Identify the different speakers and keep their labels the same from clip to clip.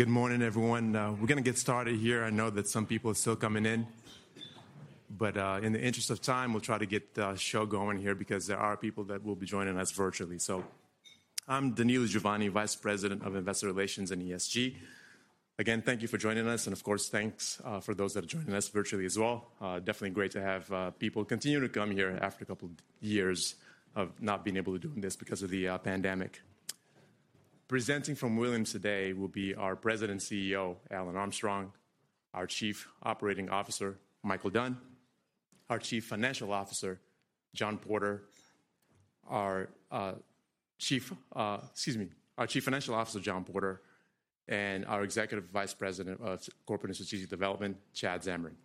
Speaker 1: Good morning, everyone. We're gonna get started here. I know that some people are still coming in, but in the interest of time, we'll try to get the show going here because there are people that will be joining us virtually. I'm Danilo Juvane, Vice President of Investor Relations and ESG. Again, thank you for joining us, and of course, thanks for those that are joining us virtually as well. Definitely great to have people continue to come here after a couple years of not being able to do this because of the pandemic. Presenting from Williams today will be our President and CEO, Alan Armstrong, our Chief Operating Officer, Micheal Dunn, our Chief Financial Officer, John Porter, and our Executive Vice President of Corporate and Strategic Development, Chad Zamarin.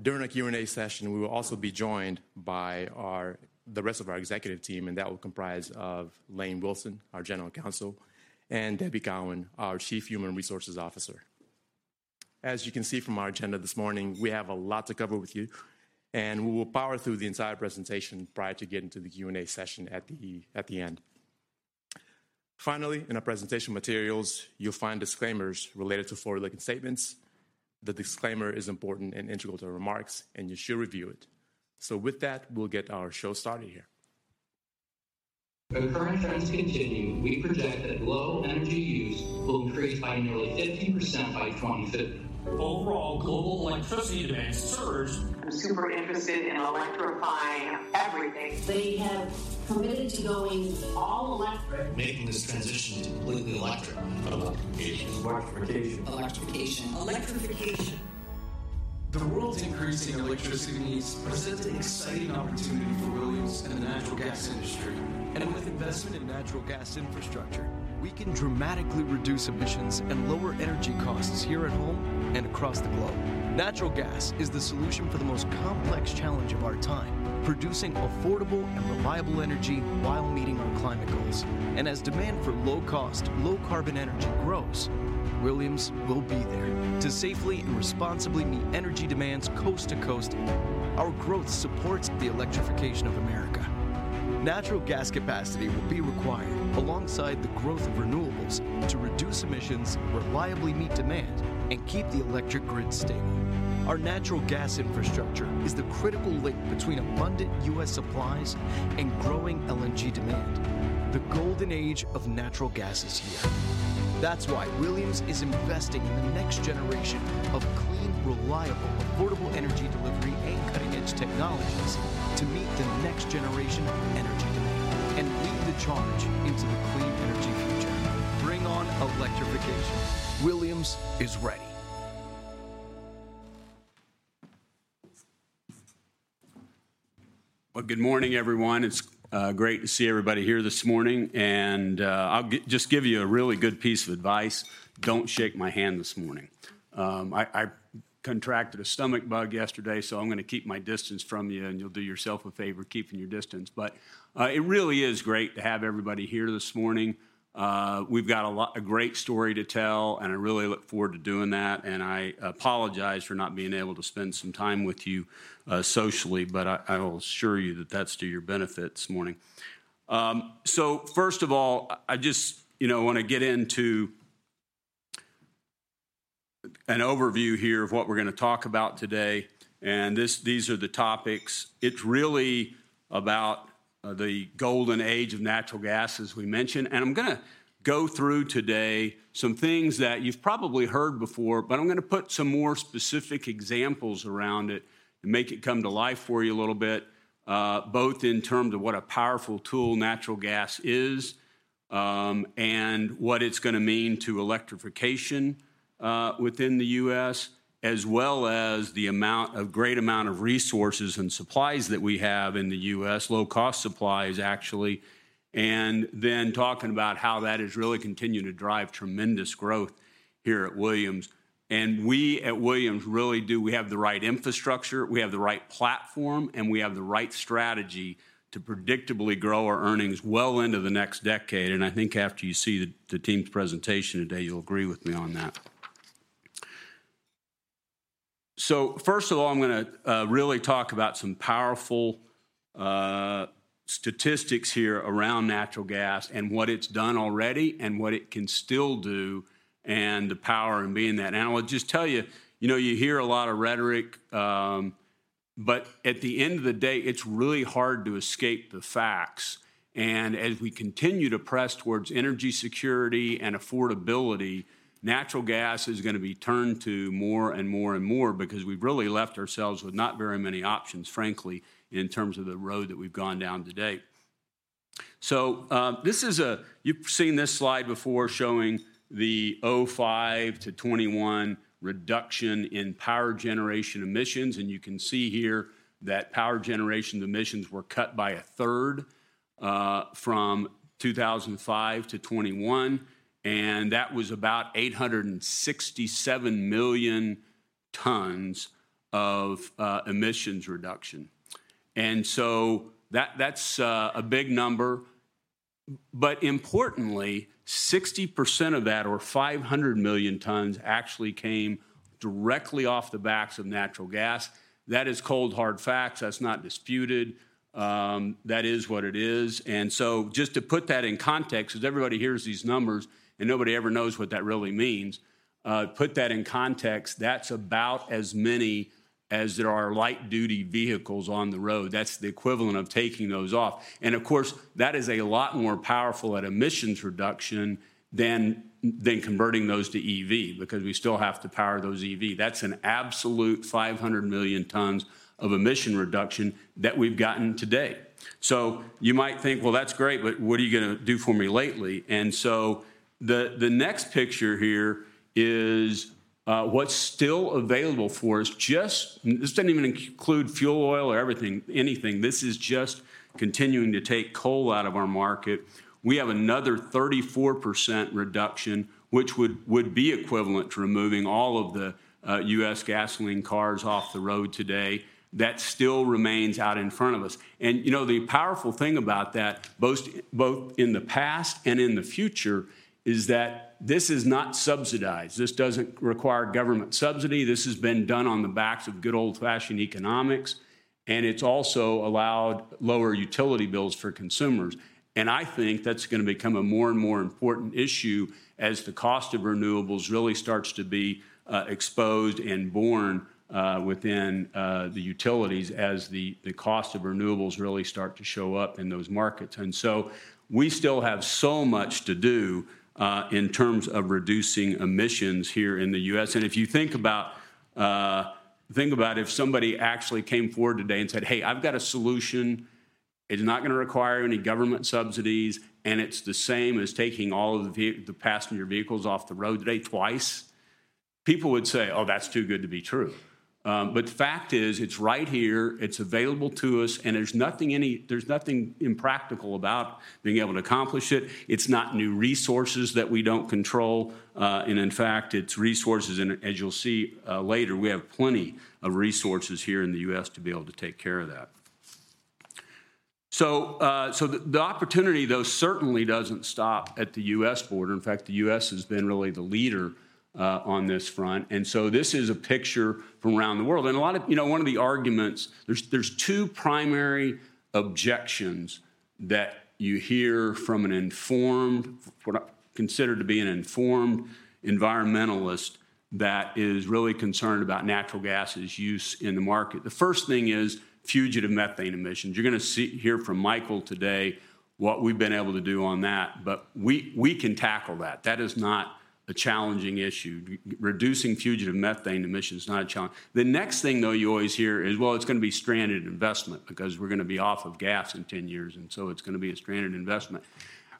Speaker 1: During our Q&A session, we will also be joined by the rest of our executive team, that will comprise of Lane Wilson, our General Counsel, and Debbie Cowan, our Chief Human Resources Officer. As you can see from our agenda this morning, we have a lot to cover with you, we will power through the entire presentation prior to getting to the Q&A session at the end. Finally, in our presentation materials, you'll find disclaimers related to forward-looking statements. The disclaimer is important and integral to our remarks, you should review it. With that, we'll get our show started here.
Speaker 2: If current trends continue, we project that low energy use will increase by nearly 50% by 2050. Overall, global electricity demand surged. I'm super interested in electrifying everything. They have committed to going all electric. Making this transition to completely electric. Electrification. Electrification. Electrification. Electrification. The world's increasing electricity needs present an exciting opportunity for Williams and the natural gas industry. With investment in natural gas infrastructure, we can dramatically reduce emissions and lower energy costs here at home and across the globe. Natural gas is the solution for the most complex challenge of our time, producing affordable and reliable energy while meeting our climate goals. As demand for low-cost, low-carbon energy grows, Williams will be there to safely and responsibly meet energy demands coast to coast. Our growth supports the electrification of America. Natural gas capacity will be required alongside the growth of renewables to reduce emissions, reliably meet demand, and keep the electric grid stable. Our natural gas infrastructure is the critical link between abundant U.S. supplies and growing LNG demand. The golden age of natural gas is here. That's why Williams is investing in the next generation of clean, reliable, affordable energy delivery and cutting-edge technologies to meet the next generation of energy demand and lead the charge into the clean energy future. Bring on electrification. Williams is ready.
Speaker 3: Good morning, everyone. It's great to see everybody here this morning, and I'll just give you a really good piece of advice. Don't shake my hand this morning. I contracted a stomach bug yesterday, so I'm gonna keep my distance from you, and you'll do yourself a favor keeping your distance. It really is great to have everybody here this morning. We've got a great story to tell, and I really look forward to doing that, and I apologize for not being able to spend some time with you socially, but I will assure you that that's to your benefit this morning. First of all, I just, you know, wanna get into an overview here of what we're gonna talk about today, and these are the topics. It's really about the golden age of natural gas, as we mentioned. I'm gonna go through today some things that you've probably heard before, but I'm gonna put some more specific examples around it and make it come to life for you a little bit, both in terms of what a powerful tool natural gas is, and what it's gonna mean to electrification, within the U.S., as well as the amount of great amount of resources and supplies that we have in the U.S., low-cost supplies, actually, and then talking about how that has really continued to drive tremendous growth here at Williams. We at Williams really We have the right infrastructure, we have the right platform, and we have the right strategy to predictably grow our earnings well into the next decade. I think after you see the team's presentation today, you'll agree with me on that. First of all, I'm gonna really talk about some powerful statistics here around natural gas and what it's done already and what it can still do and the power in being that. I'll just tell you know, you hear a lot of rhetoric, but at the end of the day, it's really hard to escape the facts. As we continue to press towards energy security and affordability, natural gas is gonna be turned to more and more and more because we've really left ourselves with not very many options, frankly, in terms of the road that we've gone down to date. This is, you've seen this slide before showing the 2005 to 2021 reduction in power generation emissions, and you can see here that power generation emissions were cut by a third from 2005 to 2021, and that was about 867 million tons of emissions reduction. That's a big number. But importantly, 60% of that or 500 million tons actually came directly off the backs of natural gas. That is cold, hard facts. That's not disputed. That is what it is. Just to put that in context, 'cause everybody hears these numbers and nobody ever knows what that really means, put that in context, that's about as many as there are light-duty vehicles on the road. That's the equivalent of taking those off. Of course, that is a lot more powerful at emissions reduction than converting those to EV because we still have to power those EV. That's an absolute 500 million tons of emissions reduction that we've gotten to date. You might think, "Well, that's great, but what are you gonna do for me lately?" The next picture here is what's still available for us. This doesn't even include fuel oil or everything, anything. This is just continuing to take coal out of our market. We have another 34% reduction, which would be equivalent to removing all of the U.S. gasoline cars off the road today. That still remains out in front of us. You know, the powerful thing about that, both in the past and in the future, is that this is not subsidized. This doesn't require government subsidy. This has been done on the backs of good old-fashioned economics. It's also allowed lower utility bills for consumers. I think that's gonna become a more and more important issue as the cost of renewables really starts to be exposed and borne within the utilities as the cost of renewables really start to show up in those markets. We still have so much to do in terms of reducing emissions here in the U.S. If you think about if somebody actually came forward today and said, "Hey, I've got a solution. It's not gonna require any government subsidies, and it's the same as taking all of the passenger vehicles off the road today twice," people would say, "Oh, that's too good to be true." Fact is, it's right here, it's available to us, and there's nothing impractical about being able to accomplish it. It's not new resources that we don't control, and in fact, it's resources, and as you'll see, later, we have plenty of resources here in the U.S. to be able to take care of that. The opportunity though certainly doesn't stop at the U.S. border. In fact, the U.S. has been really the leader on this front. This is a picture from around the world. A lot of... You know, one of the arguments, there's two primary objections that you hear from an informed, what I consider to be an informed environmentalist that is really concerned about natural gas' use in the market. The first thing is fugitive methane emissions. You're gonna hear from Micheal today what we've been able to do on that. We can tackle that. That is not a challenging issue. Reducing fugitive methane emissions is not a challenge. The next thing, though, you always hear is, well, it's gonna be stranded investment because we're gonna be off of gas in 10 years, and so it's gonna be a stranded investment.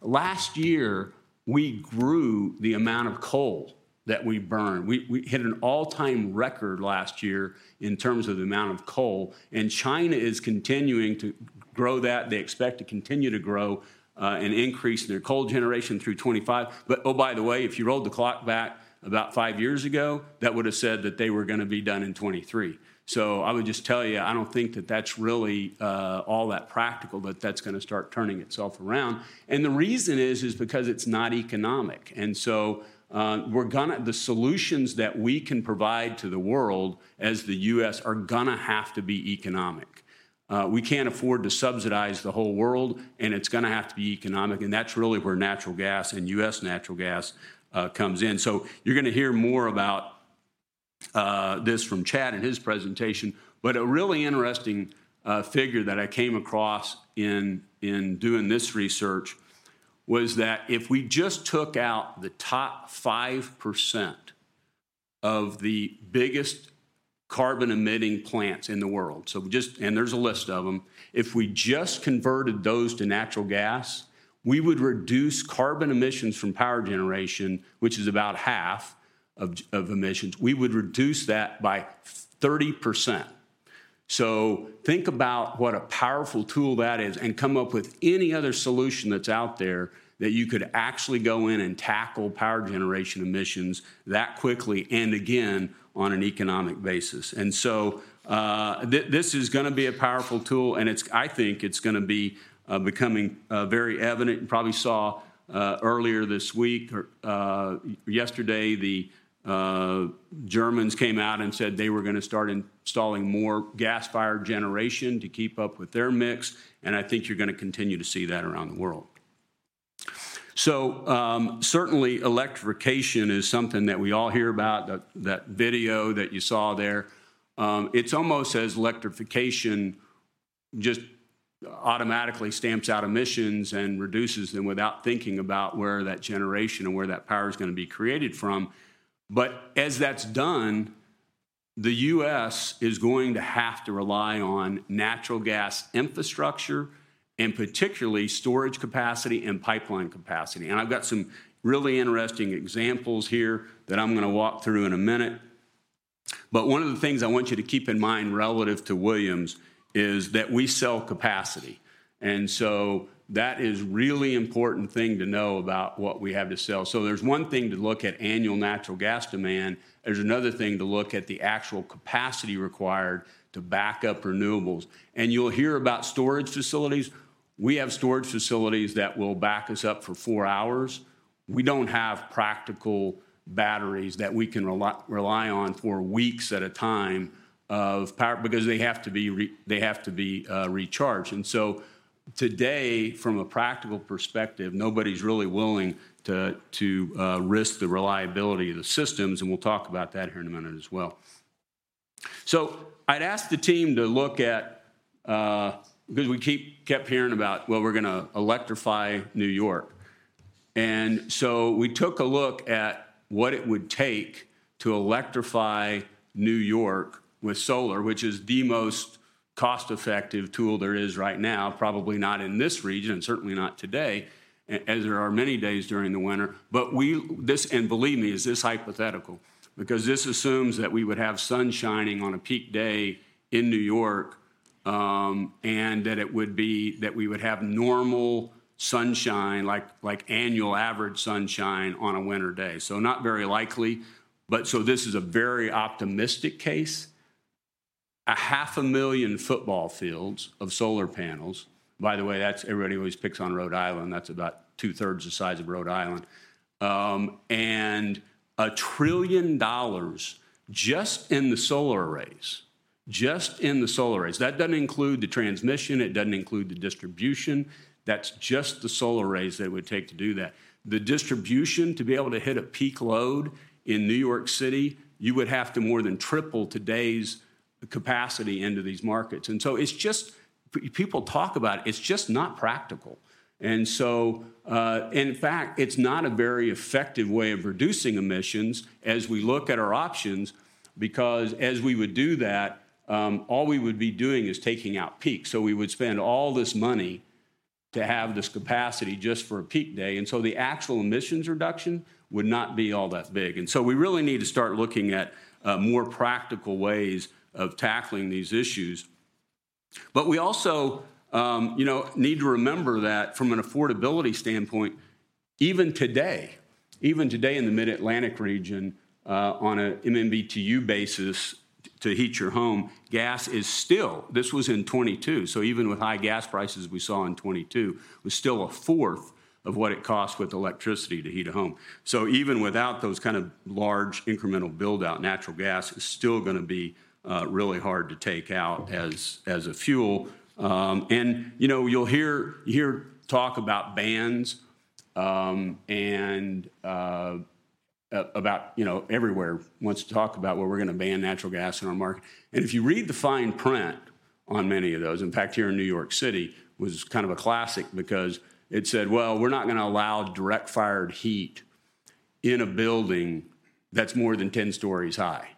Speaker 3: Last year, we grew the amount of coal that we burned. We hit an all-time record last year in terms of the amount of coal, and China is continuing to grow that. They expect to continue to grow and increase their coal generation through 25. Oh, by the way, if you rolled the clock back about five years ago, that would've said that they were gonna be done in 23. I would just tell you, I don't think that that's really all that practical, but that's gonna start turning itself around. The reason is because it's not economic. The solutions that we can provide to the world as the U.S. are gonna have to be economic. We can't afford to subsidize the whole world, and it's gonna have to be economic, and that's really where natural gas and U.S. natural gas comes in. You're gonna hear more about this from Chad in his presentation. A really interesting figure that I came across in doing this research was that if we just took out the top 5% of the biggest carbon-emitting plants in the world, just, and there's a list of them, if we just converted those to natural gas, we would reduce carbon emissions from power generation, which is about half of emissions. We would reduce that by 30%. Think about what a powerful tool that is, and come up with any other solution that's out there that you could actually go in and tackle power generation emissions that quickly and again on an economic basis. This is gonna be a powerful tool, and it's, I think, it's gonna be becoming very evident. You probably saw earlier this week or yesterday, the Germans came out and said they were going to start installing more gas-fired generation to keep up with their mix. I think you are going to continue to see that around the world. Certainly electrification is something that we all hear about, that video that you saw there. It is almost as electrification just automatically stamps out emissions and reduces them without thinking about where that generation or where that power is going to be created from. As that is done, the U.S. is going to have to rely on natural gas infrastructure and particularly storage capacity and pipeline capacity. I have got some really interesting examples here that I am going to walk through in a minute. One of the things I want you to keep in mind relative to Williams is that we sell capacity, and that is really important thing to know about what we have to sell. There's one thing to look at annual natural gas demand, there's another thing to look at the actual capacity required to back up renewables. You'll hear about storage facilities. We have storage facilities that will back us up for four hours. We don't have practical batteries that we can rely on for weeks at a time of power because they have to be recharged. Today, from a practical perspective, nobody's really willing to risk the reliability of the systems, and we'll talk about that here in a minute as well. I'd asked the team to look at because we kept hearing about, well, we're gonna electrify New York. We took a look at what it would take to electrify New York with solar, which is the most cost-effective tool there is right now, probably not in this region, certainly not today, as there are many days during the winter. This, and believe me, is this hypothetical because this assumes that we would have sun shining on a peak day in New York, and that it would be that we would have normal sunshine, like annual average sunshine on a winter day. Not very likely, but this is a very optimistic case. A 500,000 football fields of solar panels. By the way, that's everybody always picks on Rhode Island. That's about 2/3 the size of Rhode Island. $1 trillion just in the solar arrays. Just in the solar arrays. That doesn't include the transmission. It doesn't include the distribution. That's just the solar arrays that it would take to do that. The distribution to be able to hit a peak load in New York City, you would have to more than triple today's capacity into these markets. It's just people talk about it. It's just not practical. In fact, it's not a very effective way of reducing emissions as we look at our options, because as we would do that, all we would be doing is taking out peak. We would spend all this money to have this capacity just for a peak day. The actual emissions reduction would not be all that big. We really need to start looking at more practical ways of tackling these issues. We also, you know, need to remember that from an affordability standpoint, even today, even today in the Mid-Atlantic region, on a MMBtu basis to heat your home, gas is still, this was in 2022, so even with high gas prices we saw in 2022, was still a fourth of what it costs with electricity to heat a home. Even without those kind of large incremental build-out, natural gas is still gonna be really hard to take out as a fuel. You know, you'll hear talk about bans, and about, you know, everywhere wants to talk about, well, we're gonna ban natural gas in our market. If you read the fine print on many of those, in fact, here in New York City was kind of a classic because it said, "Well, we're not gonna allow direct-fired heat in a building that's more than 10 stories high."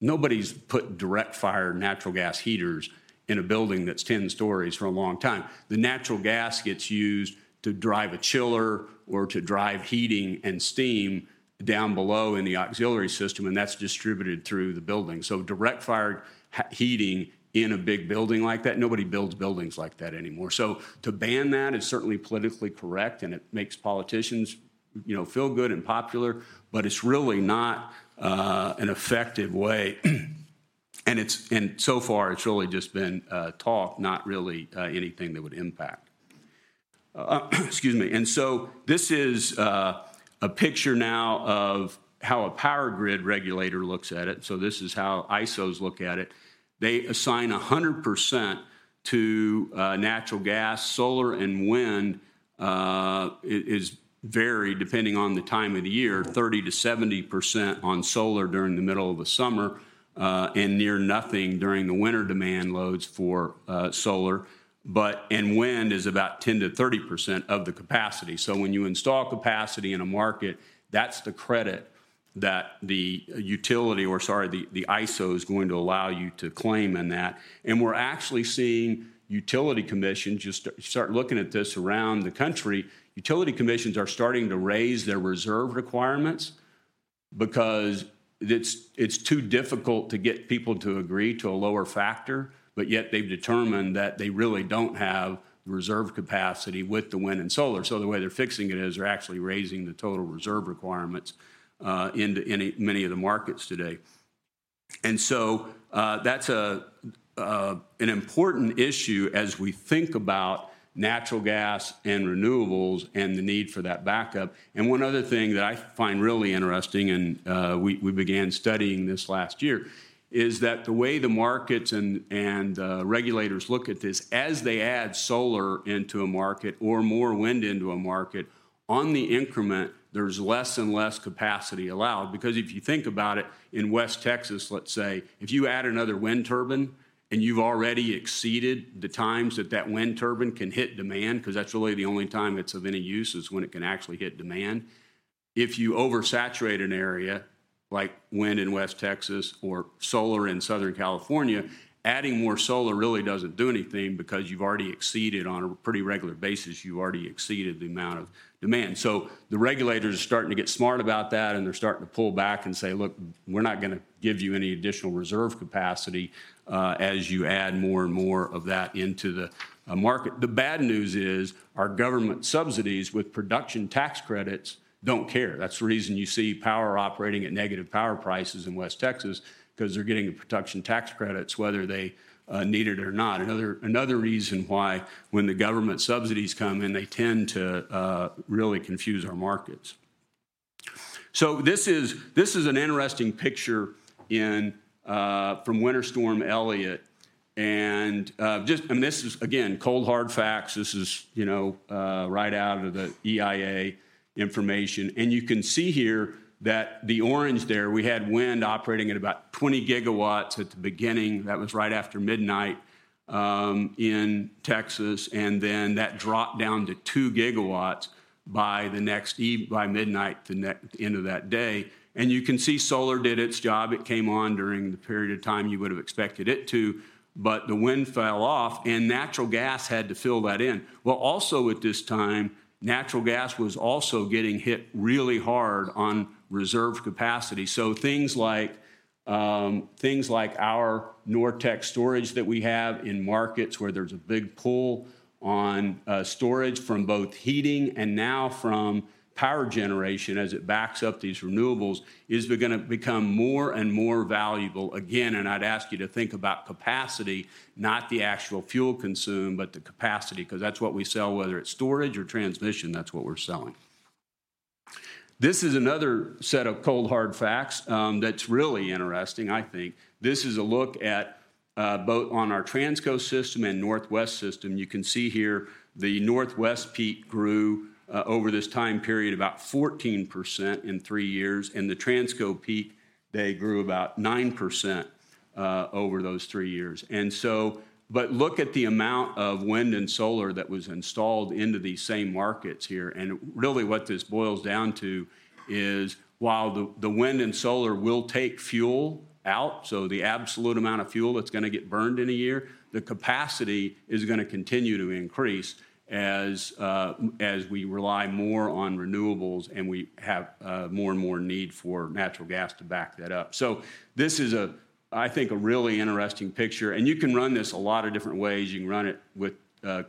Speaker 3: Nobody's put direct-fired natural gas heaters in a building that's 10 stories for a long time. The natural gas gets used to drive a chiller or to drive heating and steam down below in the auxiliary system, and that's distributed through the building. Direct-fired heating in a big building like that, nobody builds buildings like that anymore. To ban that is certainly politically correct, and it makes politicians, you know, feel good and popular, but it's really not an effective way and so far it's really just been talk, not really anything that would impact. Excuse me. This is a picture now of how a power grid regulator looks at it. This is how ISOs look at it. They assign 100% to natural gas. Solar and wind is vary depending on the time of the year, 30%-70% on solar during the middle of the summer, and near nothing during the winter demand loads for solar. And wind is about 10%-30% of the capacity. When you install capacity in a market, that's the credit that the utility or, sorry, the ISO is going to allow you to claim in that. We're actually seeing utility commissions, just start looking at this around the country, utility commissions are starting to raise their reserve requirements because it's too difficult to get people to agree to a lower factor, but yet they've determined that they really don't have reserve capacity with the wind and solar. The way they're fixing it is they're actually raising the total reserve requirements into many of the markets today. That's an important issue as we think about natural gas and renewables and the need for that backup. One other thing that I find really interesting, and we began studying this last year, is that the way the markets and regulators look at this, as they add solar into a market or more wind into a market, on the increment, there's less and less capacity allowed. Because if you think about it, in West Texas, let's say, if you add another wind turbine, and you've already exceeded the times that that wind turbine can hit demand, 'cause that's really the only time it's of any use, is when it can actually hit demand. If you oversaturate an area, like wind in West Texas or solar in Southern California, adding more solar really doesn't do anything because you've already exceeded on a pretty regular basis, you've already exceeded the amount of demand. The regulators are starting to get smart about that, and they're starting to pull back and say, "Look, we're not gonna give you any additional reserve capacity as you add more and more of that into the market." The bad news is, our government subsidies with production tax credits don't care. That's the reason you see power operating at negative power prices in West Texas, 'cause they're getting the production tax credits whether they need it or not. Another reason why when the government subsidies come in, they tend to really confuse our markets. This is an interesting picture in from Winter Storm Elliott. And this is again, cold, hard facts. This is, you know, right out of the EIA information. You can see here that the orange there, we had wind operating at about 20 GW at the beginning. That was right after midnight in Texas. That dropped down to 2 GW by the next by midnight the end of that day. You can see solar did its job. It came on during the period of time you would have expected it to, but the wind fell off and natural gas had to fill that in. Also at this time, natural gas was also getting hit really hard on reserve capacity. Things like, things like our NorTex Storage that we have in markets where there's a big pull on storage from both heating and now from power generation as it backs up these renewables, is gonna become more and more valuable. Again, I'd ask you to think about capacity, not the actual fuel consumed, but the capacity, 'cause that's what we sell, whether it's storage or transmission, that's what we're selling. This is another set of cold, hard facts, that's really interesting, I think. This is a look at both on our Transco system and Northwest system. You can see here the Northwest peak grew over this time period about 14% in three years, the Transco peak, they grew about 9% over those three years. Look at the amount of wind and solar that was installed into these same markets here. Really what this boils down to is while the wind and solar will take fuel out, so the absolute amount of fuel that's gonna get burned in a year, the capacity is gonna continue to increase as we rely more on renewables and we have more and more need for natural gas to back that up. This is a, I think, a really interesting picture, and you can run this a lot of different ways. You can run it with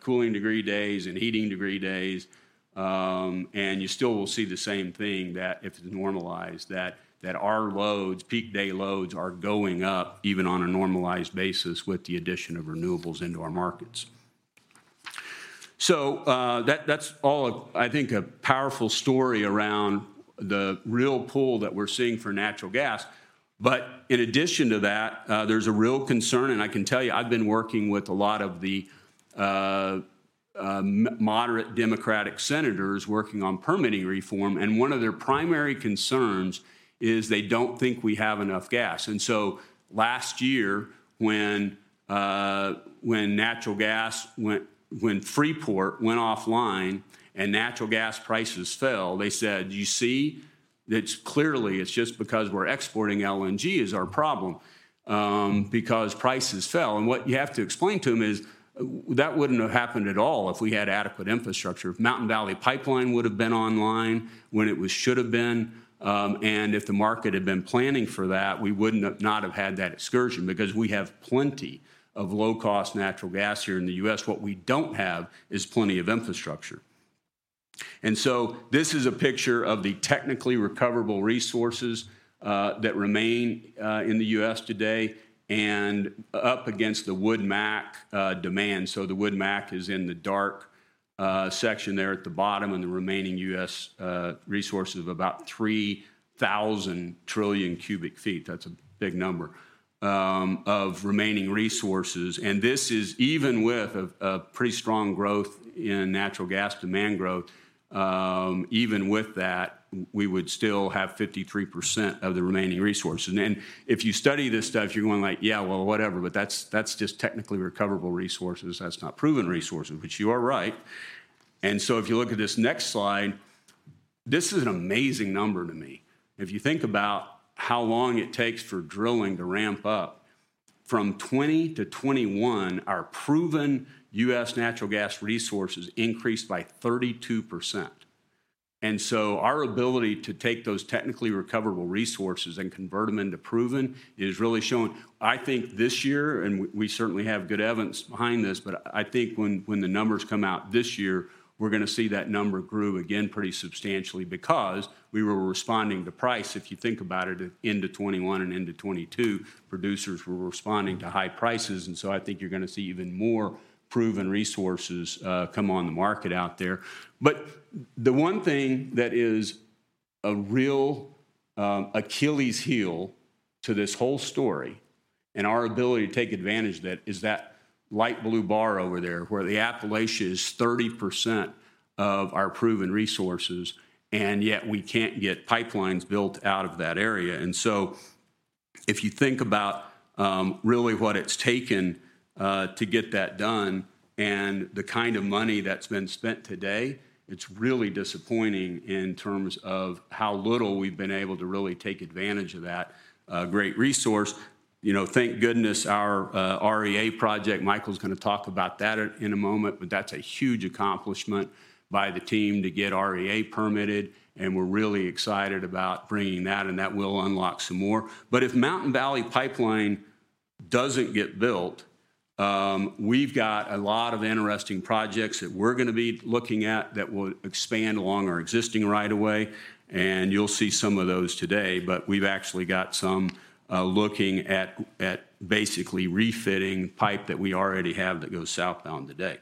Speaker 3: cooling degree days and heating degree days, and you still will see the same thing that if it's normalized, that our loads, peak day loads are going up even on a normalized basis with the addition of renewables into our markets. That's all, I think, a powerful story around the real pull that we're seeing for natural gas. In addition to that, there's a real concern, and I can tell you, I've been working with a lot of the moderate Democratic senators working on permitting reform, and one of their primary concerns is they don't think we have enough gas. Last year when Freeport went offline and natural gas prices fell, they said, "You see? It's clearly, it's just because we're exporting LNG is our problem." Because prices fell. What you have to explain to them is that wouldn't have happened at all if we had adequate infrastructure. If Mountain Valley Pipeline would've been online when it was should have been, if the market had been planning for that, we wouldn't have not have had that excursion because we have plenty of low-cost natural gas here in the U.S. What we don't have is plenty of infrastructure. This is a picture of the technically recoverable resources that remain in the U.S. today and up against the WoodMac demand. The WoodMac is in the dark section there at the bottom, the remaining U.S. resource of about 3,000 trillion cu ft, that's a big number, of remaining resources. This is even with a pretty strong growth in natural gas demand growth. Even with that, we would still have 53% of the remaining resources. If you study this stuff, you're going like, "Yeah, well, whatever, but that's just technically recoverable resources. That's not proven resources," which you are right. If you look at this next slide, this is an amazing number to me. If you think about how long it takes for drilling to ramp up, from 2020 to 2021, our proven U.S. natural gas resources increased by 32%. Our ability to take those technically recoverable resources and convert them into proven is really showing. I think this year, we certainly have good evidence behind this, but I think when the numbers come out this year, we're going to see that number grew again pretty substantially because we were responding to price. If you think about it, at end of 2021 and into 2022, producers were responding to high prices. I think you're gonna see even more proven resources come on the market out there. The one thing that is a real Achilles heel to this whole story and our ability to take advantage of that is that light blue bar over there, where the Appalachia is 30% of our proven resources, and yet we can't get pipelines built out of that area. If you think about really what it's taken to get that done and the kind of money that's been spent today, it's really disappointing in terms of how little we've been able to really take advantage of that great resource. You know, thank goodness our REA project, Micheal's going to talk about that in a moment, that's a huge accomplishment by the team to get REA permitted, and we're really excited about bringing that, and that will unlock some more. If Mountain Valley Pipeline doesn't get built, we've got a lot of interesting projects that we're going to be looking at that will expand along our existing right of way, and you'll see some of those today. We've actually got some, looking at basically refitting pipe that we already have that goes southbound today.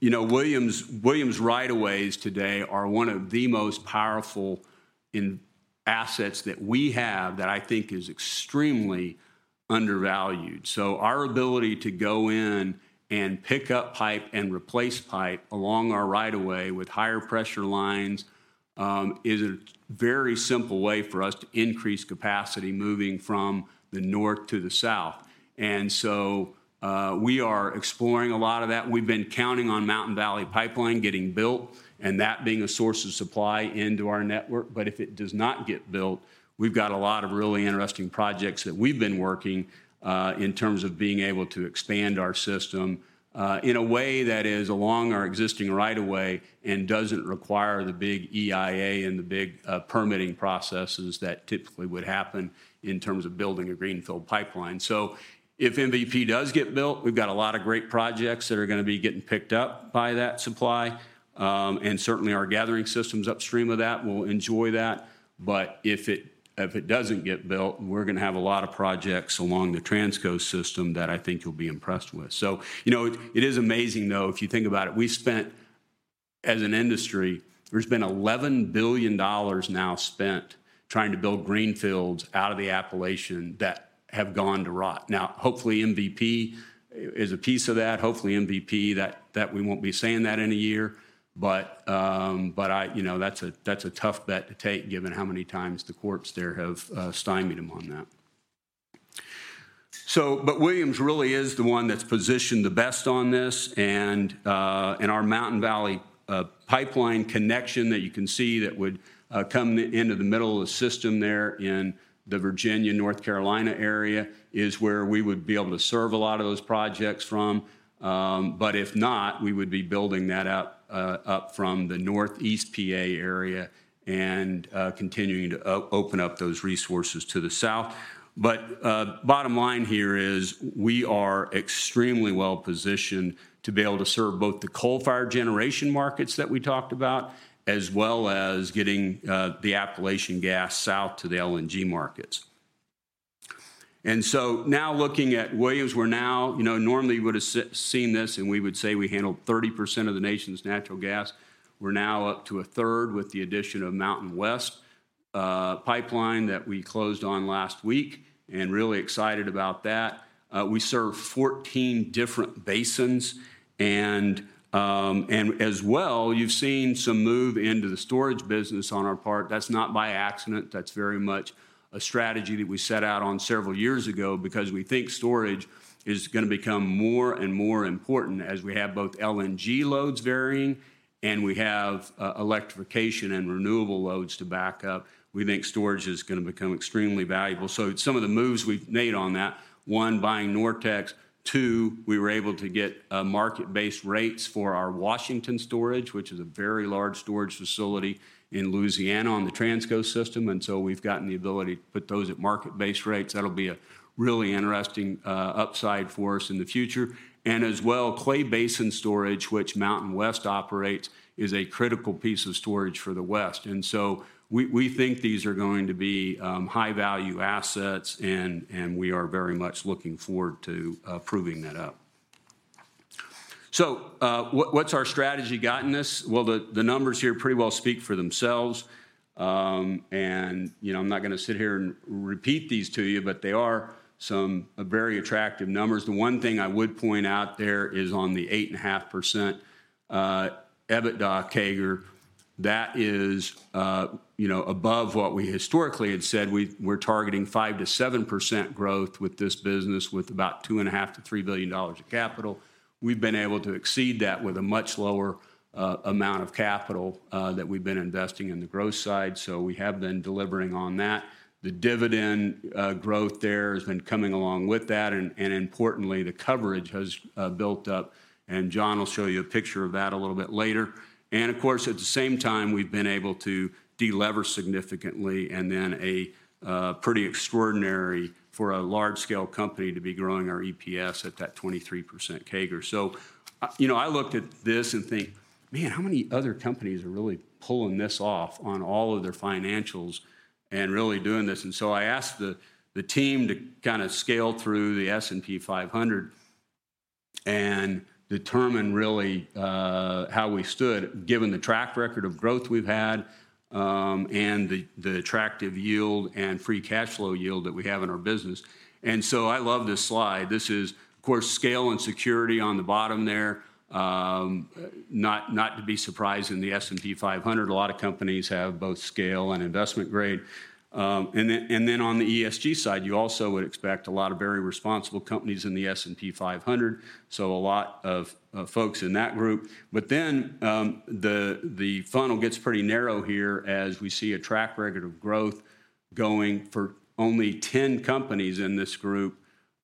Speaker 3: You know, Williams right-of-ways today are one of the most powerful in assets that we have that I think is extremely undervalued. Our ability to go in and pick up pipe and replace pipe along our right-of-way with higher pressure lines, is a very simple way for us to increase capacity moving from the north to the south. We are exploring a lot of that. We've been counting on Mountain Valley Pipeline getting built and that being a source of supply into our network. If it does not get built, we've got a lot of really interesting projects that we've been working in terms of being able to expand our system in a way that is along our existing right-of-way and doesn't require the big EIA and the big permitting processes that typically would happen in terms of building a greenfield pipeline. If MVP does get built, we've got a lot of great projects that are gonna be getting picked up by that supply. Certainly our gathering systems upstream of that will enjoy that. If it doesn't get built, we're gonna have a lot of projects along the Transco system that I think you'll be impressed with. You know, it is amazing though, if you think about it. We spent, as an industry, there's been $11 billion now spent trying to build greenfields out of the Appalachian that have gone to rot. Hopefully MVP is a piece of that. Hopefully MVP that we won't be saying that in a year. I, you know, that's a, that's a tough bet to take given how many times the courts there have stymied them on that. Williams really is the one that's positioned the best on this and our Mountain Valley Pipeline connection that you can see that would come into the middle of the system there in the Virginia-North Carolina area is where we would be able to serve a lot of those projects from. If not, we would be building that up from the Northeast PA area and continuing to open up those resources to the south. Bottom line here is we are extremely well-positioned to be able to serve both the coal-fired generation markets that we talked about, as well as getting the Appalachian gas south to the LNG markets. Now looking at Williams, we're now, you know, normally would've seen this, and we would say we handled 30% of the nation's natural gas. We're now up to a third with the addition of MountainWest Pipeline that we closed on last week. Really excited about that. We serve 14 different basins. As well, you've seen some move into the storage business on our part. That's not by accident. That's very much a strategy that we set out on several years ago because we think storage is gonna become more and more important as we have both LNG loads varying. We have electrification and renewable loads to back up. We think storage is gonna become extremely valuable. Some of the moves we've made on that, one, buying NorTex. Two, we were able to get market-based rates for our Washington Storage, which is a very large storage facility in Louisiana on the Transco system. We've gotten the ability to put those at market-based rates. That'll be a really interesting upside for us in the future. Clay Basin Storage, which MountainWest operates, is a critical piece of storage for the West. We think these are going to be high-value assets, and we are very much looking forward to proving that up. What's our strategy gotten us? Well, the numbers here pretty well speak for themselves. You know, I'm not gonna sit here and repeat these to you, but they are some very attractive numbers. The one thing I would point out there is on the 8.5% EBITDA CAGR, that is, you know, above what we historically had said. We're targeting 5%-7% growth with this business with about $2.5 billion-$3 billion of capital. We've been able to exceed that with a much lower amount of capital that we've been investing in the growth side. We have been delivering on that. The dividend growth there has been coming along with that, and importantly, the coverage has built up, and John will show you a picture of that a little bit later. Of course, at the same time, we've been able to de-lever significantly, and then a pretty extraordinary for a large-scale company to be growing our EPS at that 23% CAGR. You know, I looked at this and think, "Man, how many other companies are really pulling this off on all of their financials and really doing this?" I asked the team to kinda scale through the S&P 500 and determine really how we stood given the track record of growth we've had and the attractive yield and free cash flow yield that we have in our business. I love this slide. This is, of course, scale and security on the bottom there. Not to be surprised in the S&P 500, a lot of companies have both scale and investment grade. And then on the ESG side, you also would expect a lot of very responsible companies in the S&P 500, so a lot of folks in that group. The funnel gets pretty narrow here as we see a track record of growth going for only 10 companies in this group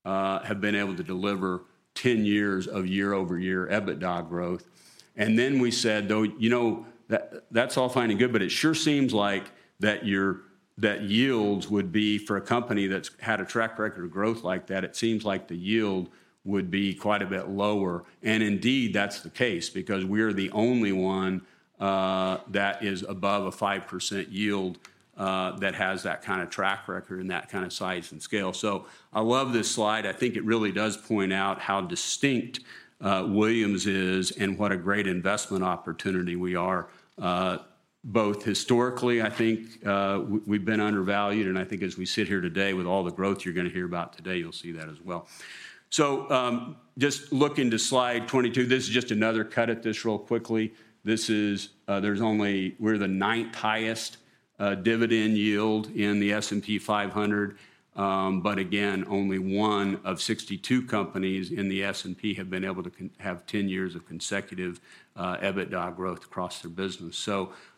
Speaker 3: have been able to deliver 10 years of YoY EBITDA growth. You know, that's all fine and good, but it sure seems like that your yields would be for a company that's had a track record of growth like that, it seems like the yield would be quite a bit lower. Indeed, that's the case because we're the only one that is above a 5% yield that has that kind of track record and that kind of size and scale. I love this slide. I think it really does point out how distinct Williams is and what a great investment opportunity we are. Both historically, I think, we've been undervalued, I think as we sit here today with all the growth you're gonna hear about today, you'll see that as well. Just looking to slide 22, this is just another cut at this real quickly. This is, we're the ninth highest dividend yield in the S&P 500. Again, only one of 62 companies in the S&P have been able to have 10 years of consecutive EBITDA growth across their business.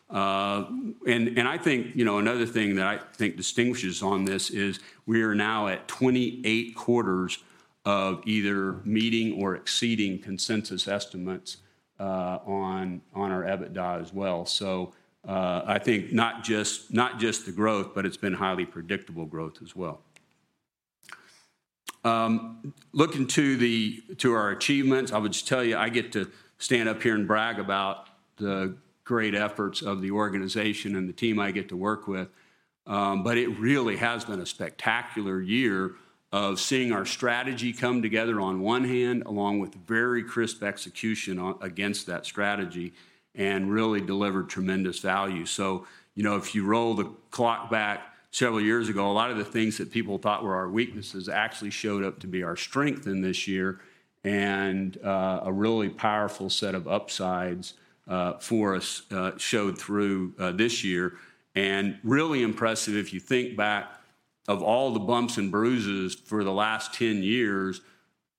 Speaker 3: I think, you know, another thing that I think distinguishes on this is we are now at 28 quarters of either meeting or exceeding consensus estimates on our EBITDA as well. I think not just the growth, but it's been highly predictable growth as well. To our achievements, I would just tell you, I get to stand up here and brag about the great efforts of the organization and the team I get to work with. It really has been a spectacular year of seeing our strategy come together on one hand, along with very crisp execution against that strategy and really delivered tremendous value. You know, if you roll the clock back several years ago, a lot of the things that people thought were our weaknesses actually showed up to be our strength in this year and a really powerful set of upsides for us showed through this year. Really impressive, if you think back, of all the bumps and bruises for the last 10 years,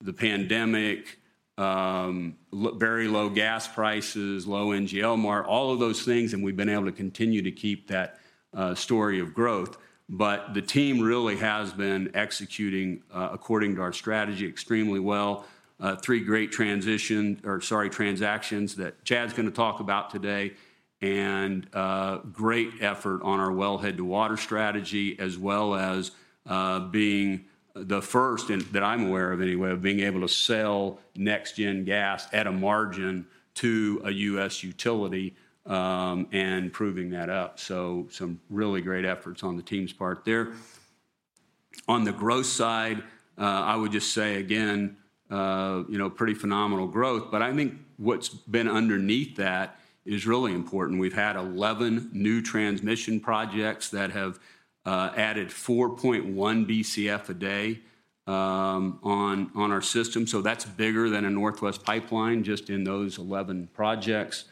Speaker 3: the pandemic, very low gas prices, low NGL, all of those things, and we've been able to continue to keep that story of growth. The team really has been executing according to our strategy extremely well. Three great transactions that Chad's gonna talk about today and great effort on our wellhead-to-water strategy as well as being the first, and that I'm aware of anyway, of being able to sell NextGen Gas at a margin to a U.S. utility and proving that up. Some really great efforts on the team's part there. On the growth side, I would just say again, you know, pretty phenomenal growth, but I think what's been underneath that is really important. We've had 11 new transmission projects that have added 4.1 BCF a day on our system. That's bigger than a Northwest Pipeline just in those 11 projects.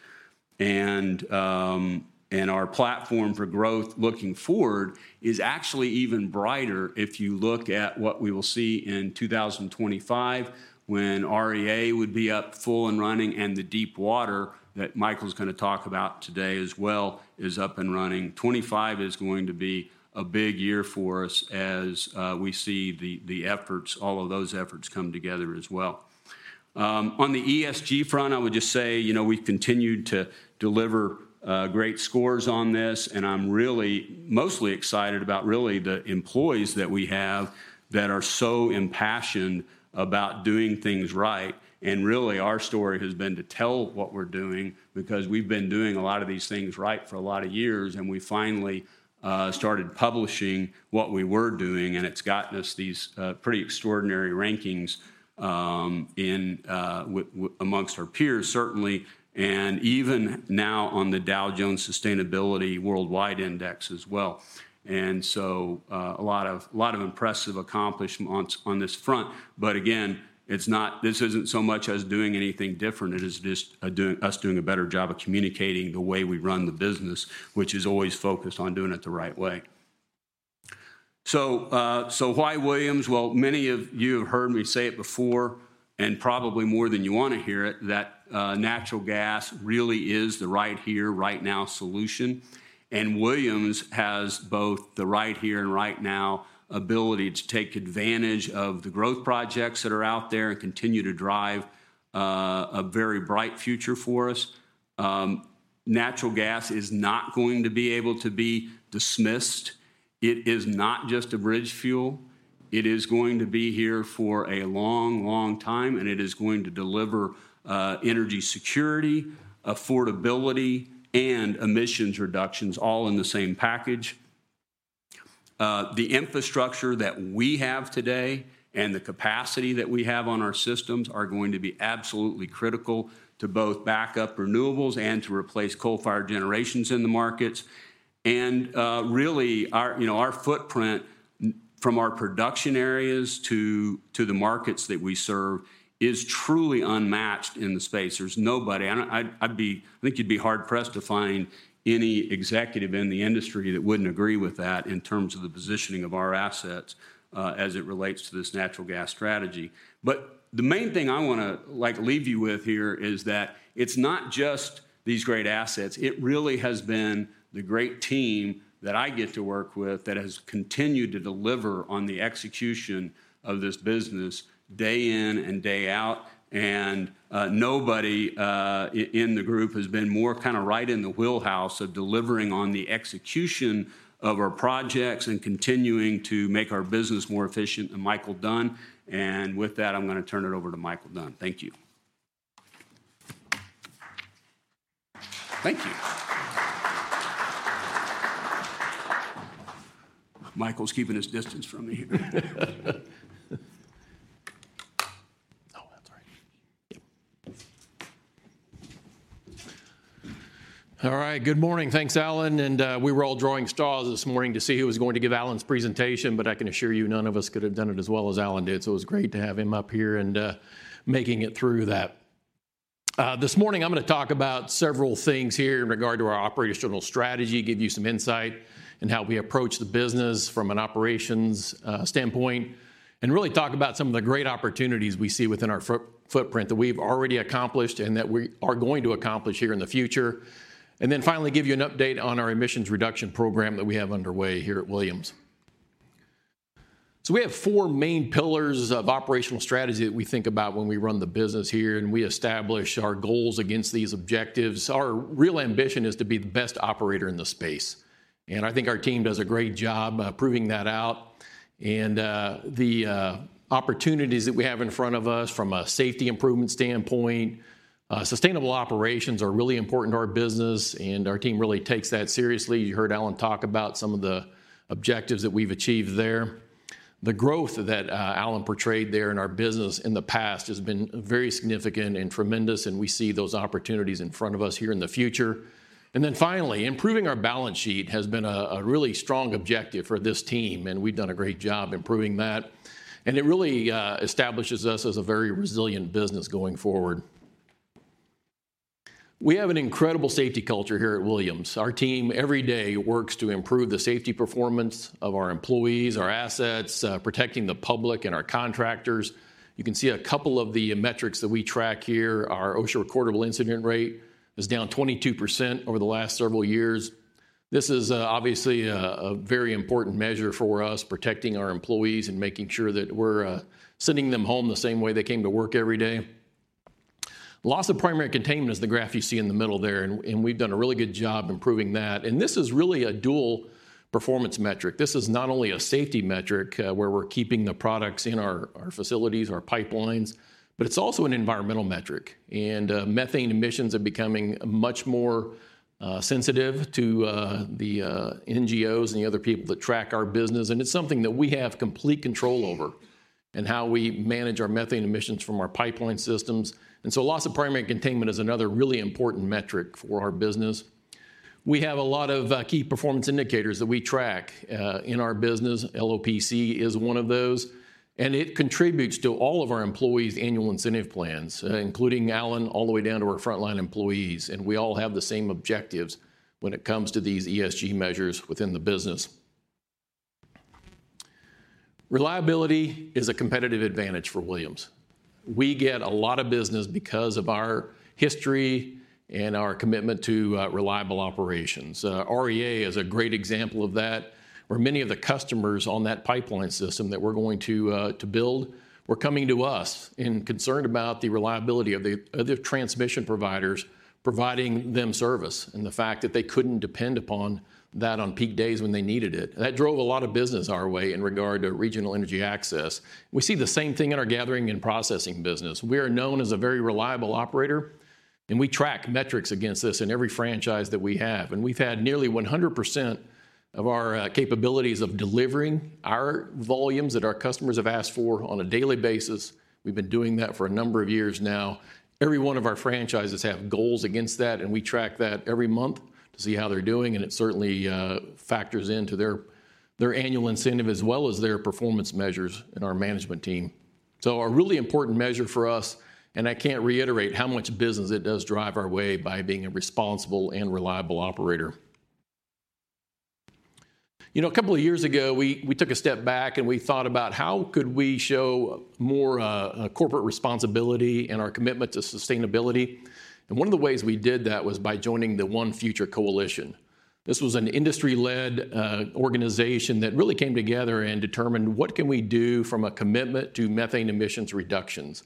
Speaker 3: Our platform for growth looking forward is actually even brighter if you look at what we will see in 2025 when REA would be up full and running and the deep water that Micheal's gonna talk about today as well is up and running. 2025 is going to be a big year for us as we see the efforts, all of those efforts come together as well. On the ESG front, I would just say, you know, we've continued to deliver great scores on this. I'm really mostly excited about really the employees that we have that are so impassioned about doing things right. Really, our story has been to tell what we're doing because we've been doing a lot of these things right for a lot of years, and we finally started publishing what we were doing, and it's gotten us these pretty extraordinary rankings amongst our peers, certainly, and even now on the Dow Jones Sustainability World Index as well. A lot of impressive accomplishments on this front. But again, this isn't so much as doing anything different. It is just us doing a better job of communicating the way we run the business, which is always focused on doing it the right way. So why Williams? Well, many of you have heard me say it before, and probably more than you wanna hear it, that natural gas really is the right here, right now solution. Williams has both the right here and right now ability to take advantage of the growth projects that are out there and continue to drive a very bright future for us. Natural gas is not going to be able to be dismissed. It is not just a bridge fuel. It is going to be here for a long, long time, and it is going to deliver energy security, affordability, and emissions reductions all in the same package. The infrastructure that we have today and the capacity that we have on our systems are going to be absolutely critical to both back up renewables and to replace coal-fired generations in the markets. Really our, you know, our footprint from our production areas to the markets that we serve is truly unmatched in the space. There's nobody. I think you'd be hard-pressed to find any executive in the industry that wouldn't agree with that in terms of the positioning of our assets as it relates to this natural gas strategy. The main thing I wanna, like, leave you with here is that it's not just these great assets, it really has been the great team that I get to work with that has continued to deliver on the execution of this business day in and day out. Nobody in the group has been more kind of right in the wheelhouse of delivering on the execution of our projects and continuing to make our business more efficient than Micheal Dunn. With that, I'm gonna turn it over to Micheal Dunn. Thank you. Thank you. Micheal's keeping his distance from me here.
Speaker 4: Oh, I'm sorry. All right. Good morning. Thanks, Alan. We were all drawing straws this morning to see who was going to give Alan's presentation, but I can assure you, none of us could have done it as well as Alan did. It was great to have him up here and making it through that. This morning, I'm gonna talk about several things here in regard to our operational strategy, give you some insight in how we approach the business from an operations standpoint, and really talk about some of the great opportunities we see within our footprint that we've already accomplished and that we are going to accomplish here in the future. Then finally, give you an update on our emissions reduction program that we have underway here at Williams. We have four main pillars of operational strategy that we think about when we run the business here, and we establish our goals against these objectives. Our real ambition is to be the best operator in the space, and I think our team does a great job proving that out. The opportunities that we have in front of us from a safety improvement standpoint, sustainable operations are really important to our business, and our team really takes that seriously. You heard Alan talk about some of the objectives that we've achieved there. The growth that Alan portrayed there in our business in the past has been very significant and tremendous, and we see those opportunities in front of us here in the future. Finally, improving our balance sheet has been a really strong objective for this team, and we've done a great job improving that. It really establishes us as a very resilient business going forward. We have an incredible safety culture here at Williams. Our team, every day, works to improve the safety performance of our employees, our assets, protecting the public and our contractors. You can see a couple of the metrics that we track here. Our OSHA recordable incident rate is down 22% over the last several years. This is obviously a very important measure for us, protecting our employees and making sure that we're sending them home the same way they came to work every day. Loss of Primary Containment is the graph you see in the middle there, and we've done a really good job improving that. This is really a dual performance metric. This is not only a safety metric, where we're keeping the products in our facilities, our pipelines, but it's also an environmental metric. Methane emissions are becoming much more sensitive to the NGOs and the other people that track our business, and it's something that we have complete control over in how we manage our methane emissions from our pipeline systems. Loss of Primary Containment is another really important metric for our business. We have a lot of key performance indicators that we track in our business. LOPC is one of those, and it contributes to all of our employees' annual incentive plans, including Alan, all the way down to our frontline employees, and we all have the same objectives when it comes to these ESG measures within the business. Reliability is a competitive advantage for Williams. We get a lot of business because of our history and our commitment to reliable operations. REA is a great example of that, where many of the customers on that pipeline system that we're going to build were coming to us and concerned about the reliability of the transmission providers providing them service and the fact that they couldn't depend upon that on peak days when they needed it. That drove a lot of business our way in regard to Regional Energy Access. We see the same thing in our gathering and processing business. We are known as a very reliable operator, and we track metrics against this in every franchise that we have. We've had nearly 100% of our capabilities of delivering our volumes that our customers have asked for on a daily basis. We've been doing that for a number of years now. Every one of our franchises have goals against that, and we track that every month to see how they're doing, and it certainly factors into their annual incentive as well as their performance measures in our management team. A really important measure for us, and I can't reiterate how much business it does drive our way by being a responsible and reliable operator. You know, a couple of years ago, we took a step back, and we thought about how could we show more corporate responsibility and our commitment to sustainability. One of the ways we did that was by joining the ONE Future Coalition. This was an industry-led organization that really came together and determined what can we do from a commitment to methane emissions reductions.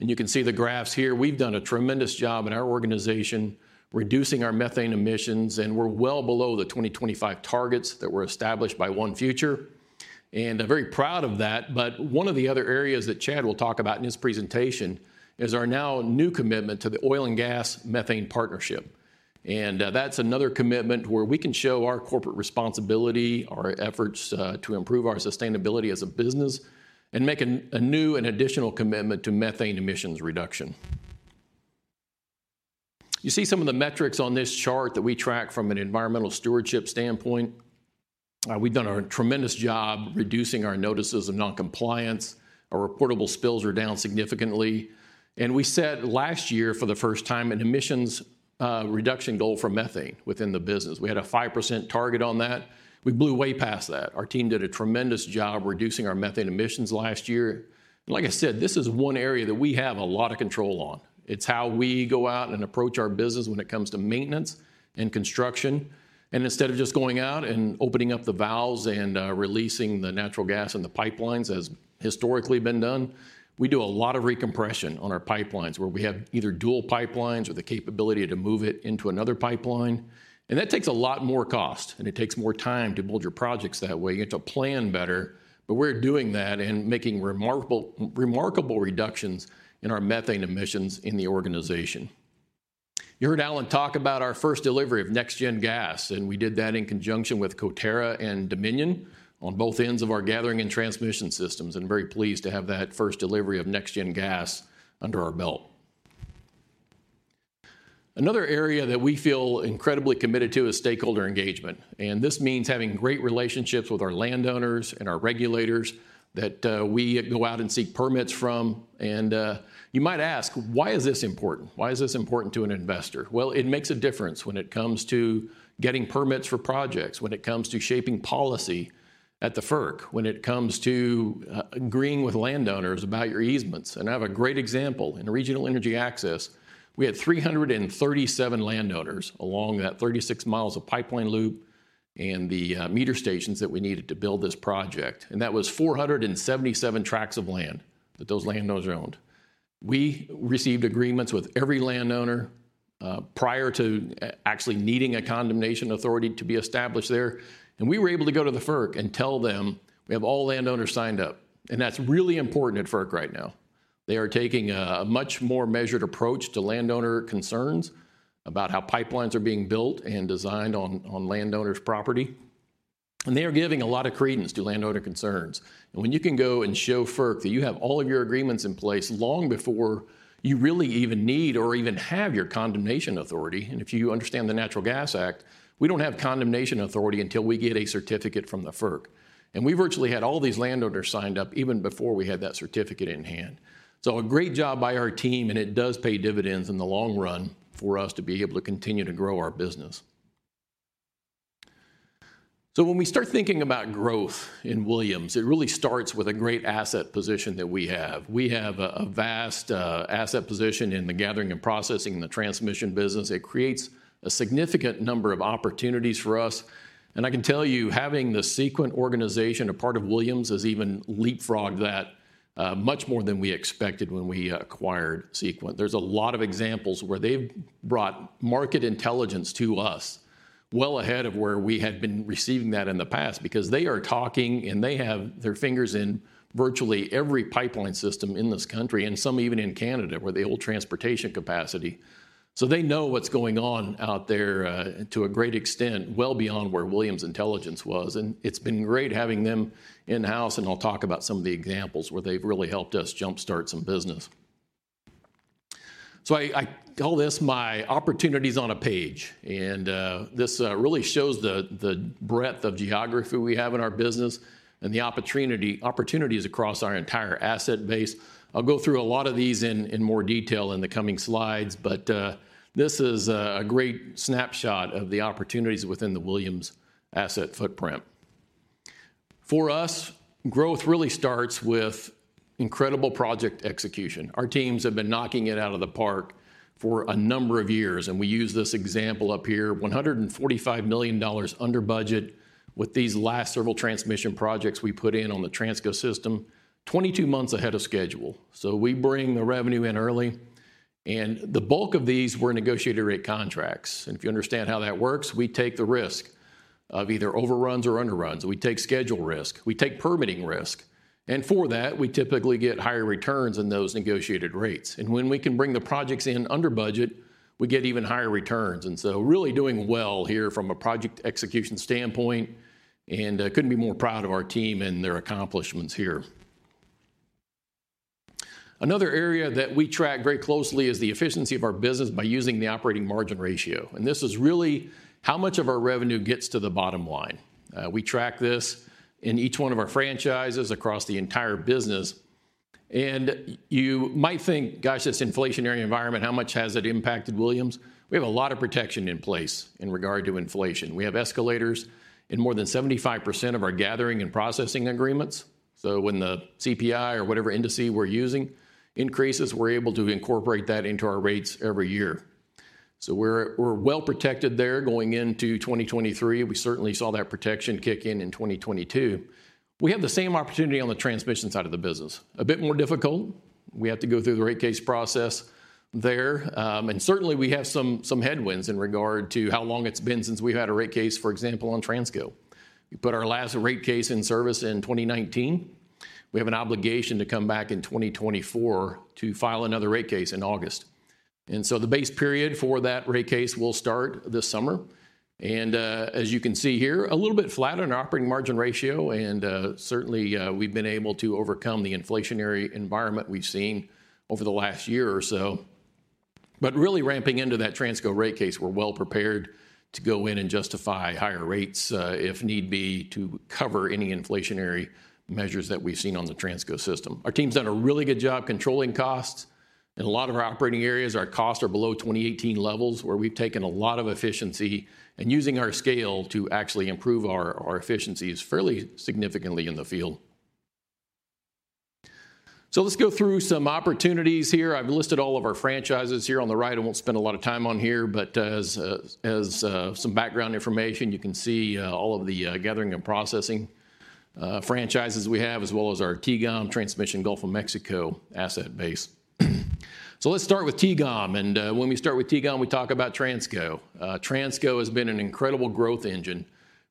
Speaker 4: You can see the graphs here. We've done a tremendous job in our organization reducing our methane emissions, and we're well below the 2025 targets that were established by ONE Future, and I'm very proud of that. One of the other areas that Chad will talk about in his presentation is our now new commitment to the Oil and Gas Methane Partnership. That's another commitment where we can show our corporate responsibility, our efforts to improve our sustainability as a business, and make a new and additional commitment to methane emissions reduction. You see some of the metrics on this chart that we track from an environmental stewardship standpoint. We've done a tremendous job reducing our notices of non-compliance. Our reportable spills are down significantly. We set last year, for the first time, an emissions reduction goal for methane within the business. We had a 5% target on that. We blew way past that. Our team did a tremendous job reducing our methane emissions last year. Like I said, this is one area that we have a lot of control on. It's how we go out and approach our business when it comes to maintenance and construction. Instead of just going out and opening up the valves and releasing the natural gas in the pipelines as historically been done, we do a lot of recompression on our pipelines, where we have either dual pipelines or the capability to move it into another pipeline. That takes a lot more cost, and it takes more time to build your projects that way. You have to plan better. We're doing that and making remarkable reductions in our methane emissions in the organization. You heard Alan talk about our first delivery of NextGen Gas, and we did that in conjunction with Coterra and Dominion on both ends of our gathering and transmission systems, and very pleased to have that first delivery of NextGen Gas under our belt. Another area that we feel incredibly committed to is stakeholder engagement, and this means having great relationships with our landowners and our regulators that we go out and seek permits from. You might ask, why is this important? Why is this important to an investor? Well, it makes a difference when it comes to getting permits for projects, when it comes to shaping policy at the FERC, when it comes to agreeing with landowners about your easements. I have a great example. In Regional Energy Access, we had 337 landowners along that 36 miles of pipeline loop and the meter stations that we needed to build this project. That was 477 tracts of land that those landowners owned. We received agreements with every landowner, prior to actually needing a condemnation authority to be established there. We were able to go to the FERC and tell them we have all landowners signed up. That's really important at FERC right now. They are taking a much more measured approach to landowner concerns about how pipelines are being built and designed on landowners' property. They are giving a lot of credence to landowner concerns. When you can go and show FERC that you have all of your agreements in place long before you really even need or even have your condemnation authority, and if you understand the Natural Gas Act, we don't have condemnation authority until we get a certificate from the FERC. We virtually had all these landowners signed up even before we had that certificate in hand. A great job by our team, and it does pay dividends in the long run for us to be able to continue to grow our business. When we start thinking about growth in Williams, it really starts with a great asset position that we have. We have a vast asset position in the gathering and processing and the transmission business. It creates a significant number of opportunities for us. I can tell you, having the Sequent organization a part of Williams has even leapfrogged that, much more than we expected when we acquired Sequent. There's a lot of examples where they've brought market intelligence to us well ahead of where we had been receiving that in the past, because they are talking, and they have their fingers in virtually every pipeline system in this country and some even in Canada, where they hold transportation capacity. They know what's going on out there, to a great extent, well beyond where Williams intelligence was, and it's been great having them in-house, and I'll talk about some of the examples where they've really helped us jumpstart some business. I call this my opportunities on a page, and this really shows the breadth of geography we have in our business and the opportunities across our entire asset base. I'll go through a lot of these in more detail in the coming slides, but this is a great snapshot of the opportunities within the Williams asset footprint. For us, growth really starts with incredible project execution. Our teams have been knocking it out of the park for a number of years, and we use this example up here. $145 million under budget with these last several transmission projects we put in on the Transco system, 22 months ahead of schedule. We bring the revenue in early. The bulk of these were negotiated rate contracts. If you understand how that works, we take the risk of either overruns or underruns. We take schedule risk. We take permitting risk. For that, we typically get higher returns in those negotiated rates. When we can bring the projects in under budget, we get even higher returns. Really doing well here from a project execution standpoint, couldn't be more proud of our team and their accomplishments here. Another area that we track very closely is the efficiency of our business by using the operating margin ratio, and this is really how much of our revenue gets to the bottom line. We track this in each one of our franchises across the entire business. You might think, gosh, this inflationary environment, how much has it impacted Williams? We have a lot of protection in place in regard to inflation. We have escalators in more than 75% of our gathering and processing agreements. When the CPI or whatever indices we're using increases, we're able to incorporate that into our rates every year. We're well protected there going into 2023. We certainly saw that protection kick in in 2022. We have the same opportunity on the transmission side of the business. A bit more difficult. We have to go through the rate case process there. Certainly, we have some headwinds in regard to how long it's been since we've had a rate case, for example, on Transco. We put our last rate case in service in 2019. We have an obligation to come back in 2024 to file another rate case in August. The base period for that rate case will start this summer. As you can see here, a little bit flat on operating margin ratio, certainly, we've been able to overcome the inflationary environment we've seen over the last year or so. Really ramping into that Transco rate case, we're well prepared to go in and justify higher rates, if need be, to cover any inflationary measures that we've seen on the Transco system. Our team's done a really good job controlling costs. In a lot of our operating areas, our costs are below 2018 levels, where we've taken a lot of efficiency and using our scale to actually improve our efficiencies fairly significantly in the field. Let's go through some opportunities here. I've listed all of our franchises here on the right. I won't spend a lot of time on here, as some background information, you can see all of the gathering and processing franchises we have, as well as our TGOM, Transmission Gulf of Mexico asset base. Let's start with TGOM, when we start with TGOM, we talk about Transco. Transco has been an incredible growth engine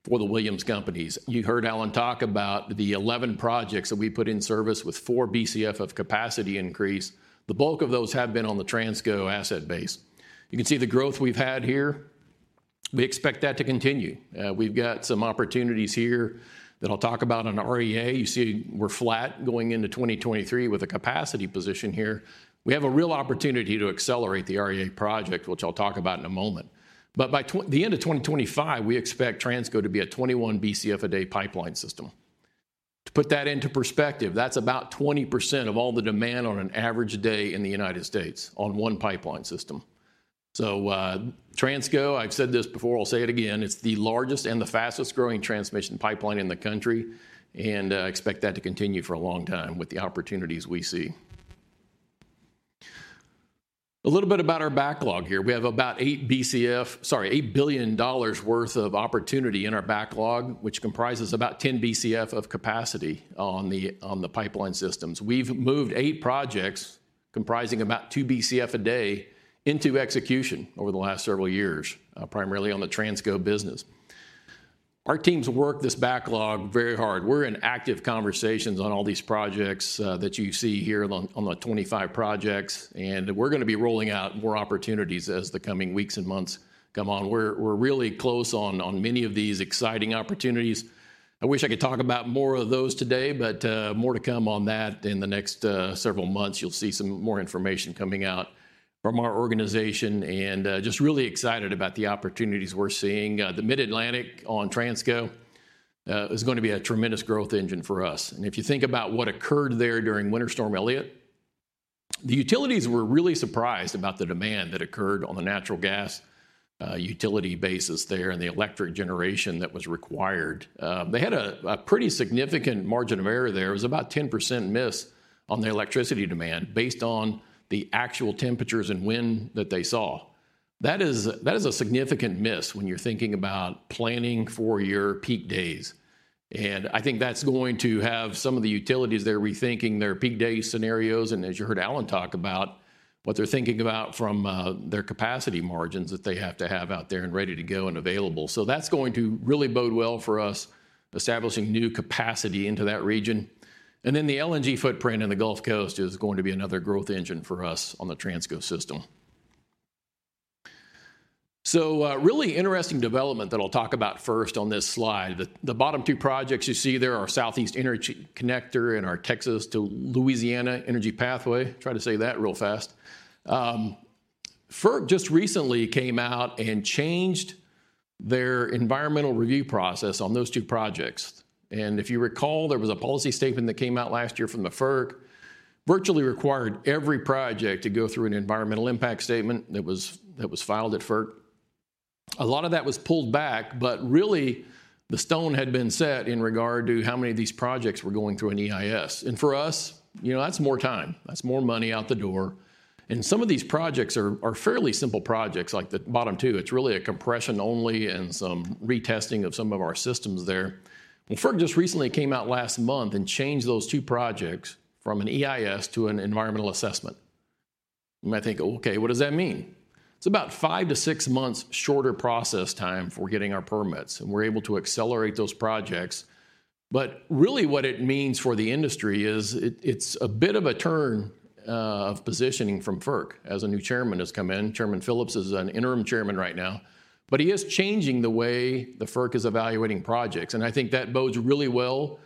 Speaker 4: for The Williams Companies. You heard Alan talk about the 11 projects that we put in service with 4 BCF of capacity increase. The bulk of those have been on the Transco asset base. You can see the growth we've had here. We expect that to continue. We've got some opportunities here that I'll talk about on REA. You see we're flat going into 2023 with a capacity position here. We have a real opportunity to accelerate the REA project, which I'll talk about in a moment. By the end of 2025, we expect Transco to be a 21 BCF a day pipeline system. To put that into perspective, that's about 20% of all the demand on an average day in the United States on one pipeline system. Transco, I've said this before, I'll say it again, it's the largest and the fastest-growing transmission pipeline in the country, expect that to continue for a long time with the opportunities we see. A little bit about our backlog here. We have about eight BCF, sorry, $8 billion worth of opportunity in our backlog, which comprises about 10 BCF of capacity on the pipeline systems. We've moved eight projects comprising about two BCF a day into execution over the last several years, primarily on the Transco business. Our teams work this backlog very hard. We're in active conversations on all these projects, that you see here on the 25 projects, and we're gonna be rolling out more opportunities as the coming weeks and months come on. We're really close on many of these exciting opportunities. I wish I could talk about more of those today, but more to come on that in the next several months. You'll see some more information coming out from our organization and, just really excited about the opportunities we're seeing. The Mid-Atlantic on Transco is gonna be a tremendous growth engine for us. If you think about what occurred there during Winter Storm Elliott, the utilities were really surprised about the demand that occurred on the natural gas utility basis there and the electric generation that was required. They had a pretty significant margin of error there. It was about 10% miss on the electricity demand based on the actual temperatures and wind that they saw. That is a significant miss when you're thinking about planning for your peak days. I think that's going to have some of the utilities, they're rethinking their peak day scenarios, and as you heard Alan talk about, what they're thinking about from their capacity margins that they have to have out there and ready to go and available. That's going to really bode well for us establishing new capacity into that region. The LNG footprint in the Gulf Coast is going to be another growth engine for us on the Transco system. Really interesting development that I'll talk about first on this slide. The bottom two projects you see there are Southeast Energy Connector and our Texas-to-Louisiana Energy Pathway. Try to say that real fast. FERC just recently came out and changed their environmental review process on those two projects. If you recall, there was a policy statement that came out last year from the FERC, virtually required every project to go through an environmental impact statement that was filed at FERC. A lot of that was pulled back, but really the stone had been set in regard to how many of these projects were going through an EIS. For us, you know, that's more time, that's more money out the door. Some of these projects are fairly simple projects like the bottom two. It's really a compression only and some retesting of some of our systems there. FERC just recently came out last month and changed those two projects from an EIS to an environmental assessment. You might think, "Okay, what does that mean?" It's about five to six months shorter process time for getting our permits, and we're able to accelerate those projects. Really what it means for the industry is it's a bit of a turn of positioning from FERC as a new chairman has come in. Chairman Phillips is an interim chairman right now. He is changing the way the FERC is evaluating projects, and I think that bodes really well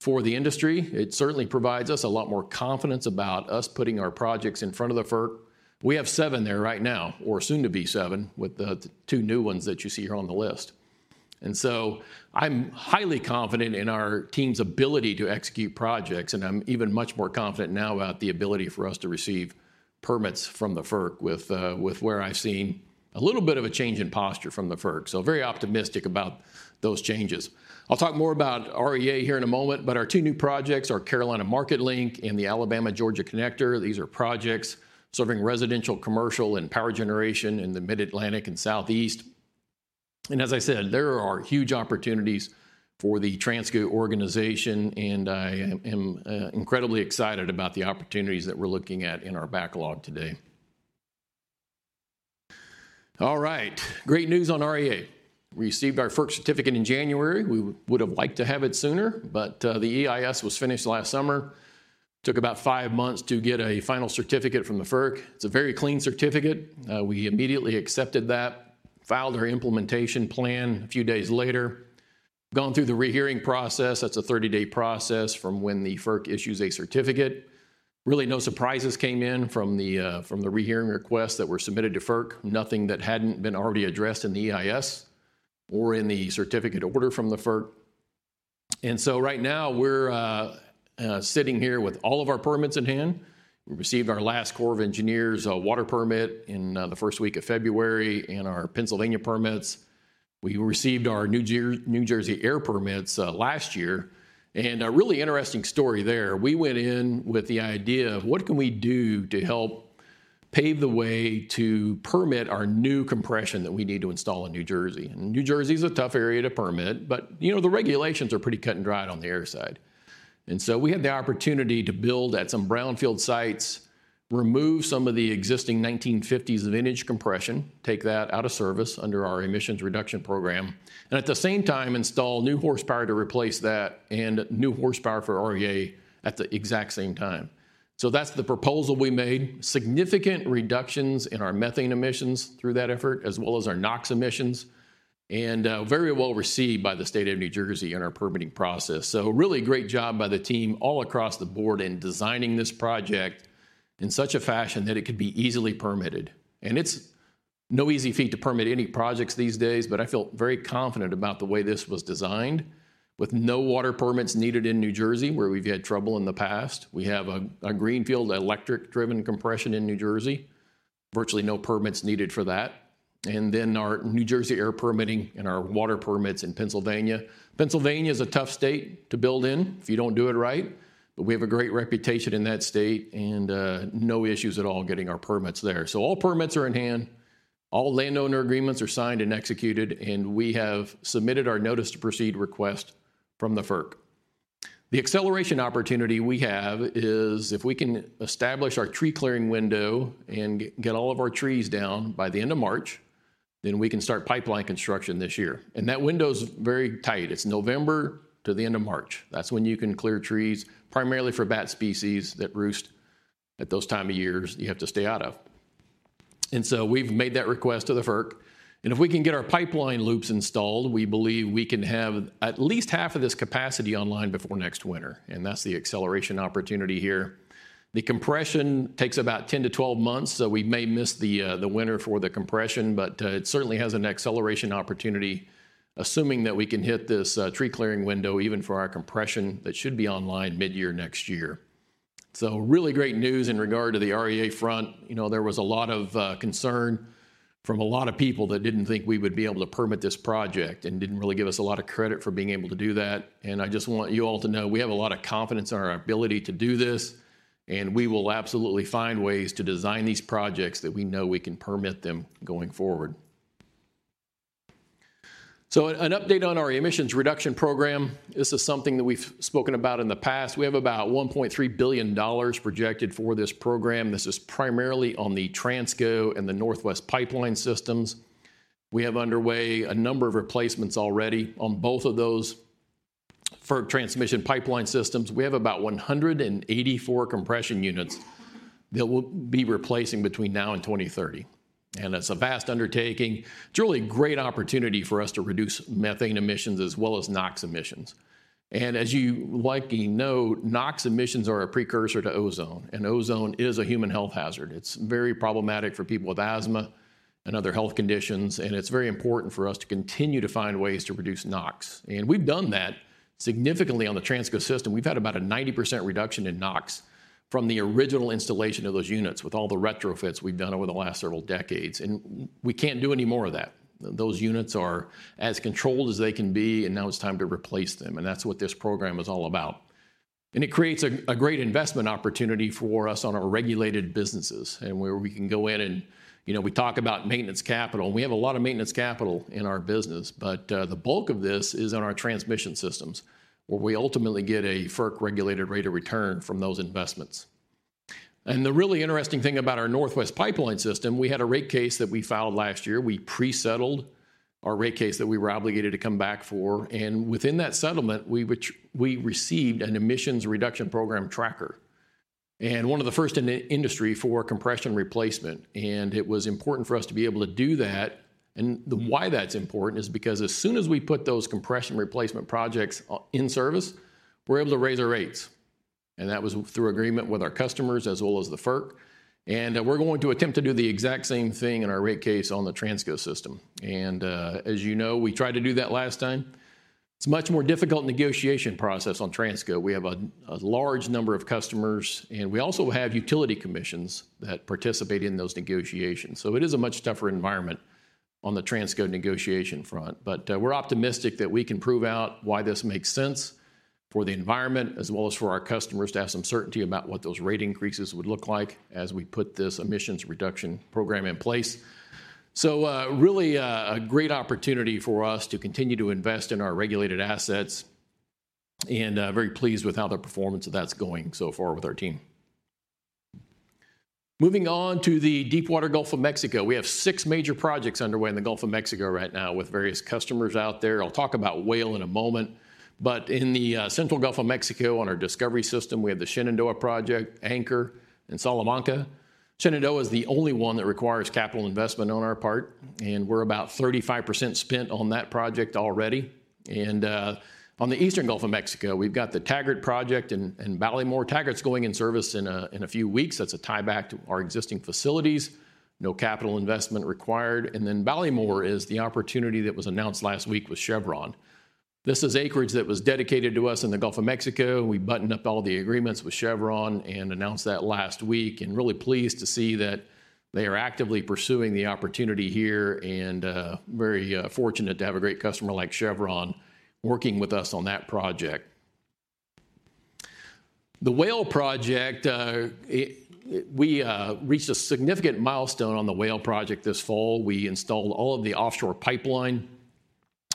Speaker 4: for the industry. It certainly provides us a lot more confidence about us putting our projects in front of the FERC. We have seven there right now, or soon to be seven, with the two new ones that you see here on the list. I'm highly confident in our team's ability to execute projects, and I'm even much more confident now about the ability for us to receive permits from the FERC with where I've seen a little bit of a change in posture from the FERC. Very optimistic about those changes. I'll talk more about REA here in a moment, but our two new projects are Carolina Market Link and the Alabama-Georgia Connector. These are projects serving residential, commercial, and power generation in the Mid-Atlantic and Southeast. As I said, there are huge opportunities for the Transco organization, and I am incredibly excited about the opportunities that we're looking at in our backlog today. All right. Great news on REA. We received our FERC certificate in January. We would have liked to have it sooner, the EIS was finished last summer. Took about five months to get a final certificate from the FERC. It's a very clean certificate. We immediately accepted that, filed our implementation plan a few days later. Gone through the rehearing process. That's a 30-day process from when the FERC issues a certificate. Really no surprises came in from the rehearing requests that were submitted to FERC. Nothing that hadn't been already addressed in the EIS or in the certificate order from the FERC. Right now we're sitting here with all of our permits in hand. We received our last Corps of Engineers water permit in the first week of February and our Pennsylvania permits. We received our New Jersey air permits last year. A really interesting story there. We went in with the idea of what can we do to help pave the way to permit our new compression that we need to install in New Jersey. New Jersey is a tough area to permit, but, you know, the regulations are pretty cut and dried on the air side. We had the opportunity to build at some brownfield sites, remove some of the existing 1950s vintage compression, take that out of service under our emissions reduction program, and at the same time install new horsepower to replace that and new horsepower for REA at the exact same time. That's the proposal we made. Significant reductions in our methane emissions through that effort, as well as our NOx emissions. Very well received by the state of New Jersey in our permitting process. Really great job by the team all across the board in designing this project in such a fashion that it could be easily permitted. It's no easy feat to permit any projects these days, but I feel very confident about the way this was designed, with no water permits needed in New Jersey, where we've had trouble in the past. We have a greenfield electric-driven compression in New Jersey. Virtually no permits needed for that. Our New Jersey air permitting and our water permits in Pennsylvania. Pennsylvania is a tough state to build in if you don't do it right, but we have a great reputation in that state and no issues at all getting our permits there. All permits are in hand, all landowner agreements are signed and executed, and we have submitted our notice to proceed request from the FERC. The acceleration opportunity we have is if we can establish our tree clearing window and get all of our trees down by the end of March, then we can start pipeline construction this year. That window's very tight. It's November to the end of March. That's when you can clear trees, primarily for bat species that roost at those time of years you have to stay out of. So we've made that request to the FERC. If we can get our pipeline loops installed, we believe we can have at least half of this capacity online before next winter, and that's the acceleration opportunity here. The compression takes about 10-12 months, so we may miss the winter for the compression, but it certainly has an acceleration opportunity, assuming that we can hit this tree clearing window even for our compression that should be online mid-year next year. Really great news in regard to the REA front. You know, there was a lot of concern from a lot of people that didn't think we would be able to permit this project and didn't really give us a lot of credit for being able to do that. I just want you all to know we have a lot of confidence in our ability to do this, and we will absolutely find ways to design these projects that we know we can permit them going forward. An update on our emissions reduction program. This is something that we've spoken about in the past. We have about $1.3 billion projected for this program. This is primarily on the Transco and the Northwest Pipeline systems. We have underway a number of replacements already on both of those FERC transmission pipeline systems. We have about 184 compression units that we'll be replacing between now and 2030, that's a vast undertaking. It's really a great opportunity for us to reduce methane emissions as well as NOx emissions. As you likely know, NOx emissions are a precursor to ozone is a human health hazard. It's very problematic for people with asthma and other health conditions, and it's very important for us to continue to find ways to reduce NOx. We've done that significantly on the Transco system. We've had about a 90% reduction in NOx from the original installation of those units with all the retrofits we've done over the last several decades, we can't do any more of that. Those units are as controlled as they can be, now it's time to replace them, that's what this program is all about. It creates a great investment opportunity for us on our regulated businesses and where we can go in and, you know, we talk about maintenance capital, and we have a lot of maintenance capital in our business, but the bulk of this is on our transmission systems, where we ultimately get a FERC-regulated rate of return from those investments. The really interesting thing about our Northwest Pipeline system, we had a rate case that we filed last year. We pre-settled our rate case that we were obligated to come back for, and within that settlement, we received an emissions reduction program tracker, and one of the first in the industry for compression replacement. It was important for us to be able to do that, and the why that's important is because as soon as we put those compression replacement projects in service, we're able to raise our rates. That was through agreement with our customers as well as the FERC. We're going to attempt to do the exact same thing in our rate case on the Transco system. As you know, we tried to do that last time. It's a much more difficult negotiation process on Transco. We have a large number of customers, and we also have utility commissions that participate in those negotiations. It is a much tougher environment on the Transco negotiation front. We're optimistic that we can prove out why this makes sense for the environment as well as for our customers to have some certainty about what those rate increases would look like as we put this emissions reduction program in place. Really, a great opportunity for us to continue to invest in our regulated assets and very pleased with how the performance of that's going so far with our team. Moving on to the deepwater Gulf of Mexico. We have six major projects underway in the Gulf of Mexico right now with various customers out there. I'll talk about Whale in a moment. In the central Gulf of Mexico on our Discovery system, we have the Shenandoah project, Anchor, and Salamanca. Shenandoah is the only one that requires capital investment on our part. We're about 35% spent on that project already. On the eastern Gulf of Mexico, we've got the Taggart project and Ballymore. Taggart's going in service in a few weeks. That's a tieback to our existing facilities. No capital investment required. Ballymore is the opportunity that was announced last week with Chevron. This is acreage that was dedicated to us in the Gulf of Mexico. We buttoned up all the agreements with Chevron and announced that last week. Really pleased to see that they are actively pursuing the opportunity here and very fortunate to have a great customer like Chevron working with us on that project. The Whale project, we reached a significant milestone on the Whale project this fall. We installed all of the offshore pipeline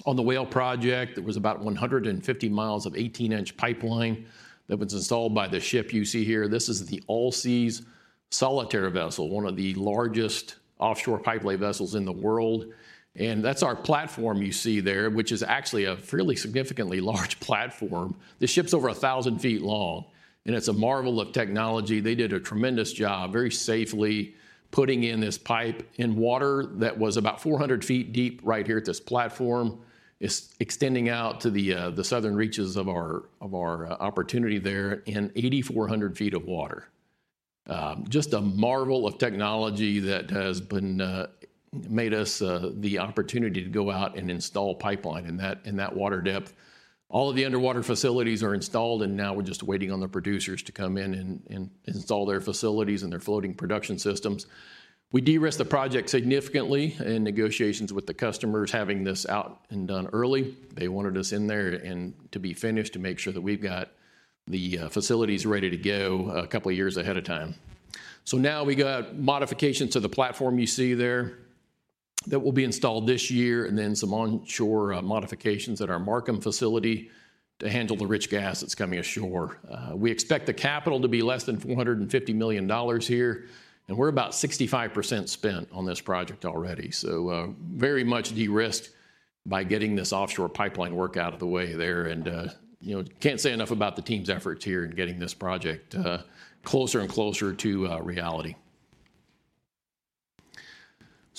Speaker 4: on the Whale project. It was about 150 miles of 18-inch pipeline that was installed by the ship you see here. This is the Allseas Solitaire vessel, one of the largest offshore pipelay vessels in the world. That's our platform you see there, which is actually a fairly significantly large platform. The ship's over 1,000 feet long, and it's a marvel of technology. They did a tremendous job, very safely putting in this pipe in water that was about 400 feet deep right here at this platform. It's extending out to the southern reaches of our, of our opportunity there in 8,400 feet of water. Just a marvel of technology that has been made us the opportunity to go out and install pipeline in that, in that water depth. All of the underwater facilities are installed, and now we're just waiting on the producers to come in and install their facilities and their floating production systems. We de-risked the project significantly in negotiations with the customers having this out and done early. They wanted us in there and to be finished to make sure that we've got the facilities ready to go a couple of years ahead of time. Now we got modifications to the platform you see there that will be installed this year, and then some onshore modifications at our Markham facility to handle the rich gas that's coming ashore. We expect the capital to be less than $450 million here, and we're about 65% spent on this project already. Very much de-risked by getting this offshore pipeline work out of the way there. You know, can't say enough about the team's efforts here in getting this project closer and closer to reality.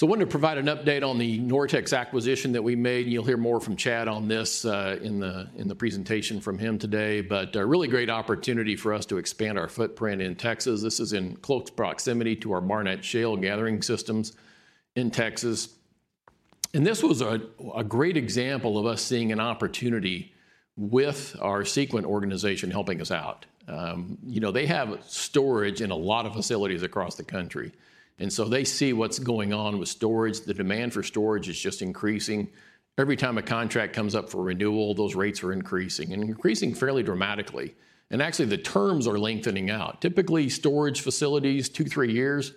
Speaker 4: I wanted to provide an update on the NorTex acquisition that we made. You'll hear more from Chad on this in the presentation from him today. A really great opportunity for us to expand our footprint in Texas. This is in close proximity to our Barnett Shale gathering systems in Texas. This was a great example of us seeing an opportunity with our Sequent organization helping us out. You know, they have storage in a lot of facilities across the country, and so they see what's going on with storage. The demand for storage is just increasing. Every time a contract comes up for renewal, those rates are increasing, and increasing fairly dramatically. Actually, the terms are lengthening out. Typically, storage facilities, two, three years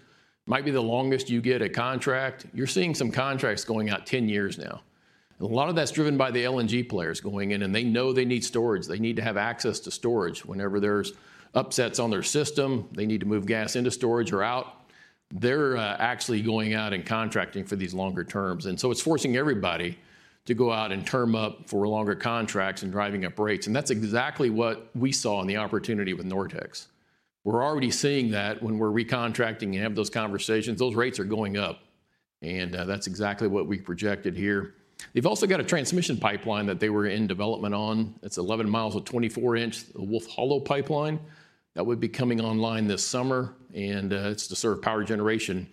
Speaker 4: might be the longest you get a contract. You're seeing some contracts going out 10 years now. A lot of that's driven by the LNG players going in, and they know they need storage. They need to have access to storage. Whenever there's upsets on their system, they need to move gas into storage or out. They're actually going out and contracting for these longer terms. It's forcing everybody to go out and term up for longer contracts and driving up rates. That's exactly what we saw in the opportunity with Nortex. We're already seeing that when we're recontracting and have those conversations. Those rates are going up, and that's exactly what we projected here. They've also got a transmission pipeline that they were in development on. It's 11 miles of 24-inch Wolf Hollow pipeline that would be coming online this summer. It's to serve power generation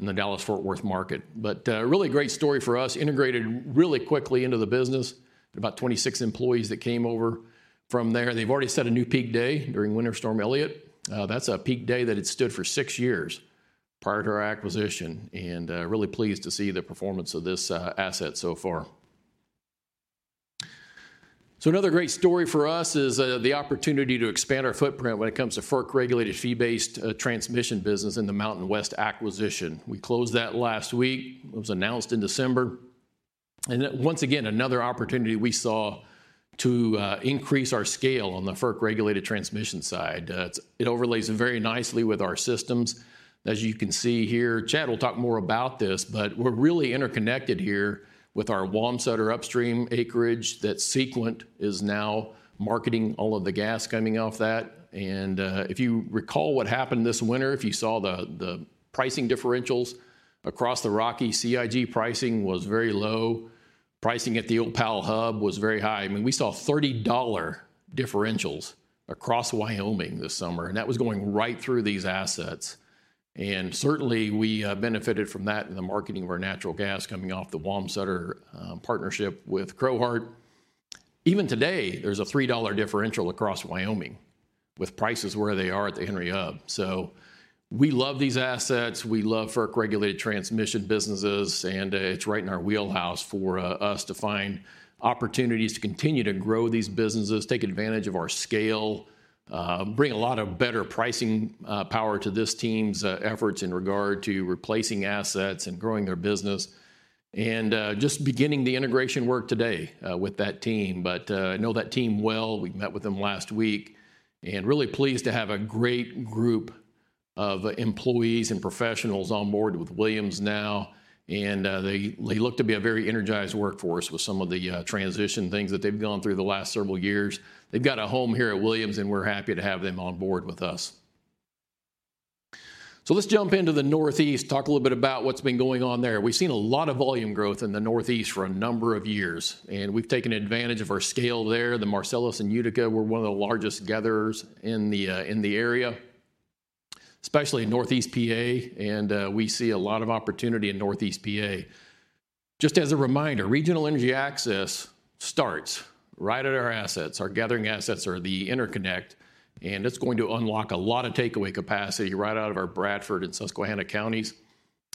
Speaker 4: in the Dallas-Fort Worth market. Really great story for us, integrated really quickly into the business. About 26 employees that came over from there. They've already set a new peak day during Winter Storm Elliott. That's a peak day that had stood for six years prior to our acquisition. Really pleased to see the performance of this asset so far. Another great story for us is the opportunity to expand our footprint when it comes to FERC-regulated, fee-based transmission business in the MountainWest acquisition. We closed that last week. It was announced in December. Once again, another opportunity we saw to increase our scale on the FERC-regulated transmission side. It overlays very nicely with our systems. As you can see here, Chad will talk more about this, but we're really interconnected here with our Wamsutter upstream acreage that Sequent is now marketing all of the gas coming off that. If you recall what happened this winter, if you saw the pricing differentials across the Rocky CIG pricing was very low. Pricing at the Opal hub was very high. I mean, we saw $30 differentials across Wyoming this summer, and that was going right through these assets. Certainly, we benefited from that in the marketing of our natural gas coming off the Wamsutter partnership with Crowheart. Even today, there's a $3 differential across Wyoming with prices where they are at the Henry Hub. We love these assets. We love FERC-regulated transmission businesses, it's right in our wheelhouse for us to find opportunities to continue to grow these businesses, take advantage of our scale, bring a lot of better pricing power to this team's efforts in regard to replacing assets and growing their business. Just beginning the integration work today with that team. I know that team well. We met with them last week, and really pleased to have a great group of employees and professionals on board with Williams now. They look to be a very energized workforce with some of the transition things that they've gone through the last several years. They've got a home here at Williams, and we're happy to have them on board with us. Let's jump into the Northeast, talk a little bit about what's been going on there. We've seen a lot of volume growth in the Northeast for a number of years, and we've taken advantage of our scale there. The Marcellus and Utica were one of the largest gatherers in the area, especially Northeast PA, and we see a lot of opportunity in Northeast PA. Just as a reminder, Regional Energy Access starts right at our assets. Our gathering assets are the interconnect, and it's going to unlock a lot of takeaway capacity right out of our Bradford and Susquehanna counties.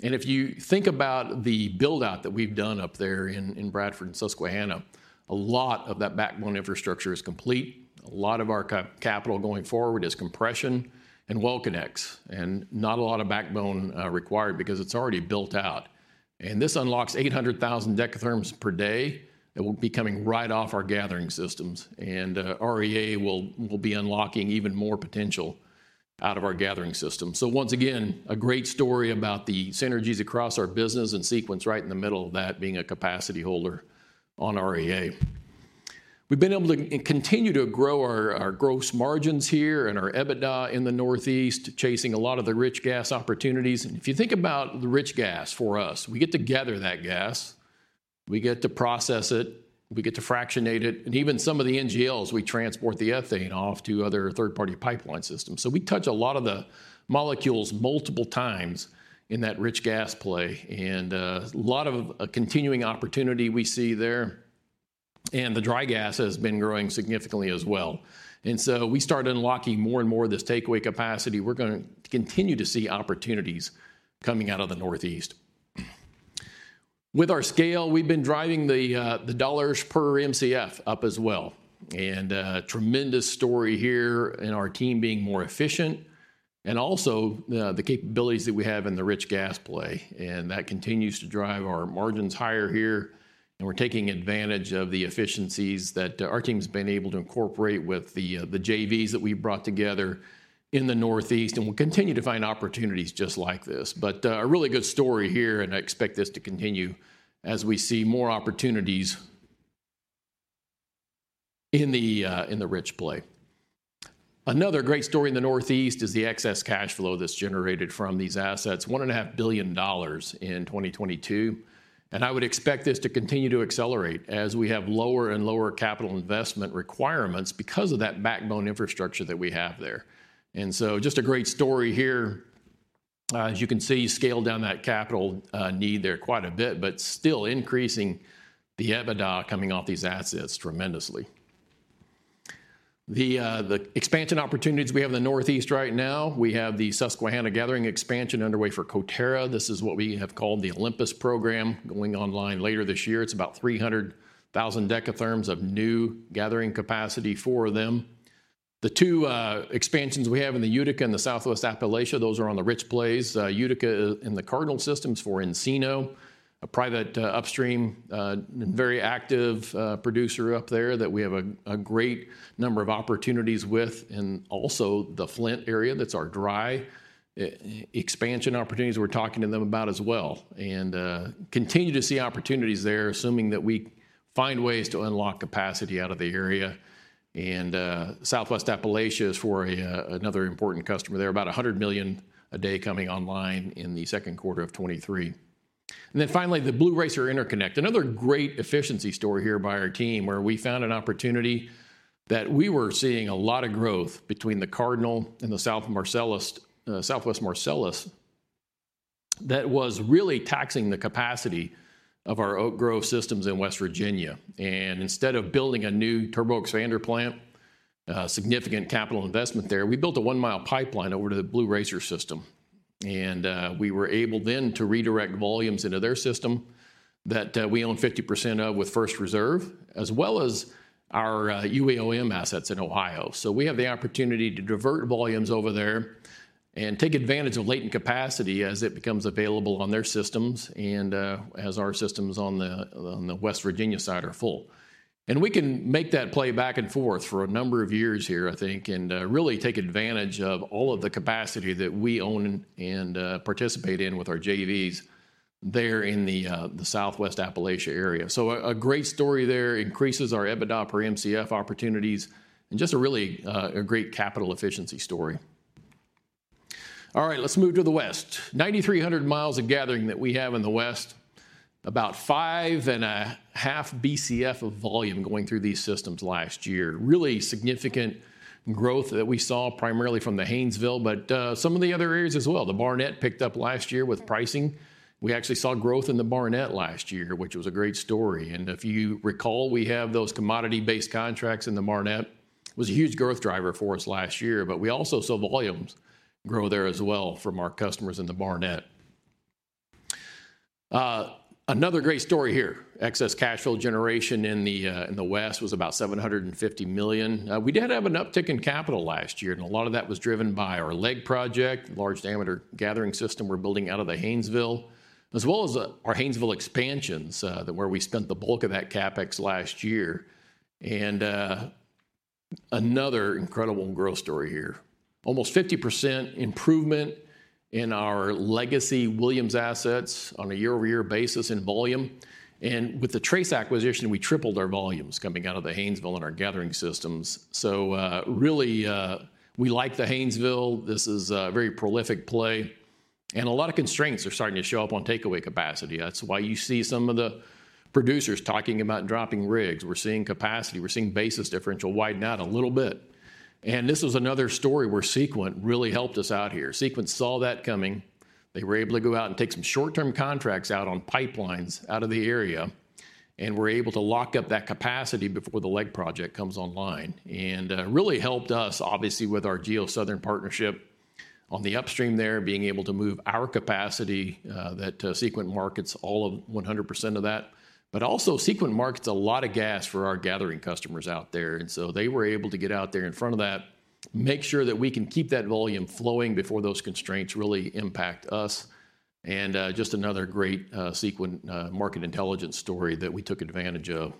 Speaker 4: If you think about the build-out that we've done up there in Bradford and Susquehanna, a lot of that backbone infrastructure is complete. A lot of our capital going forward is compression and well connects, not a lot of backbone required because it's already built out. This unlocks 800,000 dekatherms per day that will be coming right off our gathering systems. REA will be unlocking even more potential out of our gathering system. Once again, a great story about the synergies across our business, Sequent right in the middle of that being a capacity holder on REA. We've been able to continue to grow our gross margins here and our EBITDA in the Northeast, chasing a lot of the rich gas opportunities. If you think about the rich gas for us, we get to gather that gas. We get to process it, we get to fractionate it, and even some of the NGLs, we transport the ethane off to other third-party pipeline systems. We touch a lot of the molecules multiple times in that rich gas play, and a lot of a continuing opportunity we see there. The dry gas has been growing significantly as well. We start unlocking more and more of this takeaway capacity. We're going to continue to see opportunities coming out of the Northeast. With our scale, we've been driving the dollar per MCF up as well, and a tremendous story here in our team being more efficient and also the capabilities that we have in the rich gas play. That continues to drive our margins higher here. We're taking advantage of the efficiencies that our team's been able to incorporate with the JVs that we've brought together in the Northeast. We'll continue to find opportunities just like this. A really good story here, and I expect this to continue as we see more opportunities in the in the rich play. Another great story in the Northeast is the excess cash flow that's generated from these assets, $1.5 billion in 2022. I would expect this to continue to accelerate as we have lower and lower capital investment requirements because of that backbone infrastructure that we have there. Just a great story here. As you can see, scale down that capital need there quite a bit, but still increasing the EBITDA coming off these assets tremendously. The expansion opportunities we have in the Northeast right now, we have the Susquehanna Gathering expansion underway for Coterra. This is what we have called the Olympus program going online later this year. It's about 300,000 decatherms of new gathering capacity for them. The two expansions we have in the Utica and the Southwest Appalachia, those are on the rich plays. Utica in the Cardinal systems for Encino, a private upstream, very active producer up there that we have a great number of opportunities with. Also the Flint area, that's our dry expansion opportunities we're talking to them about as well. Continue to see opportunities there, assuming that we find ways to unlock capacity out of the area. Southwest Appalachia is for another important customer. They're about 100 million a day coming online in the second quarter of 2023. The Blue Racer Interconnect, another great efficiency story here by our team, where we found an opportunity that we were seeing a lot of growth between the Cardinal and the South Marcellus, Southwest Marcellus, that was really taxing the capacity of our Oak Grove systems in West Virginia. Instead of building a new turbo expander plant, significant capital investment there, we built a one-mile pipeline over to the Blue Racer system. We were able then to redirect volumes into their system that we own 50% of with First Reserve, as well as our UEOM assets in Ohio. We have the opportunity to divert volumes over there and take advantage of latent capacity as it becomes available on their systems and as our systems on the West Virginia side are full. We can make that play back and forth for a number of years here, I think, and really take advantage of all of the capacity that we own and participate in with our JVs there in the Southwest Appalachia area. A great story there, increases our EBITDA per MCF opportunities and just a really great capital efficiency story. Let's move to the west. 9,300 miles of gathering that we have in the west, about 5.5 BCF of volume going through these systems last year. Significant growth that we saw primarily from the Haynesville, but some of the other areas as well. The Barnett picked up last year with pricing. We actually saw growth in the Barnett last year, which was a great story. If you recall, we have those commodity-based contracts in the Barnett. It was a huge growth driver for us last year, but we also saw volumes grow there as well from our customers in the Barnett. Another great story here. Excess cash flow generation in the west was about $750 million. We did have an uptick in capital last year, a lot of that was driven by our LEG project, large diameter gathering system we're building out of the Haynesville, as well as our Haynesville expansions that where we spent the bulk of that CapEx last year. Another incredible growth story here. Almost 50% improvement in our legacy Williams assets on a YoY basis in volume. With the Trace acquisition, we tripled our volumes coming out of the Haynesville in our gathering systems. Really, we like the Haynesville. This is a very prolific play, and a lot of constraints are starting to show up on takeaway capacity. That's why you see some of the producers talking about dropping rigs. We're seeing capacity. We're seeing basis differential widen out a little bit. This was another story where Sequent really helped us out here. Sequent saw that coming. They were able to go out and take some short-term contracts out on pipelines out of the area and were able to lock up that capacity before the LEG project comes online, and really helped us, obviously, with our GeoSouthern partnership on the upstream there, being able to move our capacity that Sequent markets all of 100% of that. Also, Sequent markets a lot of gas for our gathering customers out there. They were able to get out there in front of that, make sure that we can keep that volume flowing before those constraints really impact us, and just another great Sequent market intelligence story that we took advantage of.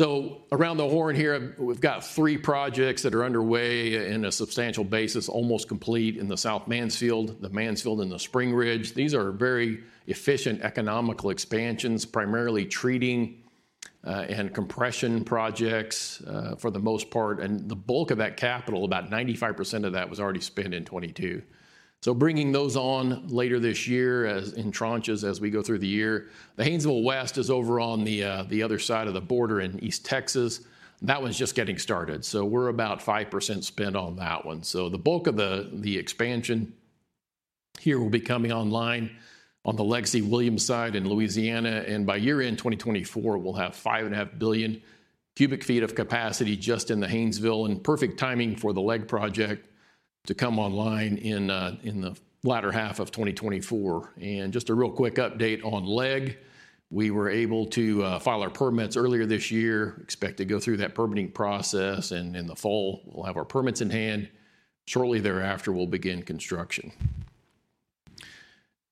Speaker 4: Around the horn here, we've got three projects that are underway in a substantial basis, almost complete in the South Mansfield, the Mansfield, and the Spring Ridge. These are very efficient economical expansions, primarily treating and compression projects for the most part. The bulk of that capital, about 95% of that, was already spent in 2022. Bringing those on later this year as, in tranches as we go through the year. The Haynesville West is over on the other side of the border in East Texas. That one's just getting started, we're about 5% spent on that one. The bulk of the expansion here will be coming online on the Legacy Williams side in Louisiana. By year-end, 2024, we'll have 5.5 billion cu ft of capacity just in the Haynesville, and perfect timing for the LEG project to come online in the latter half of 2024. Just a real quick update on LEG. We were able to file our permits earlier this year, expect to go through that permitting process, and in the fall, we'll have our permits in hand. Shortly thereafter, we'll begin construction.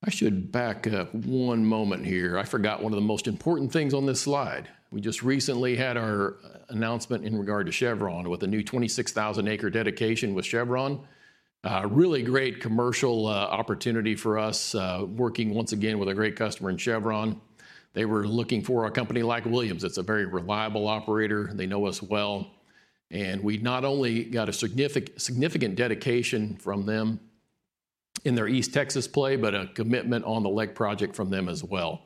Speaker 4: I should back up one moment here. I forgot one of the most important things on this slide. We just recently had our announcement in regard to Chevron with a new 26,000 acre dedication with Chevron. Really great commercial opportunity for us, working once again with a great customer in Chevron. They were looking for a company like Williams that's a very reliable operator. They know us well. We not only got a significant dedication from them in their East Texas play, but a commitment on the LEG project from them as well.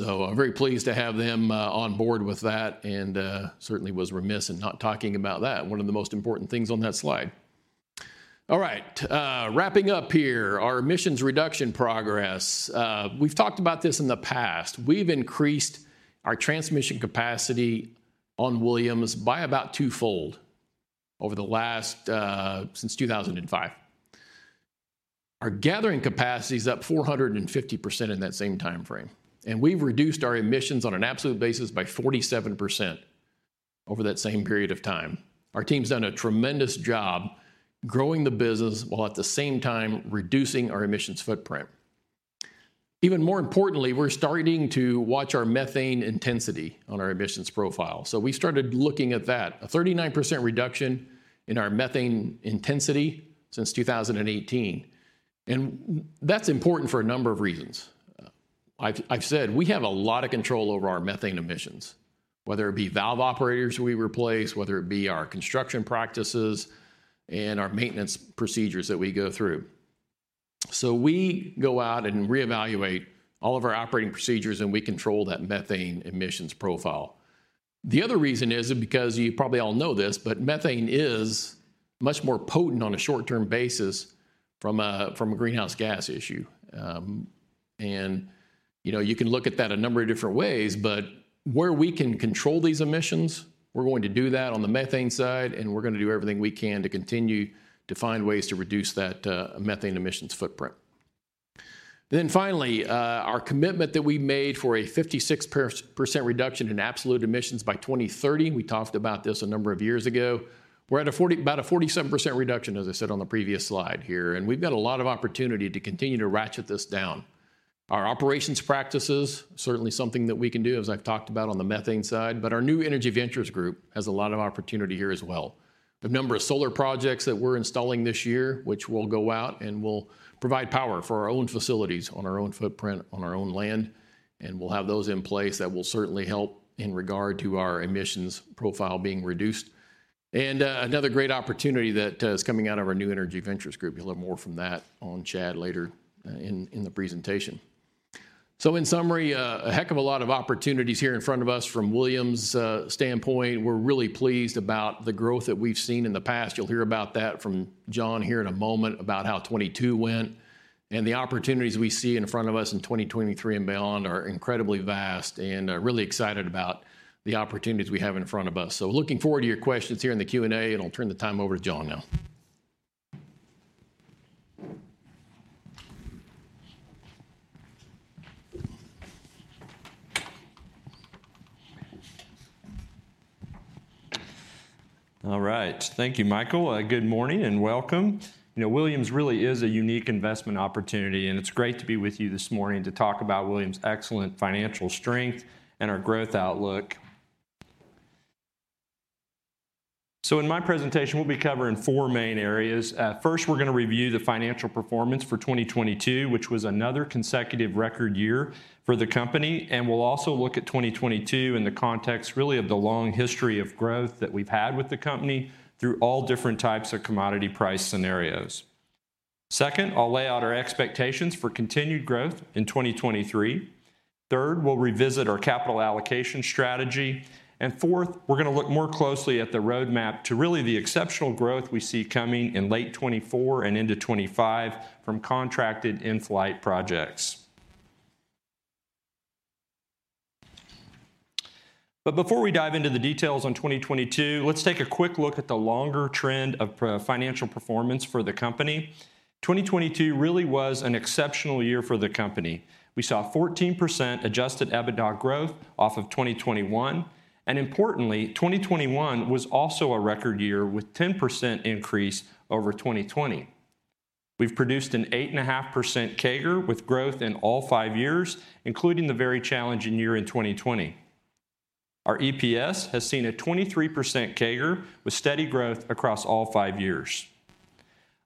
Speaker 4: I'm very pleased to have them on board with that and certainly was remiss in not talking about that, one of the most important things on that slide. Wrapping up here, our emissions reduction progress. We've talked about this in the past. We've increased our transmission capacity on Williams by about twofold over the last since 2005. Our gathering capacity is up 450% in that same timeframe, we've reduced our emissions on an absolute basis by 47% over that same period of time. Our team's done a tremendous job growing the business while at the same time reducing our emissions footprint. Even more importantly, we're starting to watch our methane intensity on our emissions profile. We started looking at that. A 39% reduction in our methane intensity since 2018. That's important for a number of reasons. I've said we have a lot of control over our methane emissions, whether it be valve operators we replace, whether it be our construction practices and our maintenance procedures that we go through. We go out and reevaluate all of our operating procedures, and we control that methane emissions profile. The other reason is because, you probably all know this, but methane is much more potent on a short-term basis from a greenhouse gas issue. You know, you can look at that a number of different ways, but where we can control these emissions, we're going to do that on the methane side, and we're gonna do everything we can to continue to find ways to reduce that methane emissions footprint. Finally, our commitment that we made for a 56% reduction in absolute emissions by 2030. We talked about this a number of years ago. We're at about a 47% reduction, as I said on the previous slide here, and we've got a lot of opportunity to continue to ratchet this down. Our operations practices, certainly something that we can do, as I've talked about on the methane side, but our New Energy Ventures Group has a lot of opportunity here as well. The number of solar projects that we're installing this year, which will go out and will provide power for our own facilities on our own footprint, on our own land, and we'll have those in place. That will certainly help in regard to our emissions profile being reduced. Another great opportunity that is coming out of our New Energy Ventures Group. You'll hear more from that on Chad later in the presentation. In summary, a heck of a lot of opportunities here in front of us from Williams' standpoint. We're really pleased about the growth that we've seen in the past. You'll hear about that from John here in a moment about how 22 went. The opportunities we see in front of us in 2023 and beyond are incredibly vast, and really excited about the opportunities we have in front of us. Looking forward to your questions here in the Q&A, and I'll turn the time over to John now.
Speaker 5: All right. Thank you, Micheal. Good morning and welcome. You know, Williams really is a unique investment opportunity, and it's great to be with you this morning to talk about Williams' excellent financial strength and our growth outlook. In my presentation, we'll be covering four main areas. First, we're going to review the financial performance for 2022, which was another consecutive record year for the company, and we'll also look at 2022 in the context really of the long history of growth that we've had with the company through all different types of commodity price scenarios. Second, I'll lay out our expectations for continued growth in 2023. Third, we'll revisit our capital allocation strategy. Fourth, we're going to look more closely at the roadmap to really the exceptional growth we see coming in late 2024 and into 2025 from contracted in-flight projects. Before we dive into the details on 2022, let's take a quick look at the longer trend of financial performance for the company. 2022 really was an exceptional year for the company. We saw 14% Adjusted EBITDA growth off of 2021, and importantly, 2021 was also a record year with 10% increase over 2020. We've produced an 8.5% CAGR with growth in all five years, including the very challenging year in 2020. Our EPS has seen a 23% CAGR with steady growth across all five years.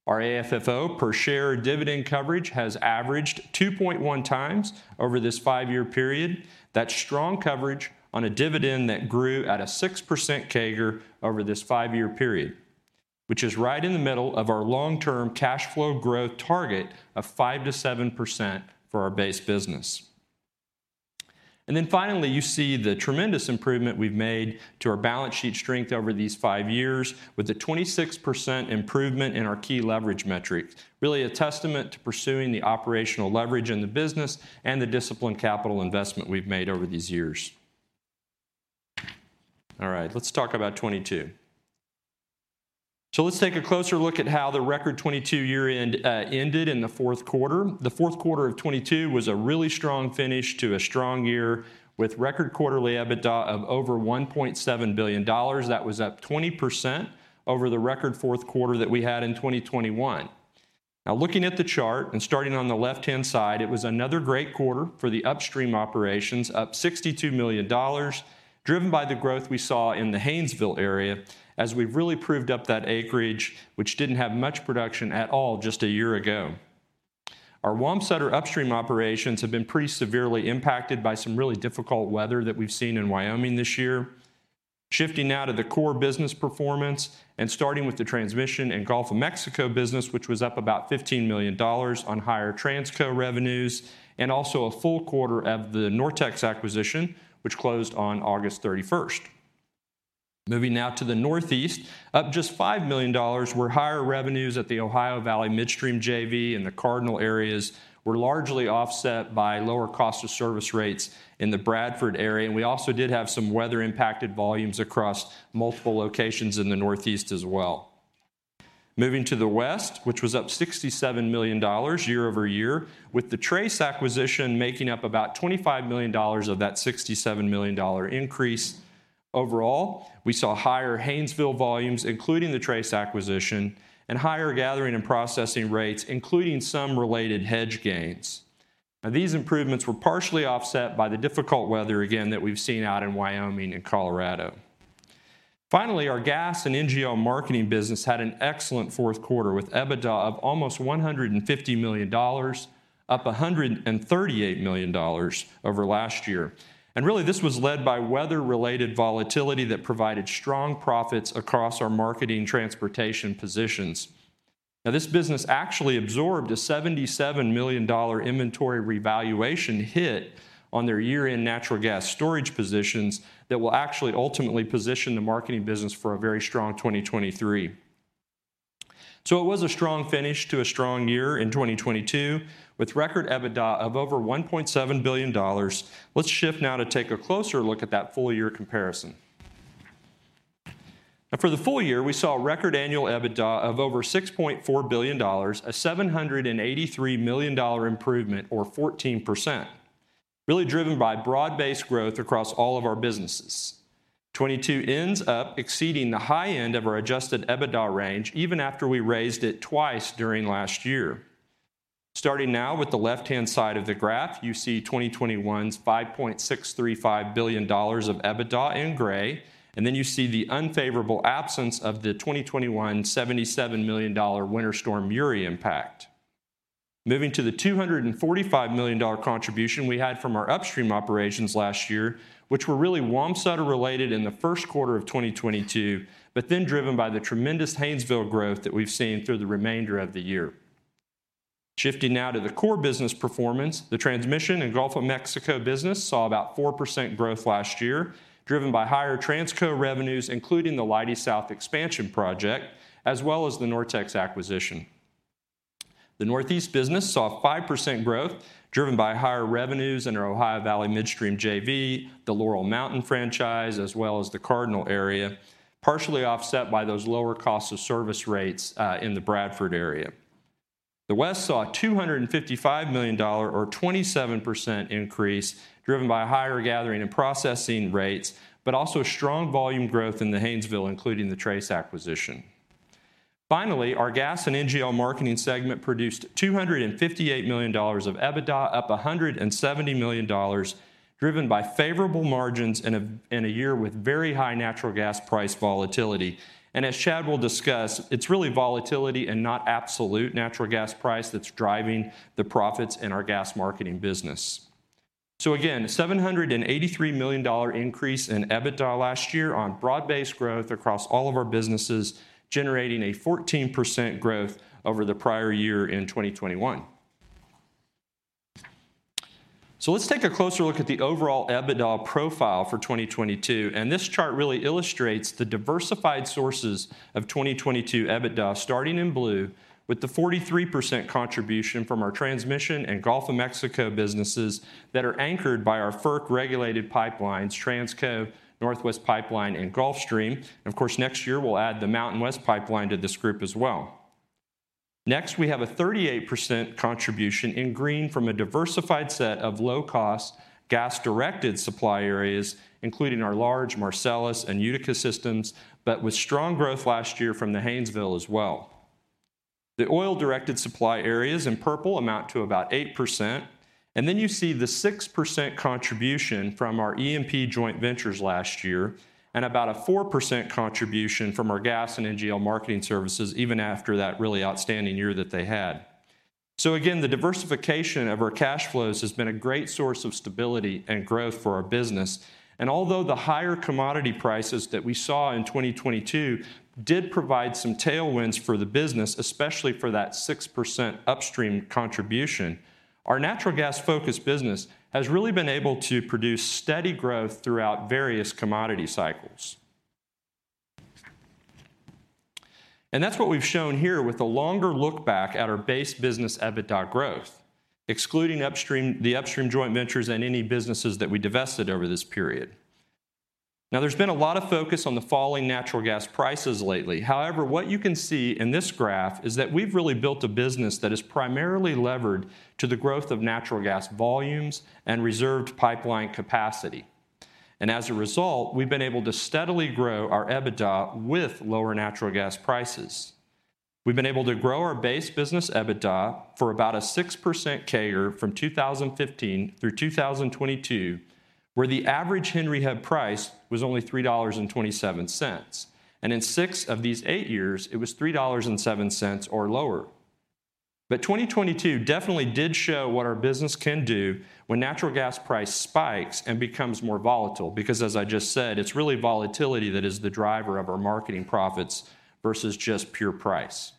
Speaker 5: Our AFFO per share dividend coverage has averaged 2.1x over this five-year period. That's strong coverage on a dividend that grew at a 6% CAGR over this five-year period, which is right in the middle of our long-term cash flow growth target of 5%-7% for our base business. Finally, you see the tremendous improvement we've made to our balance sheet strength over these five years with a 26% improvement in our key leverage metric, really a testament to pursuing the operational leverage in the business and the disciplined capital investment we've made over these years. All right. Let's talk about 2022. Let's take a closer look at how the record 2022 year end ended in the fourth quarter. The fourth quarter of 2022 was a really strong finish to a strong year with record quarterly EBITDA of over $1.7 billion. That was up 20% over the record fourth quarter that we had in 2021. Looking at the chart and starting on the left-hand side, it was another great quarter for the upstream operations, up $62 million, driven by the growth we saw in the Haynesville area as we've really proved up that acreage, which didn't have much production at all just a year ago. Our Wamsutter upstream operations have been pretty severely impacted by some really difficult weather that we've seen in Wyoming this year. Shifting now to the core business performance and starting with the transmission in Gulf of Mexico business, which was up about $15 million on higher Transco revenues and also a full quarter of the NorTex acquisition, which closed on August 31st. Moving now to the Northeast, up just $5 million were higher revenues at the Ohio Valley Midstream JV, and the Cardinal areas were largely offset by lower cost of service rates in the Bradford area. We also did have some weather-impacted volumes across multiple locations in the Northeast as well. Moving to the West, which was up $67 million YoY, with the Trace acquisition making up about $25 million of that $67 million increase. Overall, we saw higher Haynesville volumes, including the Trace acquisition, and higher gathering and processing rates, including some related hedge gains. These improvements were partially offset by the difficult weather, again, that we've seen out in Wyoming and Colorado. Finally, our gas and NGL Marketing business had an excellent fourth quarter with EBITDA of almost $150 million, up $138 million over last year. Really, this was led by weather-related volatility that provided strong profits across our marketing transportation positions. Now, this business actually absorbed a $77 million inventory revaluation hit on their year-end natural gas storage positions that will actually ultimately position the marketing business for a very strong 2023. It was a strong finish to a strong year in 2022 with record EBITDA of over $1.7 billion. Let's shift now to take a closer look at that full year comparison. For the full year, we saw a record annual EBITDA of over $6.4 billion, a $783 million improvement or 14%, really driven by broad-based growth across all of our businesses. 2022 ends up exceeding the high end of our Adjusted EBITDA range even after we raised it twice during last year. With the left-hand side of the graph, you see 2021's $5.635 billion of EBITDA in gray, you see the unfavorable absence of the 2021 $77 million Winter Storm Uri impact. Moving to the $245 million contribution we had from our upstream operations last year, which were really Wamsutter-related in the first quarter of 2022, driven by the tremendous Haynesville growth that we've seen through the remainder of the year. Shifting now to the core business performance, the transmission in Gulf of Mexico business saw about 4% growth last year, driven by higher Transco revenues, including the Leidy South project, as well as the NorTex acquisition. The Northeast business saw 5% growth, driven by higher revenues in our Ohio Valley Midstream JV, the Laurel Mountain franchise, as well as the Cardinal area, partially offset by those lower cost of service rates in the Bradford area. The West saw a $255 million or 27% increase driven by higher gathering and processing rates, but also a strong volume growth in the Haynesville, including the Trace acquisition. Finally, our gas and NGL Marketing segment produced $258 million of EBITDA, up $170 million, driven by favorable margins in a year with very high natural gas price volatility. As Chad will discuss, it's really volatility and not absolute natural gas price that's driving the profits in our gas marketing business. Again, $783 million increase in EBITDA last year on broad-based growth across all of our businesses, generating a 14% growth over the prior year in 2021. Let's take a closer look at the overall EBITDA profile for 2022, this chart really illustrates the diversified sources of 2022 EBITDA starting in blue with the 43% contribution from our transmission and Gulf of Mexico businesses that are anchored by our FERC-regulated pipelines, Transco, Northwest Pipeline, and Gulfstream. Of course, next year we'll add the MountainWest Pipeline to this group as well. We have a 38% contribution in green from a diversified set of low-cost gas-directed supply areas, including our large Marcellus and Utica systems, but with strong growth last year from the Haynesville as well. The oil-directed supply areas in purple amount to about 8%. You see the 6% contribution from our E&P joint ventures last year and about a 4% contribution from our gas and NGL marketing services even after that really outstanding year that they had. Again, the diversification of our cash flows has been a great source of stability and growth for our business. Although the higher commodity prices that we saw in 2022 did provide some tailwinds for the business, especially for that 6% upstream contribution, our natural gas-focused business has really been able to produce steady growth throughout various commodity cycles. That's what we've shown here with a longer look back at our base business EBITDA growth, excluding upstream, the upstream joint ventures and any businesses that we divested over this period. There's been a lot of focus on the falling natural gas prices lately. However, what you can see in this graph is that we've really built a business that is primarily levered to the growth of natural gas volumes and reserved pipeline capacity. As a result, we've been able to steadily grow our EBITDA with lower natural gas prices. We've been able to grow our base business EBITDA for about a 6% CAGR from 2015 through 2022, where the average Henry Hub price was only $3.27. In six of these eight years, it was $3.07 or lower. 2022 definitely did show what our business can do when natural gas price spikes and becomes more volatile, because as I just said, it's really volatility that is the driver of our marketing profits versus just pure price.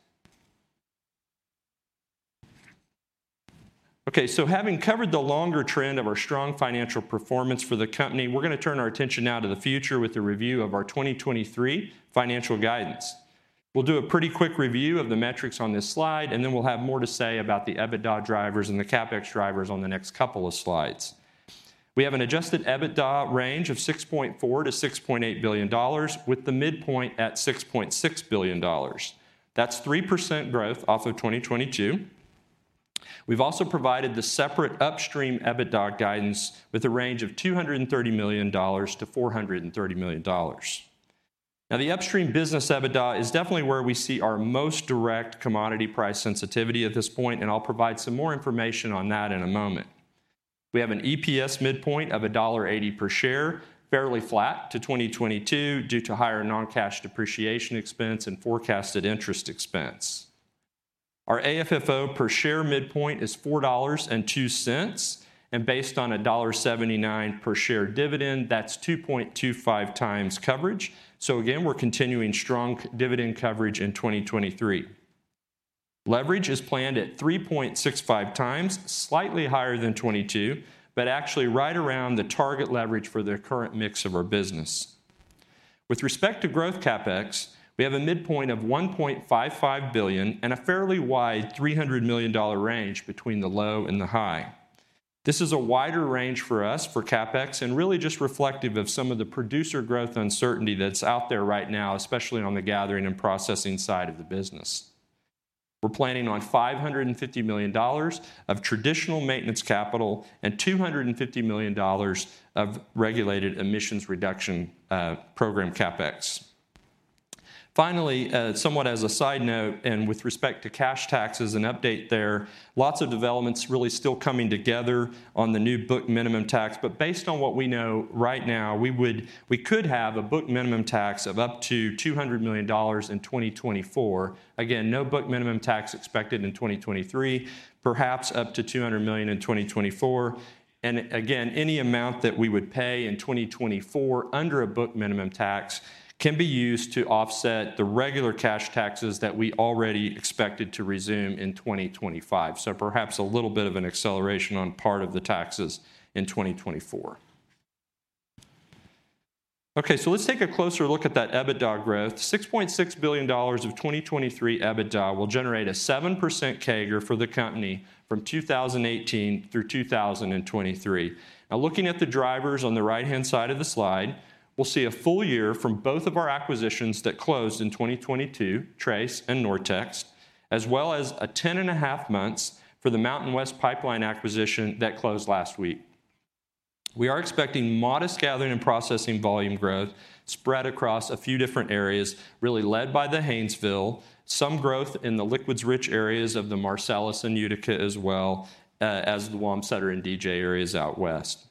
Speaker 5: Having covered the longer trend of our strong financial performance for the company, we're going to turn our attention now to the future with a review of our 2023 financial guidance. We'll do a pretty quick review of the metrics on this slide, and then we'll have more to say about the EBITDA drivers and the CapEx drivers on the next couple of slides. We have an Adjusted EBITDA range of $6.4 billion-$6.8 billion with the midpoint at $6.6 billion. That's 3% growth off of 2022. We've also provided the separate upstream EBITDA guidance with a range of $230 million-$430 million. The upstream business EBITDA is definitely where we see our most direct commodity price sensitivity at this point, and I'll provide some more information on that in a moment. We have an EPS midpoint of $1.80 per share, fairly flat to 2022 due to higher non-cash depreciation expense and forecasted interest expense. Our AFFO per share midpoint is $4.02. Based on a $1.79 per share dividend, that's 2.25x coverage. Again, we're continuing strong dividend coverage in 2023. Leverage is planned at 3.65x, slightly higher than 2022, actually right around the target leverage for the current mix of our business. With respect to growth CapEx, we have a midpoint of $1.55 billion and a fairly wide $300 million range between the low and the high. This is a wider range for us for CapEx, really just reflective of some of the producer growth uncertainty that's out there right now, especially on the gathering and processing side of the business. We're planning on $550 million of traditional maintenance capital and $250 million of regulated emissions reduction program CapEx. Finally, somewhat as a side note and with respect to cash taxes and update there, lots of developments really still coming together on the new book minimum tax. Based on what we know right now, we could have a book minimum tax of up to $200 million in 2024. Again, no book minimum tax expected in 2023, perhaps up to $200 million in 2024. Again, any amount that we would pay in 2024 under a book minimum tax can be used to offset the regular cash taxes that we already expected to resume in 2025. Perhaps a little bit of an acceleration on part of the taxes in 2024. Let's take a closer look at that EBITDA growth. $6.6 billion of 2023 EBITDA will generate a 7% CAGR for the company from 2018 through 2023. Looking at the drivers on the right-hand side of the slide, we'll see a full year from both of our acquisitions that closed in 2022, Trace and Nortex, as well as a 10.5 months for the MountainWest Pipeline acquisition that closed last week. We are expecting modest gathering and processing volume growth spread across a few different areas, really led by the Haynesville, some growth in the liquids-rich areas of the Marcellus and Utica as well, as the Wamsutter and DJ areas out west.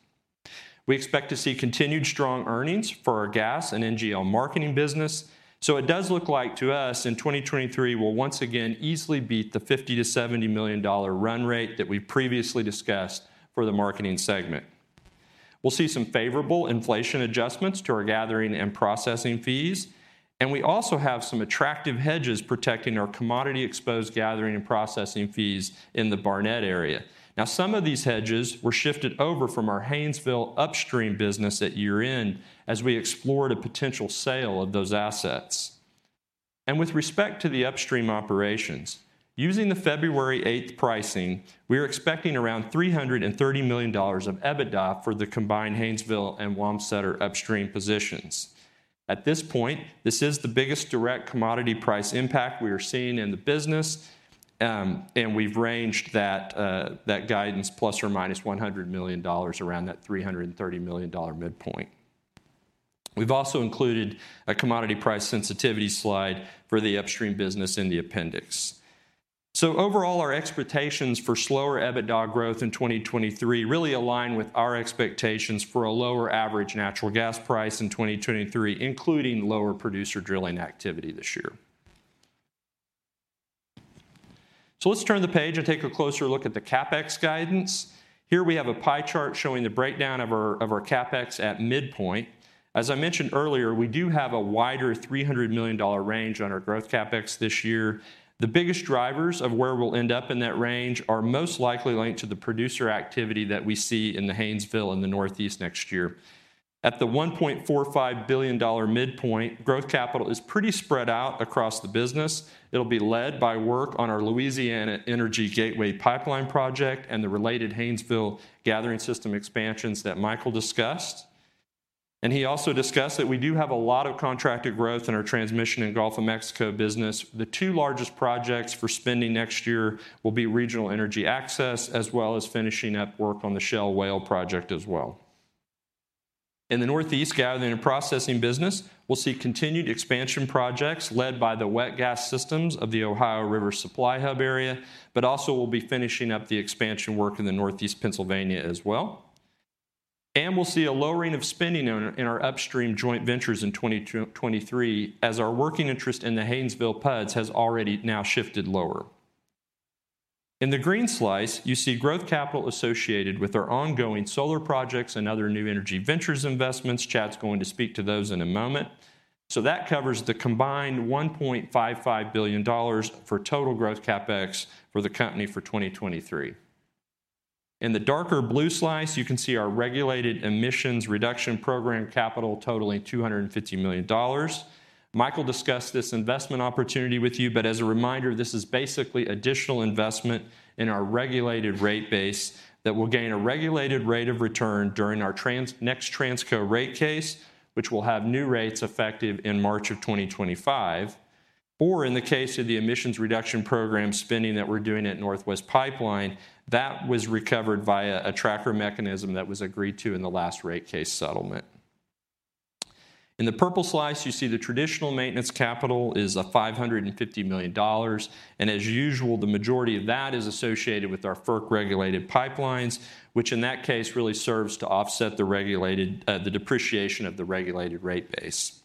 Speaker 5: We expect to see continued strong earnings for our gas and NGL marketing business. It does look like to us in 2023, we'll once again easily beat the $50 million-$70 million run rate that we previously discussed for the marketing segment. We'll see some favorable inflation adjustments to our gathering and processing fees, we also have some attractive hedges protecting our commodity-exposed gathering and processing fees in the Barnett area. Some of these hedges were shifted over from our Haynesville upstream business at year-end as we explored a potential sale of those assets. With respect to the upstream operations, using the February 8th pricing, we are expecting around $330 million of EBITDA for the combined Haynesville and Wamsutter upstream positions. At this point, this is the biggest direct commodity price impact we are seeing in the business, and we've ranged that guidance ±$100 million around that $330 million midpoint. We've also included a commodity price sensitivity slide for the upstream business in the appendix. Overall, our expectations for slower EBITDA growth in 2023 really align with our expectations for a lower average natural gas price in 2023, including lower producer drilling activity this year. Let's turn the page and take a closer look at the CapEx guidance. Here we have a pie chart showing the breakdown of our CapEx at midpoint. As I mentioned earlier, we do have a wider $300 million range on our growth CapEx this year. The biggest drivers of where we'll end up in that range are most likely linked to the producer activity that we see in the Haynesville in the Northeast next year. At the $1.45 billion midpoint, growth capital is pretty spread out across the business. It'll be led by work on our Louisiana Energy Gateway Pipeline project and the related Haynesville Gathering System expansions that Micheal discussed. He also discussed that we do have a lot of contracted growth in our transmission in Gulf of Mexico business. The two largest projects for spending next year will be Regional Energy Access, as well as finishing up work on the Shell Whale project as well. In the Northeast gathering and processing business, we'll see continued expansion projects led by the wet gas systems of the Ohio River supply hub area, but also we'll be finishing up the expansion work in Northeast Pennsylvania as well. We'll see a lowering of spending on, in our upstream joint ventures in 2023 as our working interest in the Haynesville PUDs has already now shifted lower. In the green slice, you see growth capital associated with our ongoing solar projects and other new energy ventures investments. Chad's going to speak to those in a moment. That covers the combined $1.55 billion for total growth CapEx for the company for 2023. In the darker blue slice, you can see our regulated emissions reduction program capital totaling $250 million. Micheal discussed this investment opportunity with you, but as a reminder, this is basically additional investment in our regulated rate base that will gain a regulated rate of return during our next Transco rate case, which will have new rates effective in March of 2025. Or in the case of the emissions reduction program spending that we're doing at Northwest Pipeline, that was recovered via a tracker mechanism that was agreed to in the last rate case settlement. In the purple slice, you see the traditional maintenance capital is $550 million. As usual, the majority of that is associated with our FERC-regulated pipelines, which in that case really serves to offset the regulated depreciation of the regulated rate base.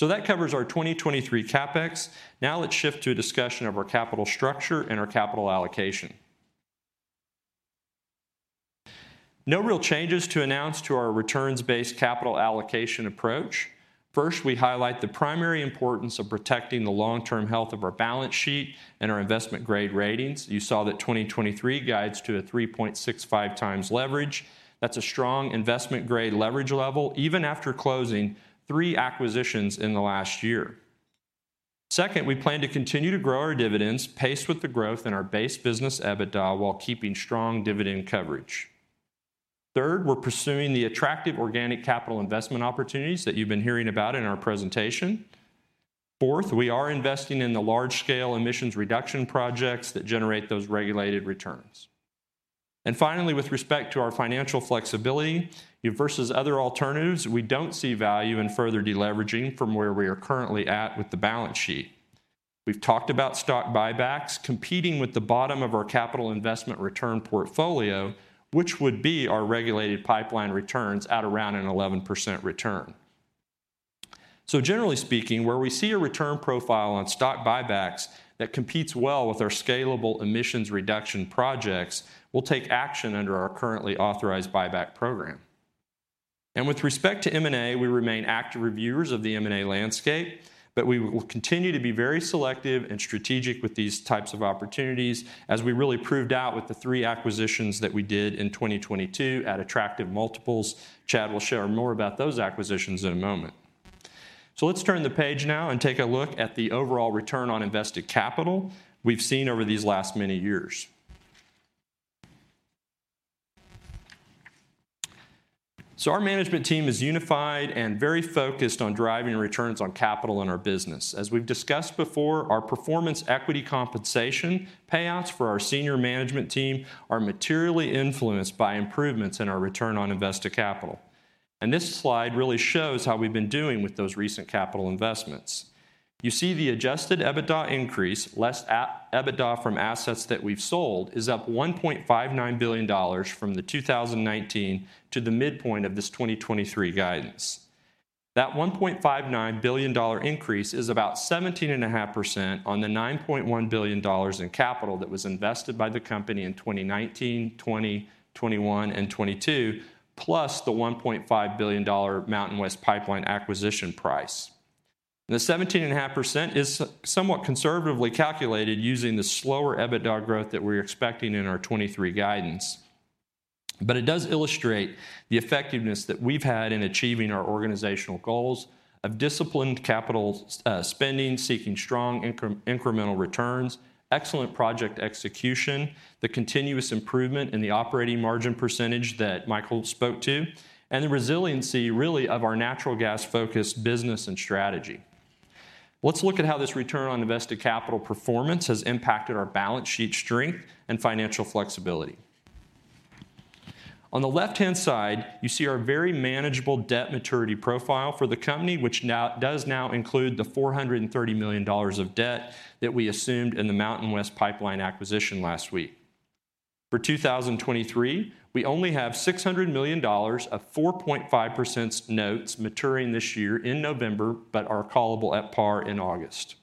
Speaker 5: That covers our 2023 CapEx. Let's shift to a discussion of our capital structure and our capital allocation. No real changes to announce to our returns-based capital allocation approach. First, we highlight the primary importance of protecting the long-term health of our balance sheet and our investment-grade ratings. You saw that 2023 guides to a 3.65x leverage. That's a strong investment-grade leverage level, even after closing three acquisitions in the last year. Second, we plan to continue to grow our dividends, paced with the growth in our base business EBITDA while keeping strong dividend coverage. Third, we're pursuing the attractive organic capital investment opportunities that you've been hearing about in our presentation. Fourth, we are investing in the large-scale emissions reduction projects that generate those regulated returns. Finally, with respect to our financial flexibility versus other alternatives, we don't see value in further deleveraging from where we are currently at with the balance sheet. We've talked about stock buybacks competing with the bottom of our capital investment return portfolio, which would be our regulated pipeline returns at around an 11% return. Generally speaking, where we see a return profile on stock buybacks that competes well with our scalable emissions reduction projects, we'll take action under our currently authorized buyback program. With respect to M&A, we remain active reviewers of the M&A landscape, but we will continue to be very selective and strategic with these types of opportunities, as we really proved out with the three acquisitions that we did in 2022 at attractive multiples. Chad will share more about those acquisitions in a moment. Let's turn the page now and take a look at the overall return on invested capital we've seen over these last many years. Our management team is unified and very focused on driving returns on capital in our business. As we've discussed before, our performance equity compensation payouts for our senior management team are materially influenced by improvements in our return on invested capital. This slide really shows how we've been doing with those recent capital investments. You see the Adjusted EBITDA increase, less EBITDA from assets that we've sold, is up $1.59 billion from the 2019 to the midpoint of this 2023 guidance. That $1.59 billion increase is about 17.5% on the $9.1 billion in capital that was invested by the company in 2019, 2020, 2021, and 2022, plus the $1.5 billion MountainWest Pipeline acquisition price. The 17.5% is somewhat conservatively calculated using the slower EBITDA growth that we're expecting in our 23 guidance. It does illustrate the effectiveness that we've had in achieving our organizational goals of disciplined capital spending, seeking strong incremental returns, excellent project execution, the continuous improvement in the operating margin percentage that Micheal spoke to, and the resiliency, really, of our natural gas-focused business and strategy. Let's look at how this return on invested capital performance has impacted our balance sheet strength and financial flexibility. On the left-hand side, you see our very manageable debt maturity profile for the company, which does now include the $430 million of debt that we assumed in the MountainWest Pipeline acquisition last week. For 2023, we only have $600 million of 4.5% notes maturing this year in November, but are callable at par in August.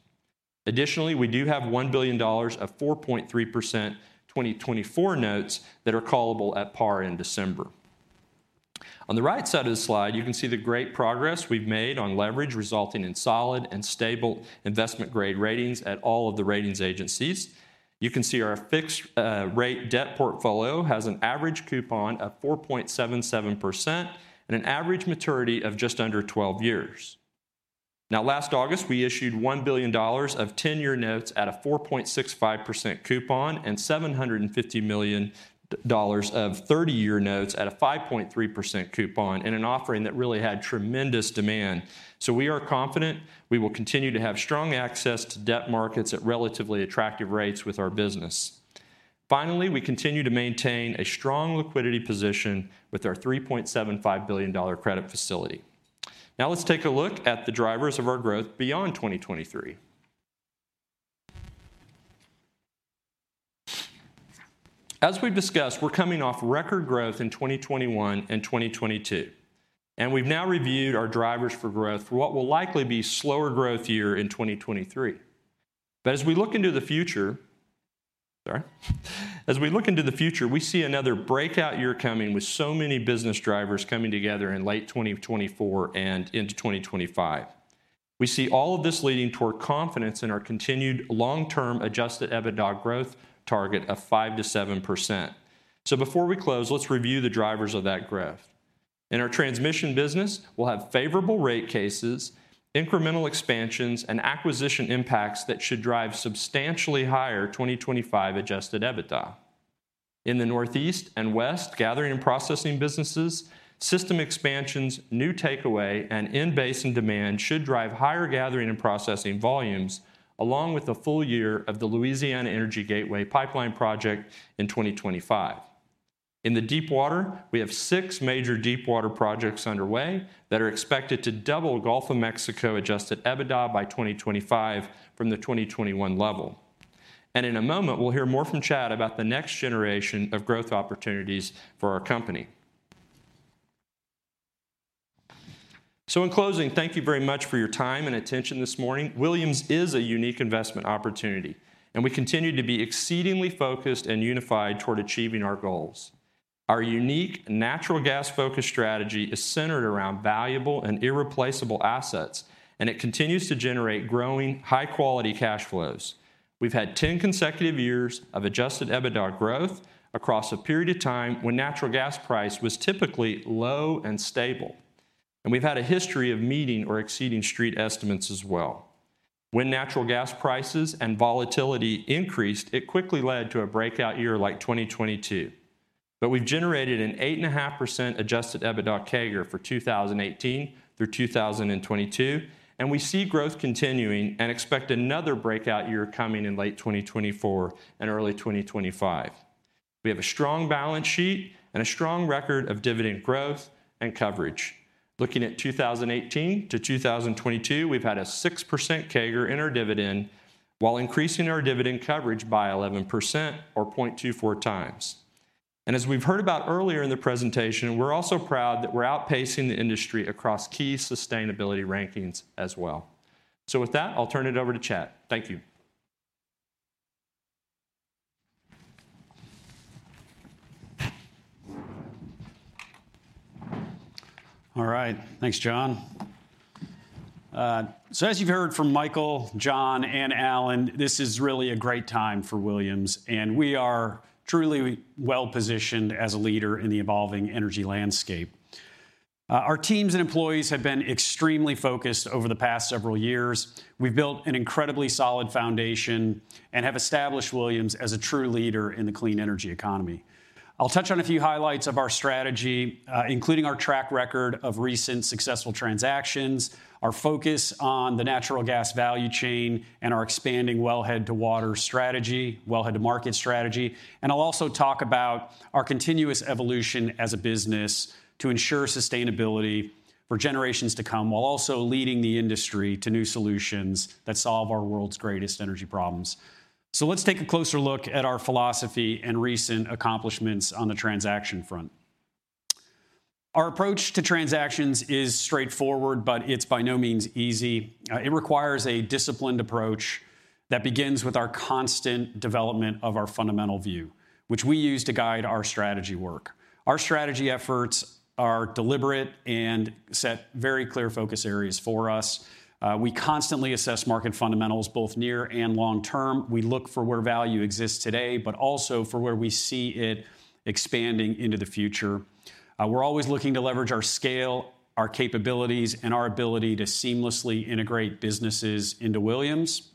Speaker 5: Additionally, we do have $1 billion of 4.3% 2024 notes that are callable at par in December. On the right side of the slide, you can see the great progress we've made on leverage resulting in solid and stable investment-grade ratings at all of the ratings agencies. You can see our fixed rate debt portfolio has an average coupon of 4.77% and an average maturity of just under 12 years. Last August, we issued $1 billion of 10-year notes at a 4.65% coupon and $750 million of 30-year notes at a 5.3% coupon in an offering that really had tremendous demand. We are confident we will continue to have strong access to debt markets at relatively attractive rates with our business. Finally, we continue to maintain a strong liquidity position with our $3.75 billion credit facility. Let's take a look at the drivers of our growth beyond 2023. As we've discussed, we're coming off record growth in 2021 and 2022, we've now reviewed our drivers for growth for what will likely be slower growth year in 2023. As we look into the future. Sorry. As we look into the future, we see another breakout year coming with so many business drivers coming together in late 2024 and into 2025. We see all of this leading toward confidence in our continued long-term Adjusted EBITDA growth target of 5%-7%. Before we close, let's review the drivers of that growth. In our transmission business, we'll have favorable rate cases, incremental expansions, and acquisition impacts that should drive substantially higher 2025 Adjusted EBITDA. In the Northeast and West gathering and processing businesses, system expansions, new takeaway, and in-basin demand should drive higher gathering and processing volumes, along with the full year of the Louisiana Energy Gateway Pipeline project in 2025. In the Deep Water, we have six major Deep Water projects underway that are expected to double Gulf of Mexico Adjusted EBITDA by 2025 from the 2021 level. In a moment, we'll hear more from Chad about the next generation of growth opportunities for our company. In closing, thank you very much for your time and attention this morning. Williams is a unique investment opportunity, and we continue to be exceedingly focused and unified toward achieving our goals. Our unique natural gas-focused strategy is centered around valuable and irreplaceable assets, and it continues to generate growing high-quality cash flows. We've had 10 consecutive years of Adjusted EBITDA growth across a period of time when natural gas price was typically low and stable. We've had a history of meeting or exceeding street estimates as well. When natural gas prices and volatility increased, it quickly led to a breakout year like 2022. We've generated an 8.5% Adjusted EBITDA CAGR for 2018 through 2022, and we see growth continuing and expect another breakout year coming in late 2024 and early 2025. We have a strong balance sheet and a strong record of dividend growth and coverage. Looking at 2018 to 2022, we've had a 6% CAGR in our dividend while increasing our dividend coverage by 11% or 0.24x. As we've heard about earlier in the presentation, we're a.so proud that we're outpacing the industry across key sustainability rankings as well. With that, I'll turn it over to Chad. Thank you.
Speaker 6: All right. Thanks, John. As you've heard from Micheal, John, and Alan, this is really a great time for Williams, and we are truly well-positioned as a leader in the evolving energy landscape. Our teams and employees have been extremely focused over the past several years. We've built an incredibly solid foundation and have established Williams as a true leader in the clean energy economy. I'll touch on a few highlights of our strategy, including our track record of recent successful transactions, our focus on the natural gas value chain, and our expanding wellhead-to-market strategy. I'll also talk about our continuous evolution as a business to ensure sustainability for generations to come, while also leading the industry to new solutions that solve our world's greatest energy problems. Let's take a closer look at our philosophy and recent accomplishments on the transaction front. Our approach to transactions is straightforward, it's by no means easy. It requires a disciplined approach that begins with our constant development of our fundamental view, which we use to guide our strategy work. Our strategy efforts are deliberate and set very clear focus areas for us. We constantly assess market fundamentals, both near and long term. We look for where value exists today, but also for where we see it expanding into the future. We're always looking to leverage our scale, our capabilities, and our ability to seamlessly integrate businesses into Williams.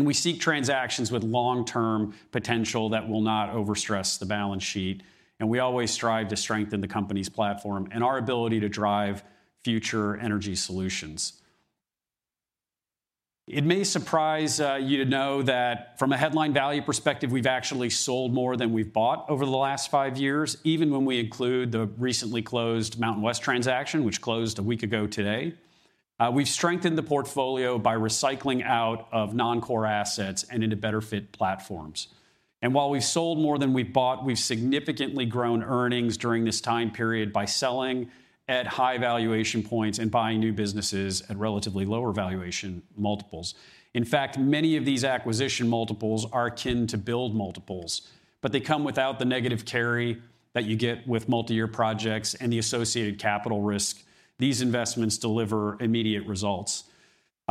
Speaker 6: We seek transactions with long-term potential that will not overstress the balance sheet. We always strive to strengthen the company's platform and our ability to drive future energy solutions. It may surprise, you to know that from a headline value perspective, we've actually sold more than we've bought over the last five years, even when we include the recently closed MountainWest transaction, which closed one week ago today. We've strengthened the portfolio by recycling out of non-core assets and into better fit platforms. While we've sold more than we've bought, we've significantly grown earnings during this time period by selling at high valuation points and buying new businesses at relatively lower valuation multiples. In fact, many of these acquisition multiples are akin to build multiples, but they come without the negative carry that you get with multi-year projects and the associated capital risk. These investments deliver immediate results.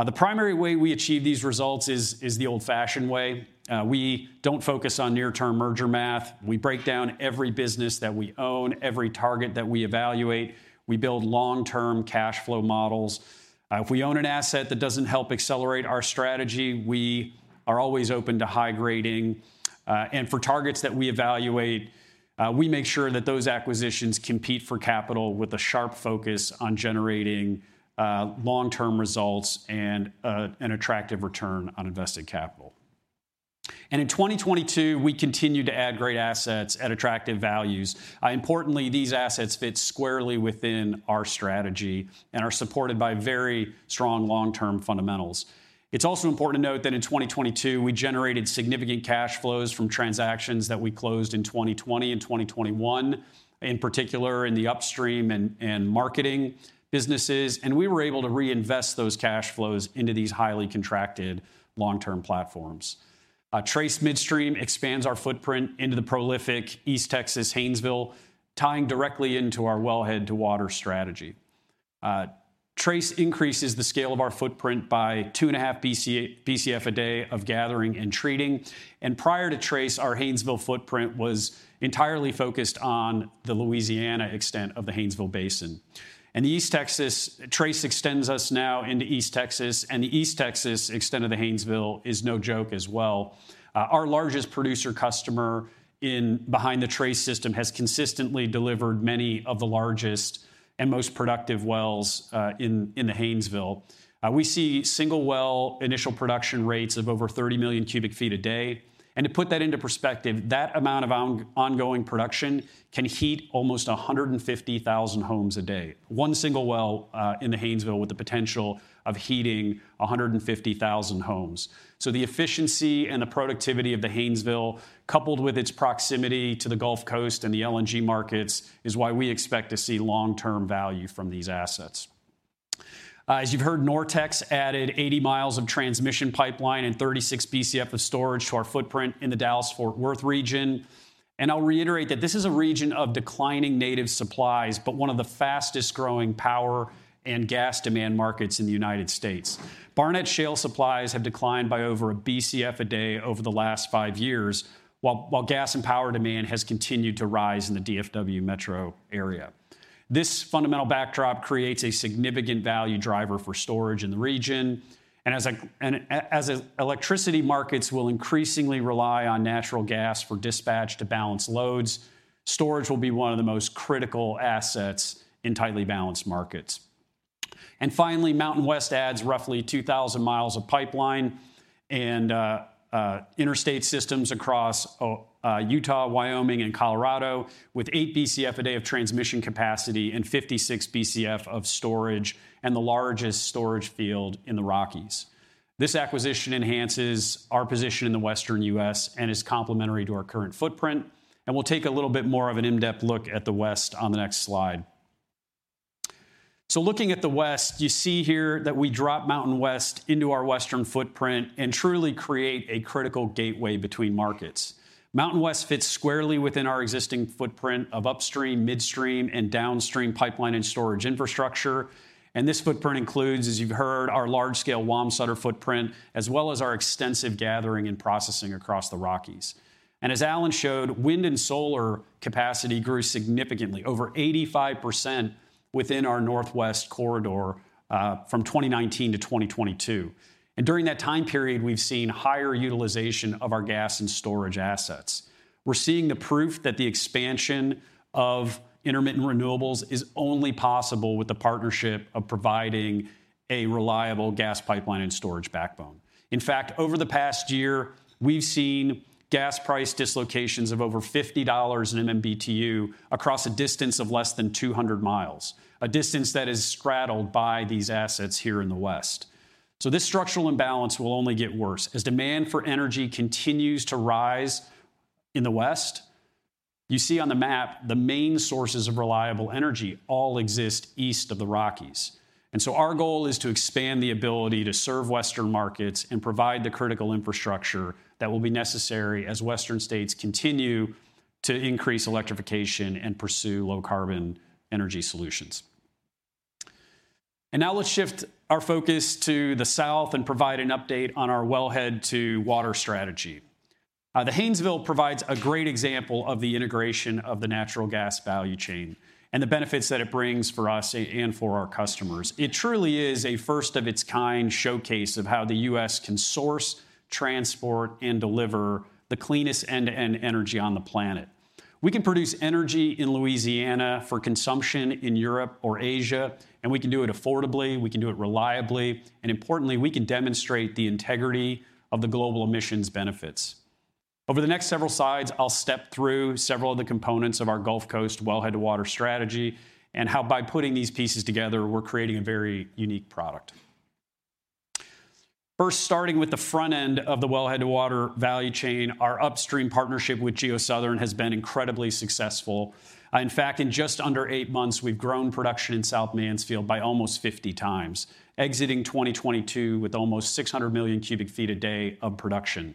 Speaker 6: The primary way we achieve these results is the old-fashioned way. We don't focus on near-term merger math. We break down every business that we own, every target that we evaluate. We build long-term cash flow models. If we own an asset that doesn't help accelerate our strategy, we are always open to high grading. For targets that we evaluate, we make sure that those acquisitions compete for capital with a sharp focus on generating long-term results and an attractive return on invested capital. In 2022, we continued to add great assets at attractive values. Importantly, these assets fit squarely within our strategy and are supported by very strong long-term fundamentals. It's also important to note that in 2022, we generated significant cash flows from transactions that we closed in 2020 and 2021, in particular in the upstream and marketing businesses. We were able to reinvest those cash flows into these highly contracted long-term platforms. Trace Midstream expands our footprint into the prolific East Texas Haynesville, tying directly into our wellhead-to-water strategy. Trace increases the scale of our footprint by 2.5 BCF a day of gathering and treating. Prior to Trace, our Haynesville footprint was entirely focused on the Louisiana extent of the Haynesville Basin. The East Texas Trace extends us now into East Texas, and the East Texas extent of the Haynesville is no joke as well. Our largest producer customer in behind the Trace system has consistently delivered many of the largest and most productive wells in the Haynesville. We see single well initial production rates of over 30 million cu ft a day. To put that into perspective, that amount of on-ongoing production can heat almost 150,000 homes a day. One single well in the Haynesville with the potential of heating 150,000 homes. The efficiency and the productivity of the Haynesville, coupled with its proximity to the Gulf Coast and the LNG markets, is why we expect to see long-term value from these assets. As you've heard, NorTex added 80 miles of transmission pipeline and 36 BCF of storage to our footprint in the Dallas-Fort Worth region. I'll reiterate that this is a region of declining native supplies, but one of the fastest-growing power and gas demand markets in the United States. Barnett Shale supplies have declined by over a BCF a day over the last five years, while gas and power demand has continued to rise in the DFW metro area. This fundamental backdrop creates a significant value driver for storage in the region. As electricity markets will increasingly rely on natural gas for dispatch to balance loads, storage will be one of the most critical assets in tightly balanced markets. Finally, MountainWest adds roughly 2,000 miles of pipeline and interstate systems across Utah, Wyoming, and Colorado with eight BCF a day of transmission capacity and 56 BCF of storage and the largest storage field in the Rockies. This acquisition enhances our position in the Western U.S. and is complementary to our current footprint. We'll take a little bit more of an in-depth look at the West on the next slide. Looking at the West, you see here that we drop MountainWest into our Western footprint and truly create a critical gateway between markets. MountainWest fits squarely within our existing footprint of upstream, midstream, and downstream pipeline and storage infrastructure. This footprint includes, as you've heard, our large-scale Wamsutter footprint, as well as our extensive gathering and processing across the Rockies. As Alan showed, wind and solar capacity grew significantly, over 85% within our Northwest corridor, from 2019 to 2022. During that time period, we've seen higher utilization of our gas and storage assets. We're seeing the proof that the expansion of intermittent renewables is only possible with the partnership of providing a reliable gas pipeline and storage backbone. In fact, over the past year, we've seen gas price dislocations of over $50 in MMBtu across a distance of less than 200 miles, a distance that is straddled by these assets here in the West. This structural imbalance will only get worse as demand for energy continues to rise in the West. You see on the map, the main sources of reliable energy all exist east of the Rockies. Our goal is to expand the ability to serve Western markets and provide the critical infrastructure that will be necessary as Western states continue to increase electrification and pursue low carbon energy solutions. Now let's shift our focus to the South and provide an update on our wellhead to water strategy. The Haynesville provides a great example of the integration of the natural gas value chain and the benefits that it brings for us and for our customers. It truly is a first of its kind showcase of how the U.S. can source, transport, and deliver the cleanest end-to-end energy on the planet. We can produce energy in Louisiana for consumption in Europe or Asia, we can do it affordably, we can do it reliably, and importantly, we can demonstrate the integrity of the global emissions benefits. Over the next several slides, I'll step through several of the components of our Gulf Coast wellhead-to-water strategy and how by putting these pieces together, we're creating a very unique product. First, starting with the front end of the wellhead-to-water value chain, our upstream partnership with GeoSouthern has been incredibly successful. In fact, in just under eight months, we've grown production in South Mansfield by almost 50x, exiting 2022 with almost 600 million cu ft a day of production.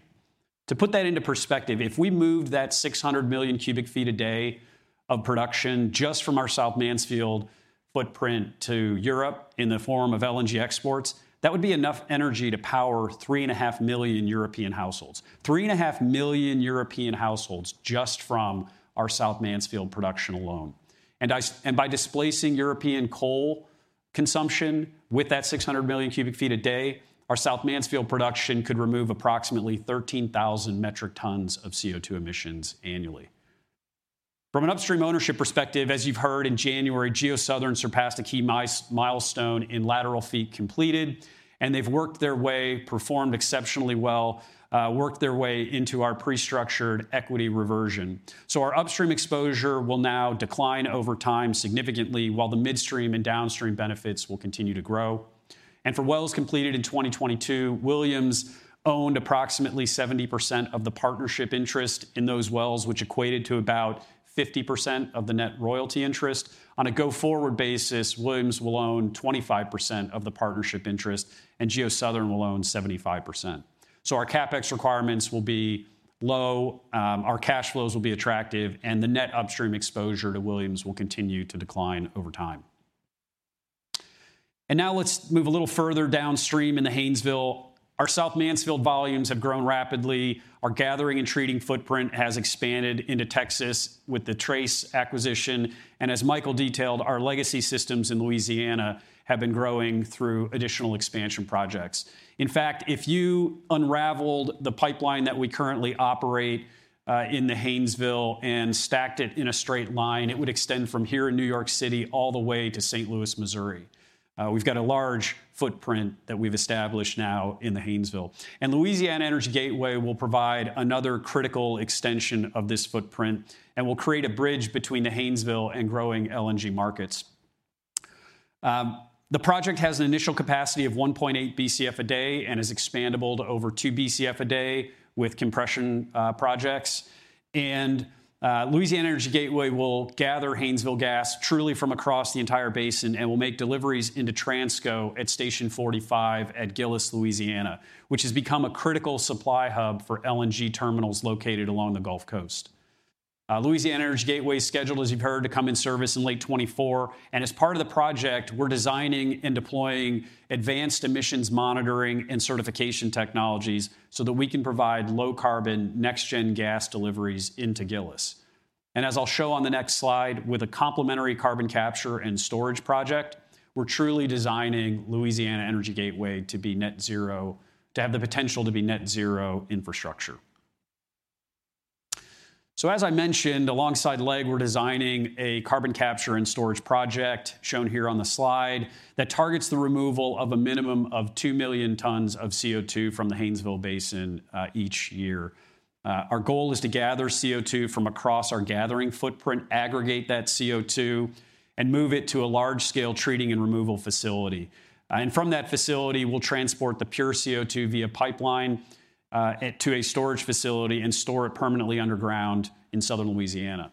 Speaker 6: To put that into perspective, if we moved that 600 million cu ft a day of production just from our South Mansfield footprint to Europe in the form of LNG exports, that would be enough energy to power 3.5 million European households. 3.5 million European households just from our South Mansfield production alone. By displacing European coal consumption with that 600 million cu ft a day, our South Mansfield production could remove approximately 13,000 metric tons of CO2 emissions annually. From an upstream ownership perspective, as you've heard, in January, GeoSouthern surpassed a key milestone in lateral feet completed, and they've worked their way, performed exceptionally well, worked their way into our prestructured equity reversion. Our upstream exposure will now decline over time significantly, while the midstream and downstream benefits will continue to grow. For wells completed in 2022, Williams owned approximately 70% of the partnership interest in those wells, which equated to about 50% of the net royalty interest. On a go-forward basis, Williams will own 25% of the partnership interest and GeoSouthern will own 75%. Our CapEx requirements will be low, our cash flows will be attractive, and the net upstream exposure to Williams will continue to decline over time. Now let's move a little further downstream in the Haynesville. Our South Mansfield volumes have grown rapidly. Our gathering and trading footprint has expanded into Texas with the Trace Midstream acquisition. As Micheal detailed, our legacy systems in Louisiana have been growing through additional expansion projects. In fact, if you unraveled the pipeline that we currently operate in the Haynesville and stacked it in a straight line, it would extend from here in New York City all the way to St. Louis, Missouri. We've got a large footprint that we've established now in the Haynesville. Louisiana Energy Gateway will provide another critical extension of this footprint and will create a bridge between the Haynesville and growing LNG markets. The project has an initial capacity of 1.8 BCF a day and is expandable to over two BCF a day with compression projects. Louisiana Energy Gateway will gather Haynesville gas truly from across the entire basin and will make deliveries into Transco at station 45 at Gillis, Louisiana, which has become a critical supply hub for LNG terminals located along the Gulf Coast. Louisiana Energy Gateway is scheduled, as you've heard, to come in service in late 2024. As part of the project, we're designing and deploying advanced emissions monitoring and certification technologies so that we can provide low carbon NextGen Gas deliveries into Gillis. As I'll show on the next slide, with a complementary carbon capture and storage project, we're truly designing Louisiana Energy Gateway to have the potential to be net zero infrastructure. As I mentioned, alongside LEG, we're designing a carbon capture and storage project, shown here on the slide, that targets the removal of a minimum of 2 million tons of CO2 from the Haynesville Basin each year. Our goal is to gather CO2 from across our gathering footprint, aggregate that CO2, and move it to a large-scale treating and removal facility. From that facility, we'll transport the pure CO2 via pipeline to a storage facility and store it permanently underground in southern Louisiana.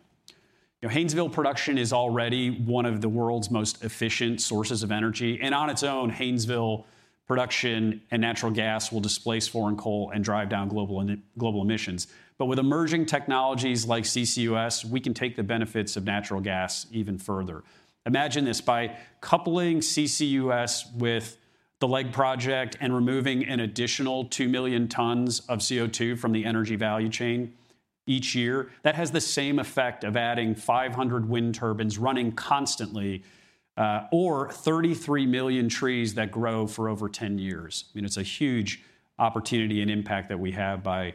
Speaker 6: You know, Haynesville production is already one of the world's most efficient sources of energy. On its own, Haynesville production and natural gas will displace foreign coal and drive down global emissions. With emerging technologies like CCUS, we can take the benefits of natural gas even further. Imagine this, by coupling CCUS with the LEG project and removing an additional 2 million tons of CO2 from the energy value chain each year, that has the same effect of adding 500 wind turbines running constantly, or 33 million trees that grow for over 10 years. I mean, it's a huge opportunity and impact that we have by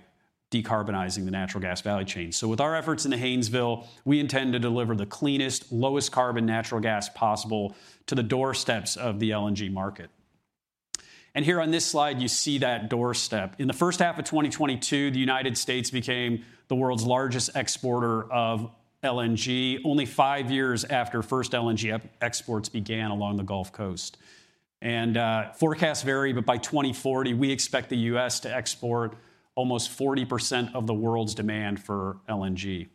Speaker 6: decarbonizing the natural gas value chain. With our efforts in the Haynesville, we intend to deliver the cleanest, lowest carbon natural gas possible to the doorsteps of the LNG market. Here on this slide, you see that doorstep. In the first half of 2022, the United States became the world's largest exporter of LNG, only five years after first LNG exports began along the Gulf Coast. Forecasts vary, but by 2040, we expect the U.S. to export almost 40% of the world's demand for LNG.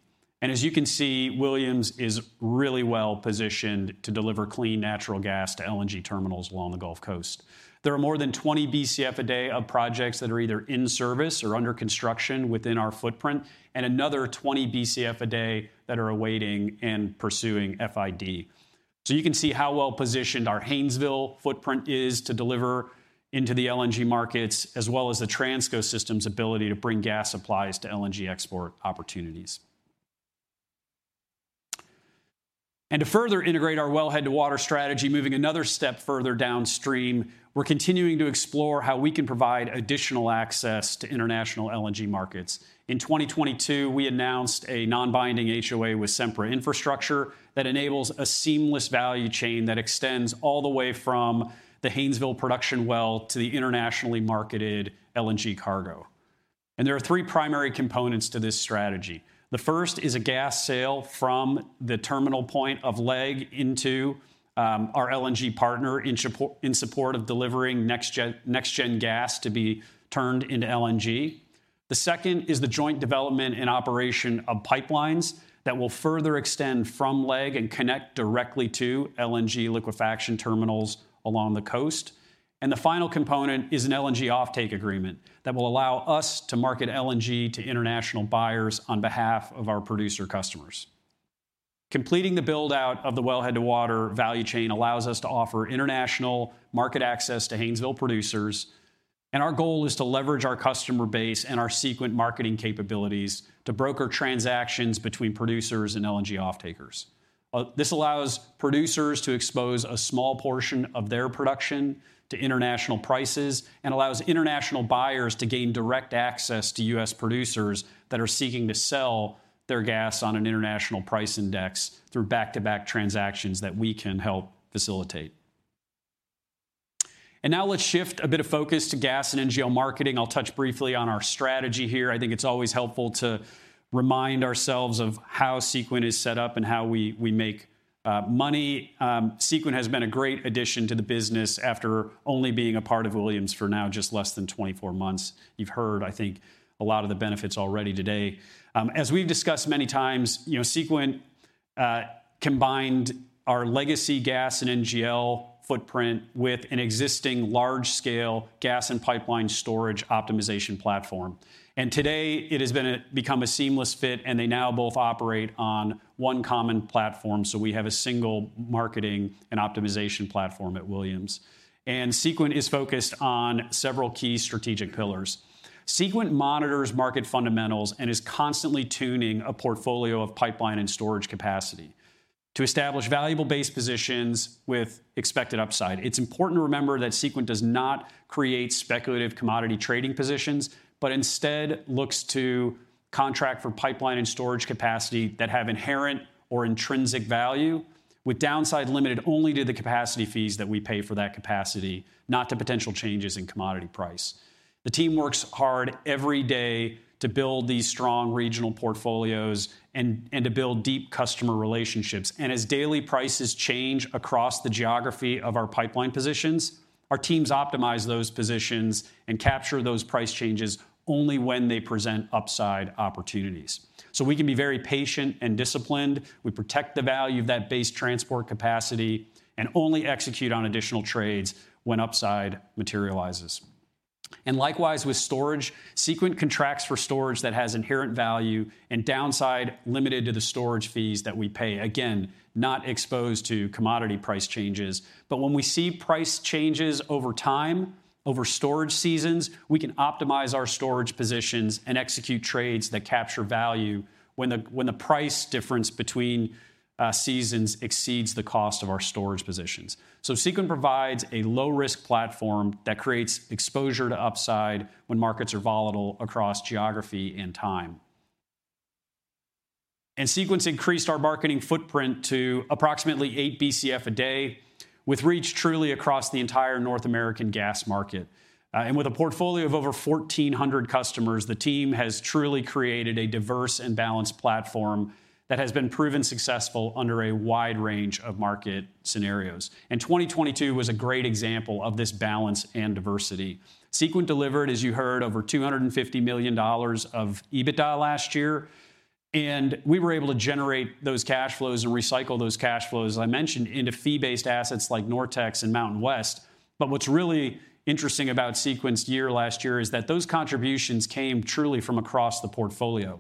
Speaker 6: As you can see, Williams is really well-positioned to deliver clean natural gas to LNG terminals along the Gulf Coast. There are more than 20 BCF a day of projects that are either in service or under construction within our footprint, and another 20 BCF a day that are awaiting and pursuing FID. You can see how well-positioned our Haynesville footprint is to deliver into the LNG markets, as well as the Transco system's ability to bring gas supplies to LNG export opportunities. To further integrate our wellhead-to-water strategy, moving another step further downstream, we're continuing to explore how we can provide additional access to international LNG markets. In 2022, we announced a non-binding HOA with Sempra Infrastructure that enables a seamless value chain that extends all the way from the Haynesville production well to the internationally marketed LNG cargo. There are three primary components to this strategy. The first is a gas sale from the terminal point of LEG into our LNG partner in support of delivering NextGen Gas to be turned into LNG. The second is the joint development and operation of pipelines that will further extend from LEG and connect directly to LNG liquefaction terminals along the coast. The final component is an LNG offtake agreement that will allow us to market LNG to international buyers on behalf of our producer customers. Completing the build-out of the wellhead-to-water value chain allows us to offer international market access to Haynesville producers. Our goal is to leverage our customer base and our Sequent marketing capabilities to broker transactions between producers and LNG offtakers. This allows producers to expose a small portion of their production to international prices and allows international buyers to gain direct access to U.S. producers that are seeking to sell their gas on an international price index through back-to-back transactions that we can help facilitate. Now let's shift a bit of focus to gas and NGL marketing. I'll touch briefly on our strategy here. I think it's always helpful to remind ourselves of how Sequent is set up and how we make money. Sequent has been a great addition to the business after only being a part of Williams for now just less than 24 months. You've heard, I think, a lot of the benefits already today. As we've discussed many times, you know, Sequent combined our legacy gas and NGL footprint with an existing large-scale gas and pipeline storage optimization platform. Today, it has become a seamless fit, and they now both operate on one common platform, so we have a single marketing and optimization platform at Williams. Sequent is focused on several key strategic pillars. Sequent monitors market fundamentals and is constantly tuning a portfolio of pipeline and storage capacity to establish valuable base positions with expected upside. It's important to remember that Sequent does not create speculative commodity trading positions, but instead looks to contract for pipeline and storage capacity that have inherent or intrinsic value with downside limited only to the capacity fees that we pay for that capacity, not to potential changes in commodity price. The team works hard every day to build these strong regional portfolios and to build deep customer relationships. As daily prices change across the geography of our pipeline positions, our teams optimize those positions and capture those price changes only when they present upside opportunities. We can be very patient and disciplined. We protect the value of that base transport capacity and only execute on additional trades when upside materializes. Likewise with storage, Sequent contracts for storage that has inherent value and downside limited to the storage fees that we pay. Again, not exposed to commodity price changes. When we see price changes over time, over storage seasons, we can optimize our storage positions and execute trades that capture value when the price difference between seasons exceeds the cost of our storage positions. Sequent provides a low-risk platform that creates exposure to upside when markets are volatile across geography and time. Sequent's increased our marketing footprint to approximately eight BCF a day with reach truly across the entire North American gas market. With a portfolio of over 1,400 customers, the team has truly created a diverse and balanced platform that has been proven successful under a wide range of market scenarios. 2022 was a great example of this balance and diversity. Sequent delivered, as you heard, over $250 million of EBITDA last year, and we were able to generate those cash flows and recycle those cash flows, as I mentioned, into fee-based assets like NorTex and Mountain West. What's really interesting about Sequent's year last year is that those contributions came truly from across the portfolio.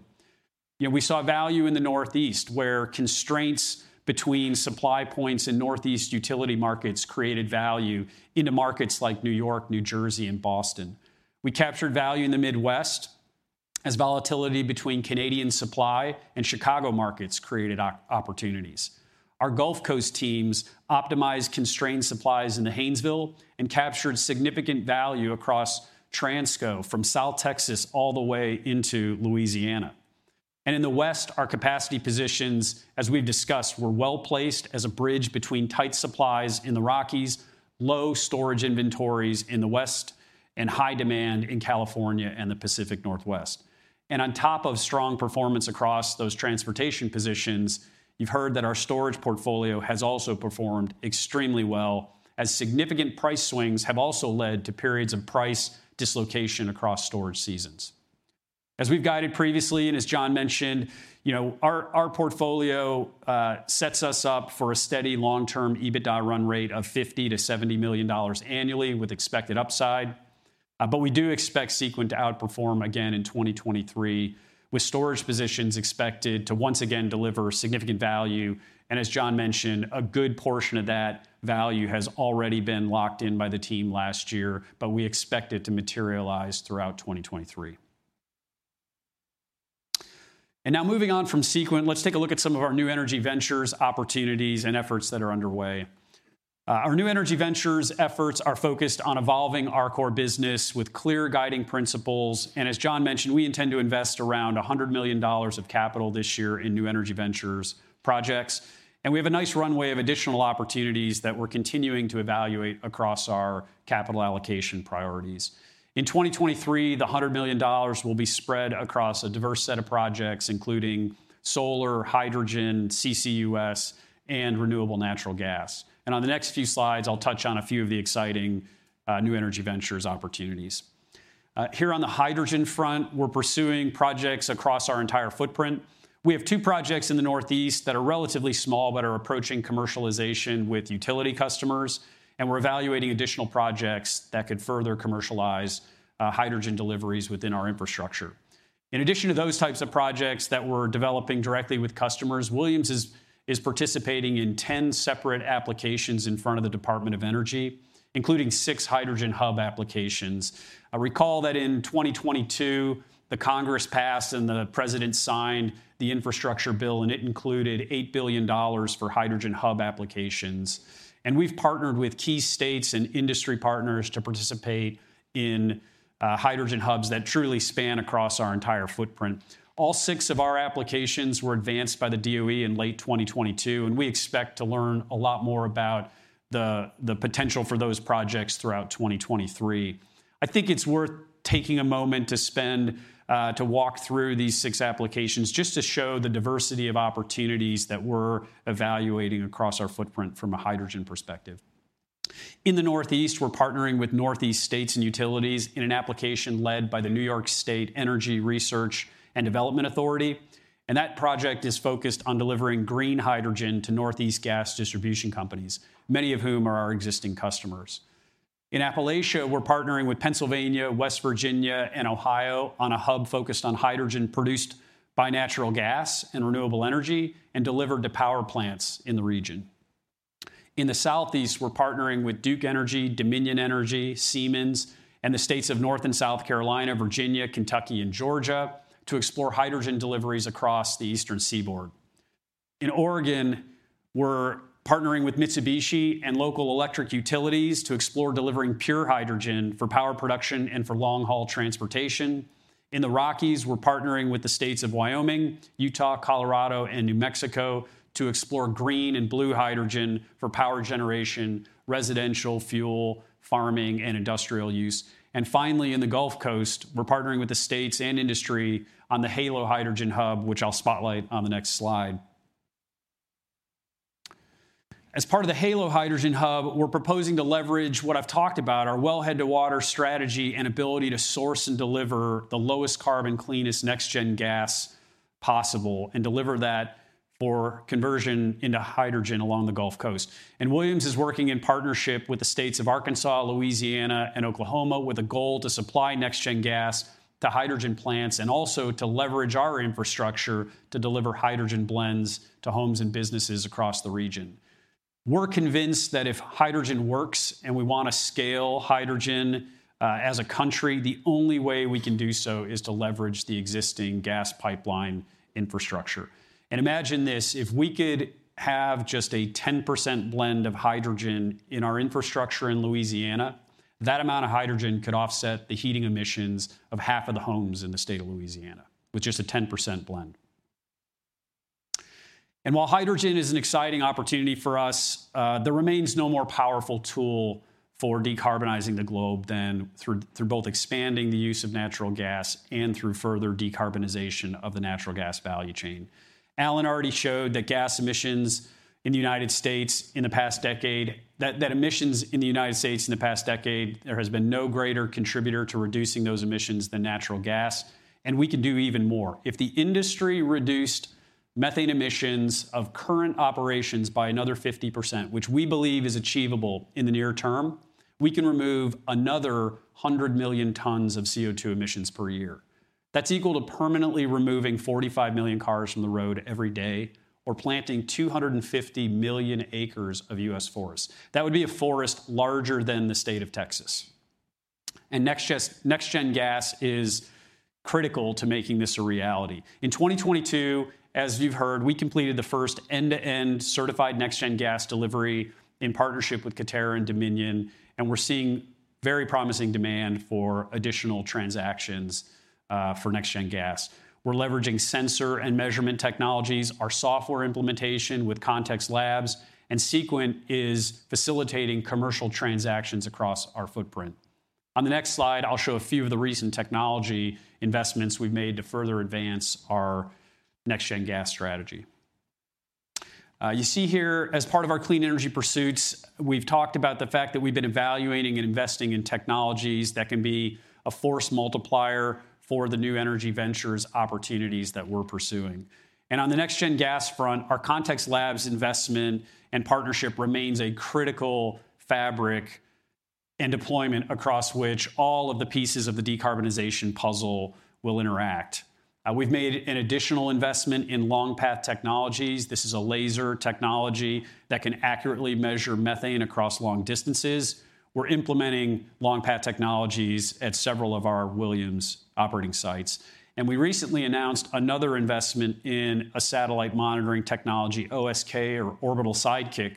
Speaker 6: You know, we saw value in the Northeast, where constraints between supply points and Northeast utility markets created value into markets like New York, New Jersey, and Boston. We captured value in the Midwest as volatility between Canadian supply and Chicago markets created opportunities. Our Gulf Coast teams optimized constrained supplies into Haynesville and captured significant value across Transco from South Texas all the way into Louisiana. In the West, our capacity positions, as we've discussed, were well-placed as a bridge between tight supplies in the Rockies, low storage inventories in the West, and high demand in California and the Pacific Northwest. On top of strong performance across those transportation positions, you've heard that our storage portfolio has also performed extremely well, as significant price swings have also led to periods of price dislocation across storage seasons. As we've guided previously, and as John mentioned, you know, our portfolio sets us up for a steady long-term EBITDA run rate of $50 million-$70 million annually with expected upside. We do expect Sequent to outperform again in 2023, with storage positions expected to once again deliver significant value. As John mentioned, a good portion of that value has already been locked in by the team last year, but we expect it to materialize throughout 2023. Now moving on from Sequent, let's take a look at some of our new energy ventures, opportunities, and efforts that are underway. Our new energy ventures efforts are focused on evolving our core business with clear guiding principles. As John mentioned, we intend to invest around $100 million of capital this year in new energy ventures projects. We have a nice runway of additional opportunities that we're continuing to evaluate across our capital allocation priorities. In 2023, the $100 million will be spread across a diverse set of projects, including solar, hydrogen, CCUS, and renewable natural gas. On the next few slides, I'll touch on a few of the exciting new energy ventures opportunities. Here on the hydrogen front, we're pursuing projects across our entire footprint. We have two projects in the Northeast that are relatively small but are approaching commercialization with utility customers, and we're evaluating additional projects that could further commercialize hydrogen deliveries within our infrastructure. In addition to those types of projects that we're developing directly with customers, Williams is participating in 10 separate applications in front of the Department of Energy, including six hydrogen hub applications. I recall that in 2022, the Congress passed and the President signed the infrastructure bill, and it included $8 billion for hydrogen hub applications. We've partnered with key states and industry partners to participate in hydrogen hubs that truly span across our entire footprint. All six of our applications were advanced by the DOE in late 2022, and we expect to learn a lot more about the potential for those projects throughout 2023. I think it's worth taking a moment to spend to walk through these six applications just to show the diversity of opportunities that we're evaluating across our footprint from a hydrogen perspective. In the Northeast, we're partnering with Northeast states and utilities in an application led by the New York State Energy Research and Development Authority, and that project is focused on delivering green hydrogen to Northeast gas distribution companies, many of whom are our existing customers. In Appalachia, we're partnering with Pennsylvania, West Virginia, and Ohio on a hub focused on hydrogen produced by natural gas and renewable energy and delivered to power plants in the region. In the Southeast, we're partnering with Duke Energy, Dominion Energy, Siemens, and the states of North and South Carolina, Virginia, Kentucky, and Georgia to explore hydrogen deliveries across the Eastern Seaboard. In Oregon, we're partnering with Mitsubishi and local electric utilities to explore delivering pure hydrogen for power production and for long-haul transportation. In the Rockies, we're partnering with the states of Wyoming, Utah, Colorado, and New Mexico to explore green and blue hydrogen for power generation, residential fuel, farming, and industrial use. Finally, in the Gulf Coast, we're partnering with the states and industry on the Halo Hydrogen Hub, which I'll spotlight on the next slide. As part of the Halo Hydrogen Hub, we're proposing to leverage what I've talked about, our wellhead-to-water strategy and ability to source and deliver the lowest carbon, cleanest NextGen Gas possible and deliver that for conversion into hydrogen along the Gulf Coast. Williams is working in partnership with the states of Arkansas, Louisiana, and Oklahoma with a goal to supply NextGen Gas to hydrogen plants and also to leverage our infrastructure to deliver hydrogen blends to homes and businesses across the region. We're convinced that if hydrogen works and we wanna scale hydrogen as a country, the only way we can do so is to leverage the existing gas pipeline infrastructure. Imagine this, if we could have just a 10% blend of hydrogen in our infrastructure in Louisiana, that amount of hydrogen could offset the heating emissions of half of the homes in the state of Louisiana with just a 10% blend. While hydrogen is an exciting opportunity for us, there remains no more powerful tool for decarbonizing the globe than through both expanding the use of natural gas and through further decarbonization of the natural gas value chain. Alan already showed that emissions in the United States in the past decade, there has been no greater contributor to reducing those emissions than natural gas, and we can do even more. If the industry reduced methane emissions of current operations by another 50%, which we believe is achievable in the near term, we can remove another 100 million tons of CO2 emissions per year. That's equal to permanently removing 45 million cars from the road every day or planting 250 million acres of U.S. forest. That would be a forest larger than the state of Texas. NextGen Gas is critical to making this a reality. In 2022, as you've heard, we completed the first end-to-end certified NextGen Gas delivery in partnership with Coterra Energy and Dominion Energy, and we're seeing very promising demand for additional transactions for NextGen Gas. We're leveraging sensor and measurement technologies, our software implementation with Context Labs, and Sequent is facilitating commercial transactions across our footprint. On the next slide, I'll show a few of the recent technology investments we've made to further advance our NextGen Gas strategy. You see here, as part of our clean energy pursuits, we've talked about the fact that we've been evaluating and investing in technologies that can be a force multiplier for the new energy ventures opportunities that we're pursuing. On the NextGen Gas front, our Context Labs investment and partnership remains a critical fabric and deployment across which all of the pieces of the decarbonization puzzle will interact. We've made an additional investment in LongPath Technologies. This is a laser technology that can accurately measure methane across long distances. We're implementing LongPath Technologies at several of our Williams operating sites. We recently announced another investment in a satellite monitoring technology, OSK or Orbital Sidekick.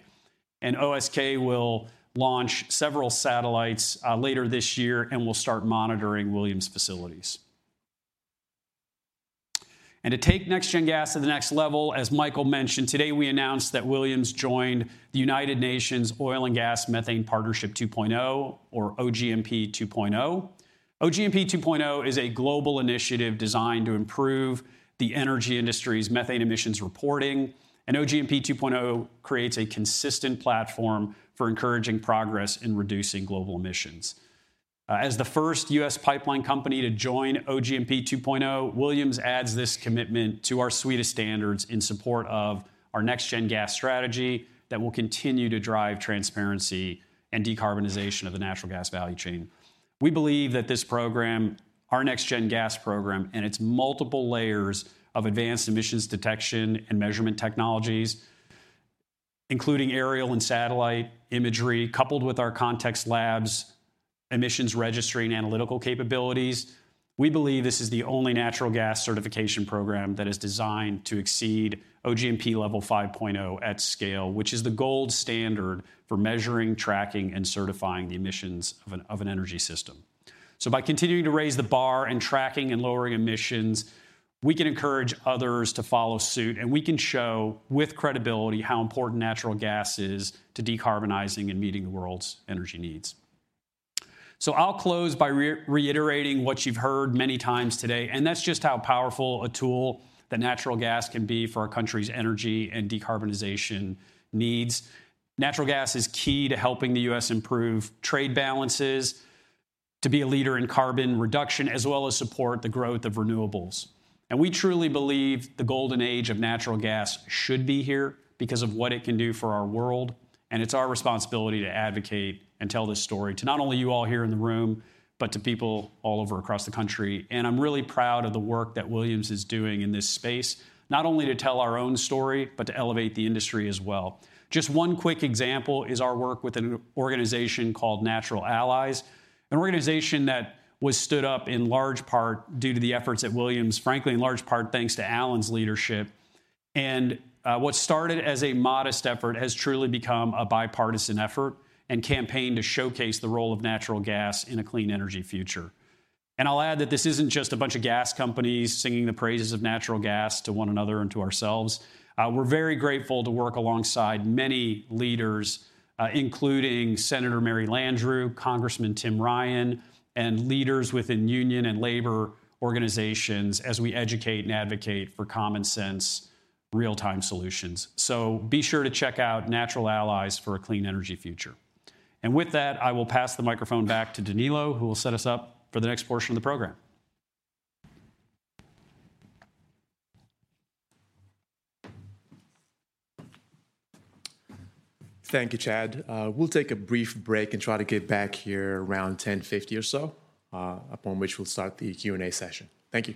Speaker 6: OSK will launch several satellites later this year and will start monitoring Williams facilities. To take NextGen Gas to the next level, as Micheal mentioned, today we announced that Williams joined the United Nations Oil and Gas Methane Partnership 2.0, or OGMP 2.0. OGMP 2.0 is a global initiative designed to improve the energy industry's methane emissions reporting. OGMP 2.0 creates a consistent platform for encouraging progress in reducing global emissions. As the first U.S. pipeline company to join OGMP 2.0, Williams adds this commitment to our suite of standards in support of our NextGen Gas strategy that will continue to drive transparency and decarbonization of the natural gas value chain. We believe that this program, our NextGen Gas program, and its multiple layers of advanced emissions detection and measurement technologies, including aerial and satellite imagery, coupled with our Context Labs emissions registry and analytical capabilities, we believe this is the only natural gas certification program that is designed to exceed OGMP level 5.0 at scale, which is the gold standard for measuring, tracking, and certifying the emissions of an energy system. By continuing to raise the bar and tracking and lowering emissions, we can encourage others to follow suit, and we can show with credibility how important natural gas is to decarbonizing and meeting the world's energy needs. I'll close by re-reiterating what you've heard many times today, and that's just how powerful a tool that natural gas can be for our country's energy and decarbonization needs. Natural gas is key to helping the U.S. improve trade balances, to be a leader in carbon reduction, as well as support the growth of renewables. We truly believe the golden age of natural gas should be here because of what it can do for our world, and it's our responsibility to advocate and tell this story to not only you all here in the room, but to people all over across the country. I'm really proud of the work that Williams is doing in this space, not only to tell our own story, but to elevate the industry as well. Just one quick example is our work with an organization called Natural Allies, an organization that was stood up in large part due to the efforts at Williams, frankly, in large part thanks to Alan's leadership. What started as a modest effort has truly become a bipartisan effort and campaign to showcase the role of natural gas in a clean energy future. I'll add that this isn't just a bunch of gas companies singing the praises of natural gas to one another and to ourselves. We're very grateful to work alongside many leaders, including Senator Mary Landrieu, Congressman Tim Ryan, and leaders within union and labor organizations as we educate and advocate for common sense real-time solutions. Be sure to check out Natural Allies for a Clean Energy Future. With that, I will pass the microphone back to Danilo, who will set us up for the next portion of the program.
Speaker 1: Thank you, Chad. We'll take a brief break and try to get back here around 10:50 or so, upon which we'll start the Q&A session. Thank you.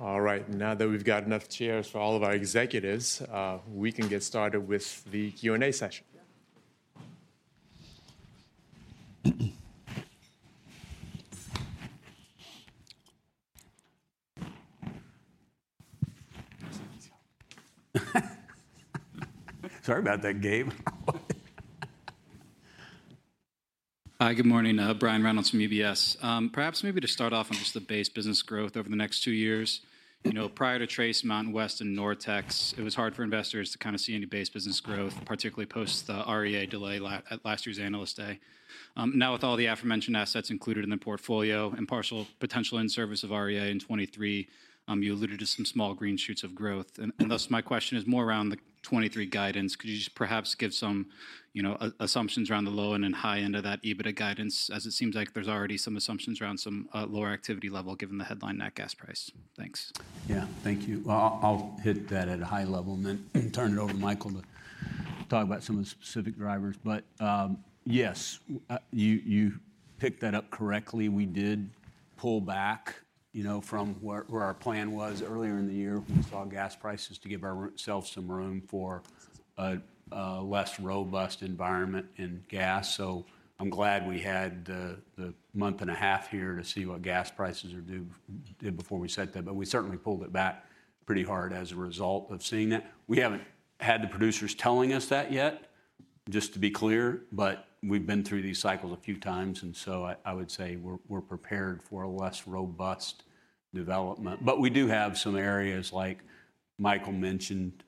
Speaker 1: Now that we've got enough chairs for all of our executives, we can get started with the Q&A session.
Speaker 5: Sorry about that, Gabe.
Speaker 7: Hi, good morning. Brian Reynolds from UBS. Perhaps maybe to start off on just the base business growth over the next two years.
Speaker 5: Mm-hmm.
Speaker 7: You know, prior to Trace, Mountain West, and Nortex, it was hard for investors to kind of see any base business growth, particularly post the REA delay at last year's Analyst Day. Now with all the aforementioned assets included in the portfolio and partial potential in service of REA in 2023, you alluded to some small green shoots of growth. Thus my question is more around the 2023 guidance. Could you just perhaps give some, you know, assumptions around the low and then high end of that EBITDA guidance, as it seems like there's already some assumptions around some lower activity level given the headline nat gas price? Thanks.
Speaker 5: Yeah. Thank you. Well, I'll hit that at a high level and then turn it over to Micheal to talk about some of the specific drivers. Yes, you picked that up correctly. We did pull back, you know, from where our plan was earlier in the year when we saw gas prices to give our ourselves some room for a less robust environment in gas. I'm glad we had the month and a half here to see what gas prices are due before we set that. We certainly pulled it back pretty hard as a result of seeing that. We haven't had the producers telling us that yet, just to be clear, but we've been through these cycles a few times. I would say we're prepared for a less robust development. We do have some areas, like Micheal mentioned,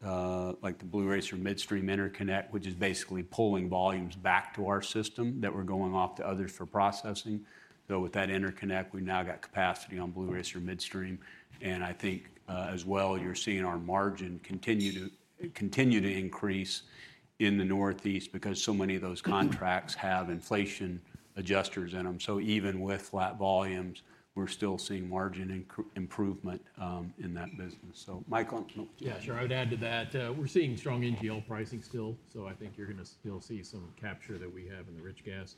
Speaker 5: like the Blue Racer Midstream interconnect, which is basically pulling volumes back to our system that were going off to others for processing. With that interconnect, we've now got capacity on Blue Racer Midstream. I think, as well, you're seeing our margin continue to increase in the Northeast because so many of those contracts have inflation adjusters in them. Even with flat volumes, we're still seeing margin improvement in that business. Micheal.
Speaker 4: Yeah, sure. I would add to that, we're seeing strong NGL pricing still, so I think you're gonna still see some capture that we have in the rich gas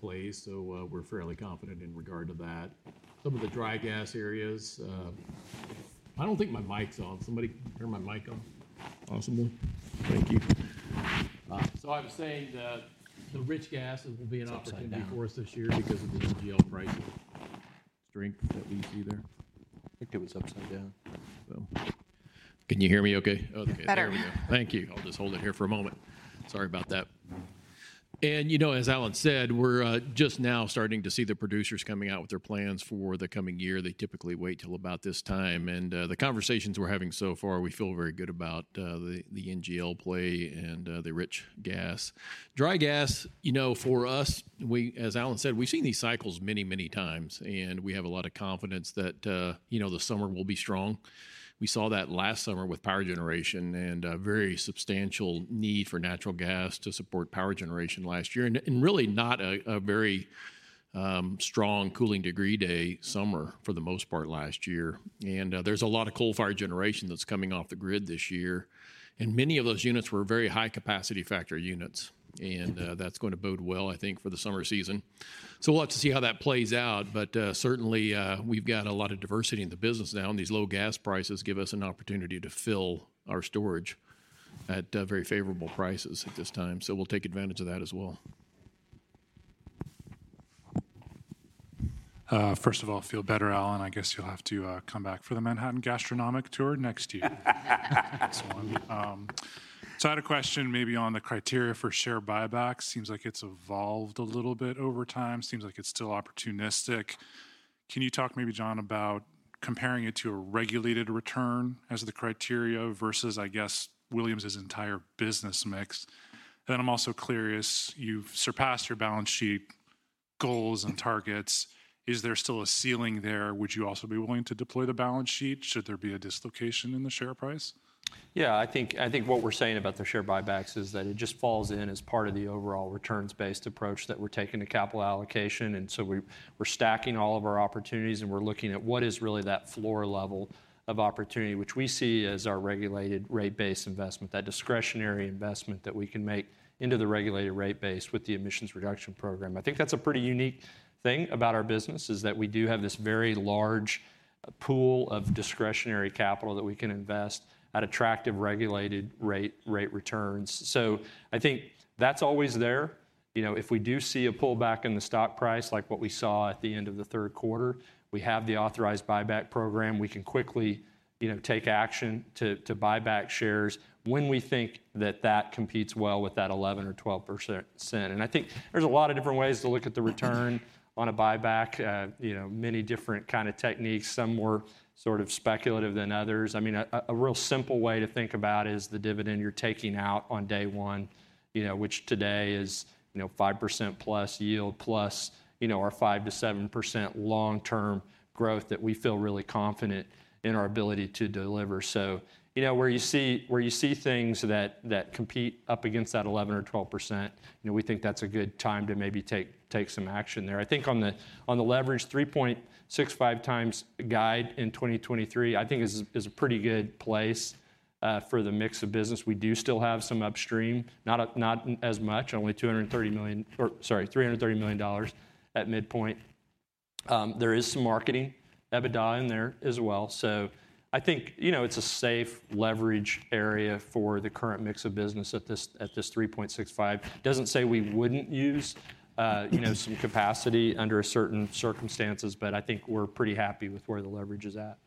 Speaker 4: plays, so we're fairly confident in regard to that. Some of the dry gas areas. I don't think my mic's on. Somebody turn my mic on. Awesome. Thank you. I was saying that the rich gas will be an opportunity-
Speaker 5: It's upside down.
Speaker 4: For us this year because of the NGL price strength that we see there.
Speaker 5: I think it was upside down.
Speaker 4: Can you hear me okay? Okay.
Speaker 8: Better.
Speaker 4: There we go. Thank you. I'll just hold it here for a moment. Sorry about that. You know, as Alan said, we're just now starting to see the producers coming out with their plans for the coming year. They typically wait till about this time. The conversations we're having so far, we feel very good about the NGL play and the rich gas. Dry gas, you know, for us, as Alan said, we've seen these cycles many, many times, and we have a lot of confidence that, you know, the summer will be strong. We saw that last summer with power generation and a very substantial need for natural gas to support power generation last year, and really not a very strong cooling degree day summer for the most part last year. There's a lot of coal fire generation that's coming off the grid this year, and many of those units were very high capacity factor units, and that's going to bode well, I think, for the summer season. We'll have to see how that plays out, but certainly, we've got a lot of diversity in the business now, and these low gas prices give us an opportunity to fill our storage at very favorable prices at this time. We'll take advantage of that as well.
Speaker 9: First of all, feel better, Alan. I guess you'll have to come back for the Manhattan Gastronomic Tour next year. Excellent. I had a question maybe on the criteria for share buybacks. Seems like it's evolved a little bit over time. Seems like it's still opportunistic. Can you talk maybe, John, about comparing it to a regulated return as the criteria versus, I guess, Williams's entire business mix? I'm also curious, you've surpassed your balance sheet goals and targets. Is there still a ceiling there? Would you also be willing to deploy the balance sheet should there be a dislocation in the share price?
Speaker 5: Yeah, I think what we're saying about the share buybacks is that it just falls in as part of the overall returns-based approach that we're taking to capital allocation. We're stacking all of our opportunities, and we're looking at what is really that floor level of opportunity, which we see as our regulated rate base investment, that discretionary investment that we can make into the regulated rate base with the emissions reduction program. I think that's a pretty unique thing about our business, is that we do have this very large pool of discretionary capital that we can invest at attractive regulated rate returns. I think that's always there. You know, if we do see a pullback in the stock price, like what we saw at the end of the 3rd quarter, we have the authorized buyback program. We can quickly, you know, take action to buy back shares when we think that that competes well with that 11% or 12%. I think there's a lot of different ways to look at the return on a buyback, you know, many different kinda techniques, some more sort of speculative than others. I mean, a real simple way to think about is the dividend you're taking out on day one. You know, which today is 5%+ yield plus our 5%-7% long-term growth that we feel really confident in our ability to deliver. Where you see things that compete up against that 11% or 12%, we think that's a good time to maybe take some action there. I think on the leverage, 3.65x guide in 2023, I think is a pretty good place for the mix of business. We do still have some upstream, not as much, only $330 million at midpoint. There is some marketing EBITDA in there as well. I think, you know, it's a safe leverage area for the current mix of business at this 3.65. Doesn't say we wouldn't use, you know, some capacity under certain circumstances, but I think we're pretty happy with where the leverage is at.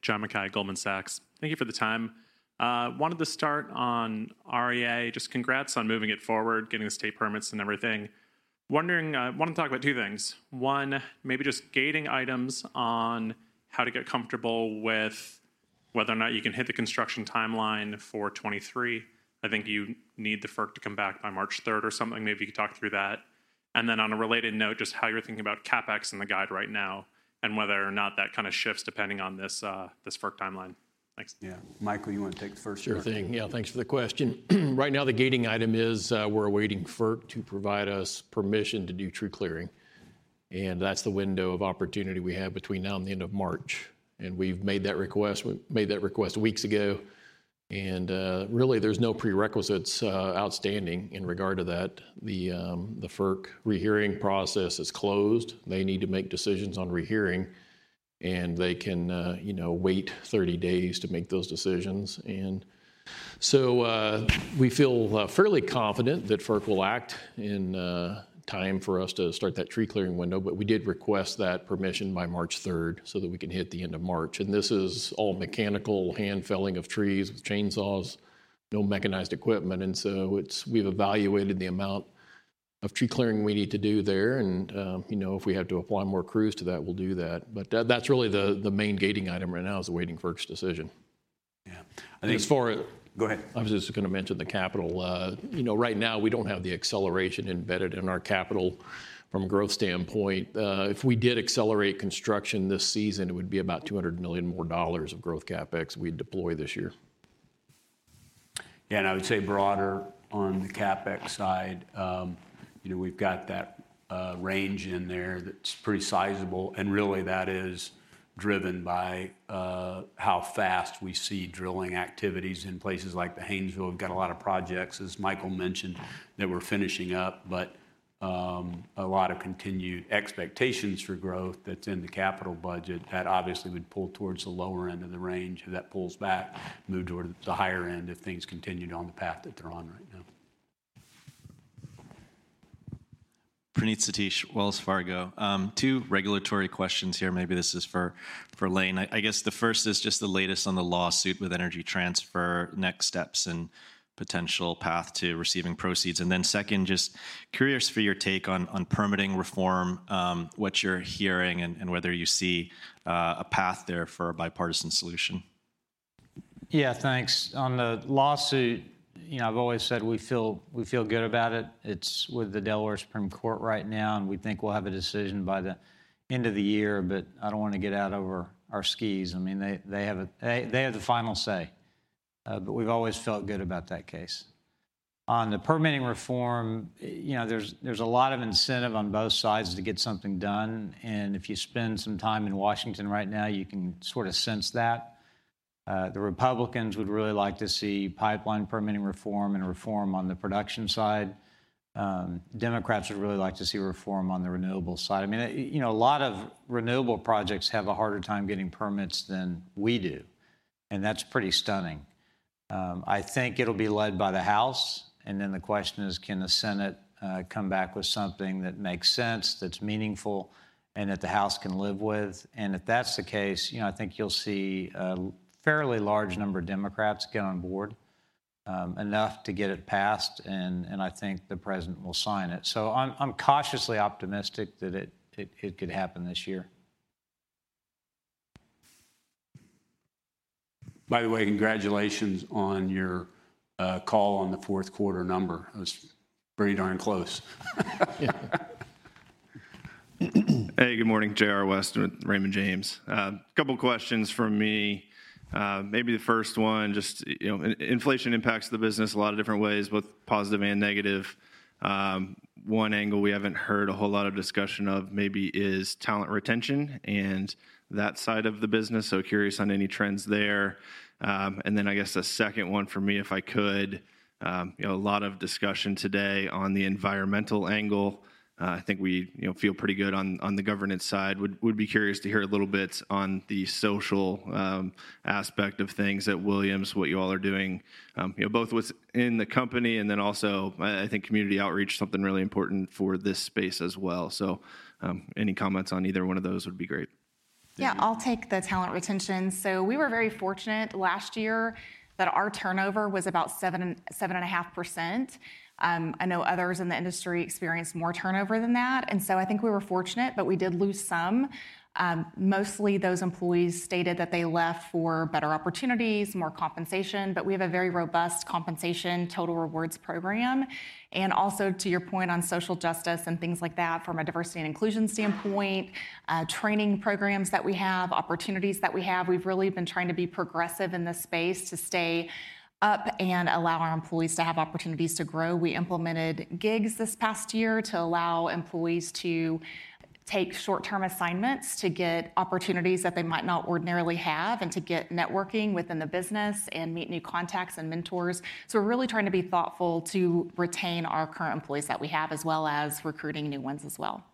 Speaker 10: John Mackay, Goldman Sachs. Thank you for the time. Wanted to start on REA. Congrats on moving it forward, getting the state permits and everything. Wondering, want to talk about two things. One, maybe just gating items on how to get comfortable with whether or not you can hit the construction timeline for 2023. I think you need the FERC to come back by March 3rd or something. Maybe you could talk through that. On a related note, just how you're thinking about CapEx and the guide right now, and whether or not that kind of shifts depending on this FERC timeline. Thanks.
Speaker 3: Yeah. Micheal, you wanna take the first one?
Speaker 4: Sure thing. Yeah, thanks for the question. Right now, the gating item is, we're awaiting FERC to provide us permission to do tree clearing, and that's the window of opportunity we have between now and the end of March. We've made that request. We made that request weeks ago, and really there's no prerequisites outstanding in regard to that. The, the FERC rehearing process is closed. They need to make decisions on rehearing, and they can, you know, wait 30 days to make those decisions. We feel fairly confident that FERC will act in time for us to start that tree clearing window. We did request that permission by March third so that we can hit the end of March. This is all mechanical hand felling of trees with chainsaws, no mechanized equipment. We've evaluated the amount of tree clearing we need to do there and, you know, if we have to apply more crews to that, we'll do that. That's really the main gating item right now is awaiting FERC's decision.
Speaker 3: Yeah.
Speaker 4: As far-
Speaker 3: Go ahead.
Speaker 4: I was just gonna mention the capital. You know, right now we don't have the acceleration embedded in our capital from a growth standpoint. If we did accelerate construction this season, it would be about $200 million more dollars of growth CapEx we'd deploy this year.
Speaker 3: Yeah, I would say broader on the CapEx side, you know, we've got that range in there that's pretty sizable. Really, that is driven by how fast we see drilling activities in places like the Haynesville. We've got a lot of projects, as Micheal mentioned, that we're finishing up. A lot of continued expectations for growth that's in the capital budget, that obviously would pull towards the lower end of the range. If that pulls back, move toward the higher end if things continued on the path that they're on right now.
Speaker 11: Praneeth Satish, Wells Fargo. Two regulatory questions here. Maybe this is for Lane. I guess the first is just the latest on the lawsuit with Energy Transfer, next steps, and potential path to receiving proceeds. Second, just curious for your take on permitting reform, what you're hearing and whether you see a path there for a bipartisan solution.
Speaker 12: Yeah, thanks. On the lawsuit, you know, I've always said we feel good about it. It's with the Delaware Supreme Court right now, and we think we'll have a decision by the end of the year, but I don't wanna get out over our skis. I mean, they have the final say. We've always felt good about that case. On the permitting reform, you know, there's a lot of incentive on both sides to get something done, and if you spend some time in Washington right now, you can sorta sense that. The Republicans would really like to see pipeline permitting reform and reform on the production side. Democrats would really like to see reform on the renewable side. I mean, you know, a lot of renewable projects have a harder time getting permits than we do, and that's pretty stunning. I think it'll be led by the House, and then the question is can the Senate come back with something that makes sense, that's meaningful, and that the House can live with? If that's the case, you know, I think you'll see a fairly large number of Democrats get on board, enough to get it passed, and I think the President will sign it. I'm cautiously optimistic that it could happen this year.
Speaker 3: By the way, congratulations on your call on the fourth quarter number. It was pretty darn close.
Speaker 12: Yeah.
Speaker 13: Hey, good morning. J.R. LaMorgese with Raymond James. Couple questions from me. Maybe the first one, just, you know, inflation impacts the business a lot of different ways, both positive and negative. One angle we haven't heard a whole lot of discussion of maybe is talent retention and that side of the business, curious on any trends there. I guess a second one for me, if I could, you know, a lot of discussion today on the environmental angle. I think we, you know, feel pretty good on the governance side. Would be curious to hear a little bit on the social aspect of things at Williams, what you all are doing, you know, both within the company and then also I think community outreach is something really important for this space as well. Any comments on either one of those would be great.
Speaker 8: Yeah, I'll take the talent retention. We were very fortunate last year that our turnover was about 7.5%. I know others in the industry experienced more turnover than that. I think we were fortunate, but we did lose some. Mostly those employees stated that they left for better opportunities, more compensation, but we have a very robust compensation total rewards program. Also to your point on social justice and things like that from a diversity and inclusion standpoint, training programs that we have, opportunities that we have, we've really been trying to be progressive in this space to stay up and allow our employees to have opportunities to grow. We implemented gigs this past year to allow employees to take short-term assignments to get opportunities that they might not ordinarily have, and to get networking within the business and meet new contacts and mentors. We're really trying to be thoughtful to retain our current employees that we have, as well as recruiting new ones as well.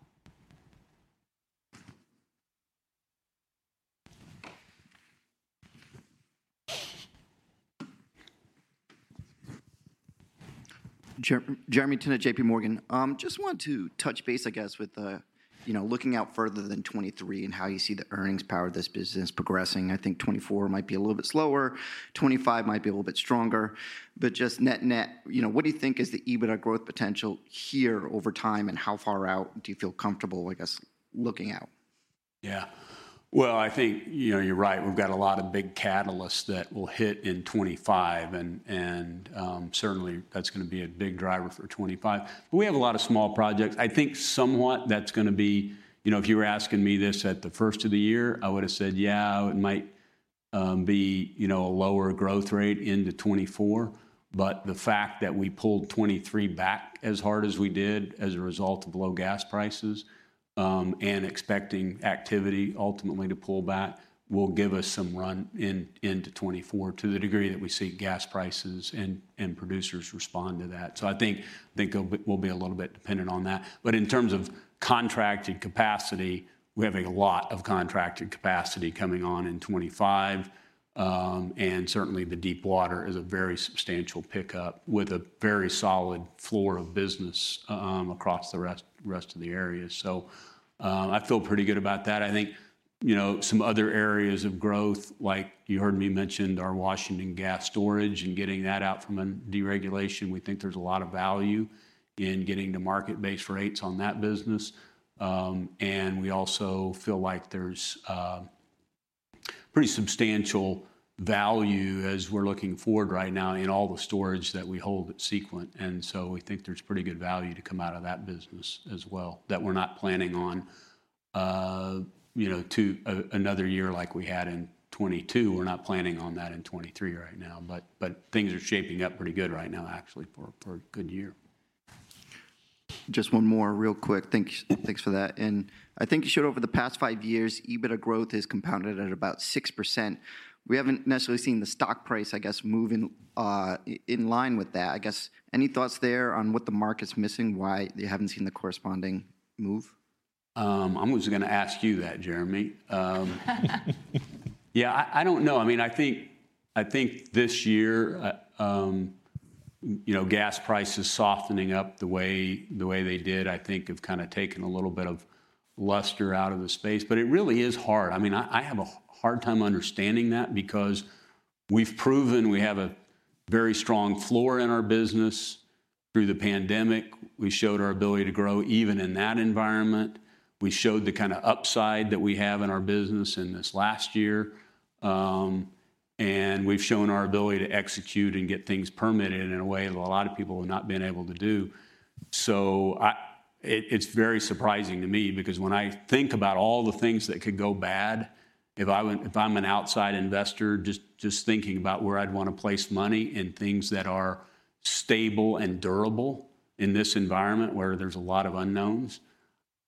Speaker 14: Justin Jenkins, J.P. Morgan. Just wanted to touch base, I guess, with, you know, looking out further than 2023 and how you see the earnings power of this business progressing. I think 2024 might be a little bit slower, 2025 might be a little bit stronger. Just net-net, you know, what do you think is the EBITDA growth potential here over time, and how far out do you feel comfortable, I guess, looking out?
Speaker 3: Yeah. Well, I think, you know, you're right. We've got a lot of big catalysts that will hit in 25 and, certainly that's gonna be a big driver for 25. We have a lot of small projects. I think somewhat that's gonna be, you know, if you were asking me this at the first of the year, I would've said, "Yeah, it might be, you know, a lower growth rate into 24." The fact that we pulled 23 back as hard as we did as a result of low gas prices, and expecting activity ultimately to pull back, will give us some run into 24 to the degree that we see gas prices and producers respond to that. I think we'll be a little bit dependent on that. In terms of contracted capacity, we have a lot of contracted capacity coming on in 25. Certainly the Deepwater is a very substantial pickup with a very solid floor of business, across the rest of the areas. I feel pretty good about that. I think, you know, some other areas of growth, like you heard me mention our Washington gas storage and getting that out from under deregulation. We think there's a lot of value in getting to market-based rates on that business. We also feel like there's pretty substantial value as we're looking forward right now in all the storage that we hold at Sequent. We think there's pretty good value to come out of that business as well that we're not planning on, you know, to another year like we had in 22. We're not planning on that in 23 right now. Things are shaping up pretty good right now, actually, for a, for a good year.
Speaker 14: Just one more real quick. Thanks for that. I think you showed over the past five years, EBITDA growth is compounded at about 6%. We haven't necessarily seen the stock price, I guess, move in line with that. I guess, any thoughts there on what the market's missing, why you haven't seen the corresponding move?
Speaker 3: I was gonna ask you that, Jeremy. Yeah, I don't know. I mean, I think this year, you know, gas prices softening up the way they did, I think have kind of taken a little bit of luster out of the space. It really is hard. I mean, I have a hard time understanding that because we've proven we have a very strong floor in our business. Through the pandemic, we showed our ability to grow even in that environment. We showed the kind of upside that we have in our business in this last year. We've shown our ability to execute and get things permitted in a way that a lot of people have not been able to do. It's very surprising to me because when I think about all the things that could go bad, if I'm an outside investor just thinking about where I'd want to place money in things that are stable and durable in this environment where there's a lot of unknowns,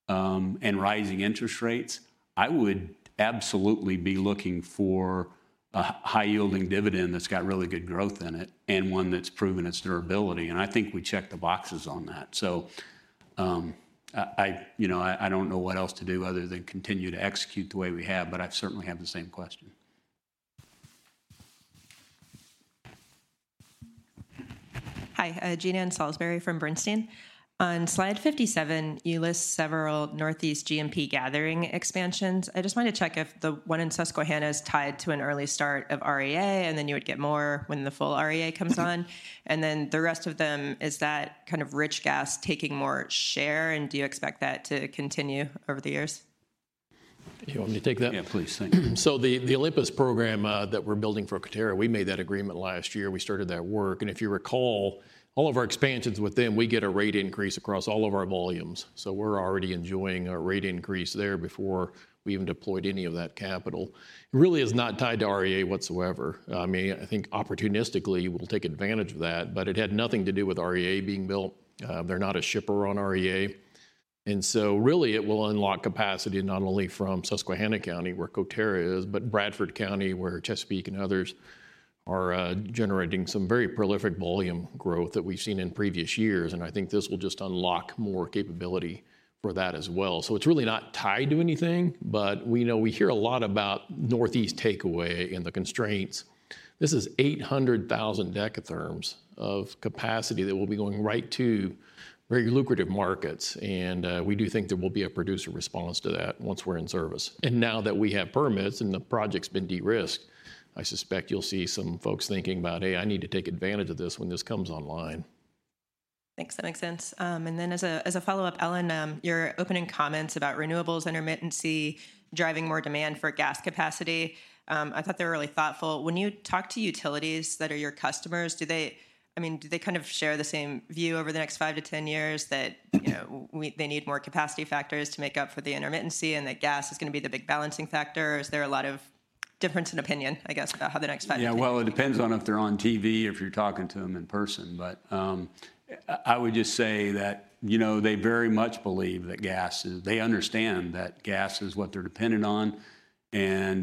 Speaker 3: and rising interest rates, I would absolutely be looking for a high-yielding dividend that's got really good growth in it and one that's proven its durability. I think we check the boxes on that. I, you know, I don't know what else to do other than continue to execute the way we have, but I certainly have the same question.
Speaker 15: Hi. Jean Ann Salisbury from Bernstein. On slide 57, you list several Northeast GMP gathering expansions. I just wanted to check if the one in Susquehanna is tied to an early start of REA, and then you would get more when the full REA comes on. The rest of them, is that kind of rich gas taking more share, and do you expect that to continue over the years?
Speaker 4: You want me to take that?
Speaker 3: Yeah, please. Thank you.
Speaker 4: The Olympus program that we're building for Coterra, we made that agreement last year. We started that work. If you recall, all of our expansions with them, we get a rate increase across all of our volumes. We're already enjoying a rate increase there before we even deployed any of that capital. It really is not tied to REA whatsoever. I mean, I think opportunistically, we'll take advantage of that, but it had nothing to do with REA being built. They're not a shipper on REA. Really, it will unlock capacity not only from Susquehanna County, where Coterra is, but Bradford County, where Chesapeake and others are, generating some very prolific volume growth that we've seen in previous years. I think this will just unlock more capability for that as well. It's really not tied to anything, but we know we hear a lot about Northeast takeaway and the constraints. This is 800,000 dekatherms of capacity that will be going right to very lucrative markets. We do think there will be a producer response to that once we're in service. Now that we have permits and the project's been de-risked, I suspect you'll see some folks thinking about, "Hey, I need to take advantage of this when this comes online.
Speaker 15: Thanks. That makes sense. As a, as a follow-up, Alan, your opening comments about renewables intermittency driving more demand for gas capacity, I thought they were really thoughtful. When you talk to utilities that are your customers, I mean, do they kind of share the same view over the next five to 10 years that, you know, they need more capacity factors to make up for the intermittency and that gas is gonna be the big balancing factor? Is there a lot of difference in opinion, I guess, about how the next five to 10 years-
Speaker 3: Yeah. Well, it depends on if they're on TV or if you're talking to them in person. I would just say that, you know, they very much believe that gas is. They understand that gas is what they're dependent on.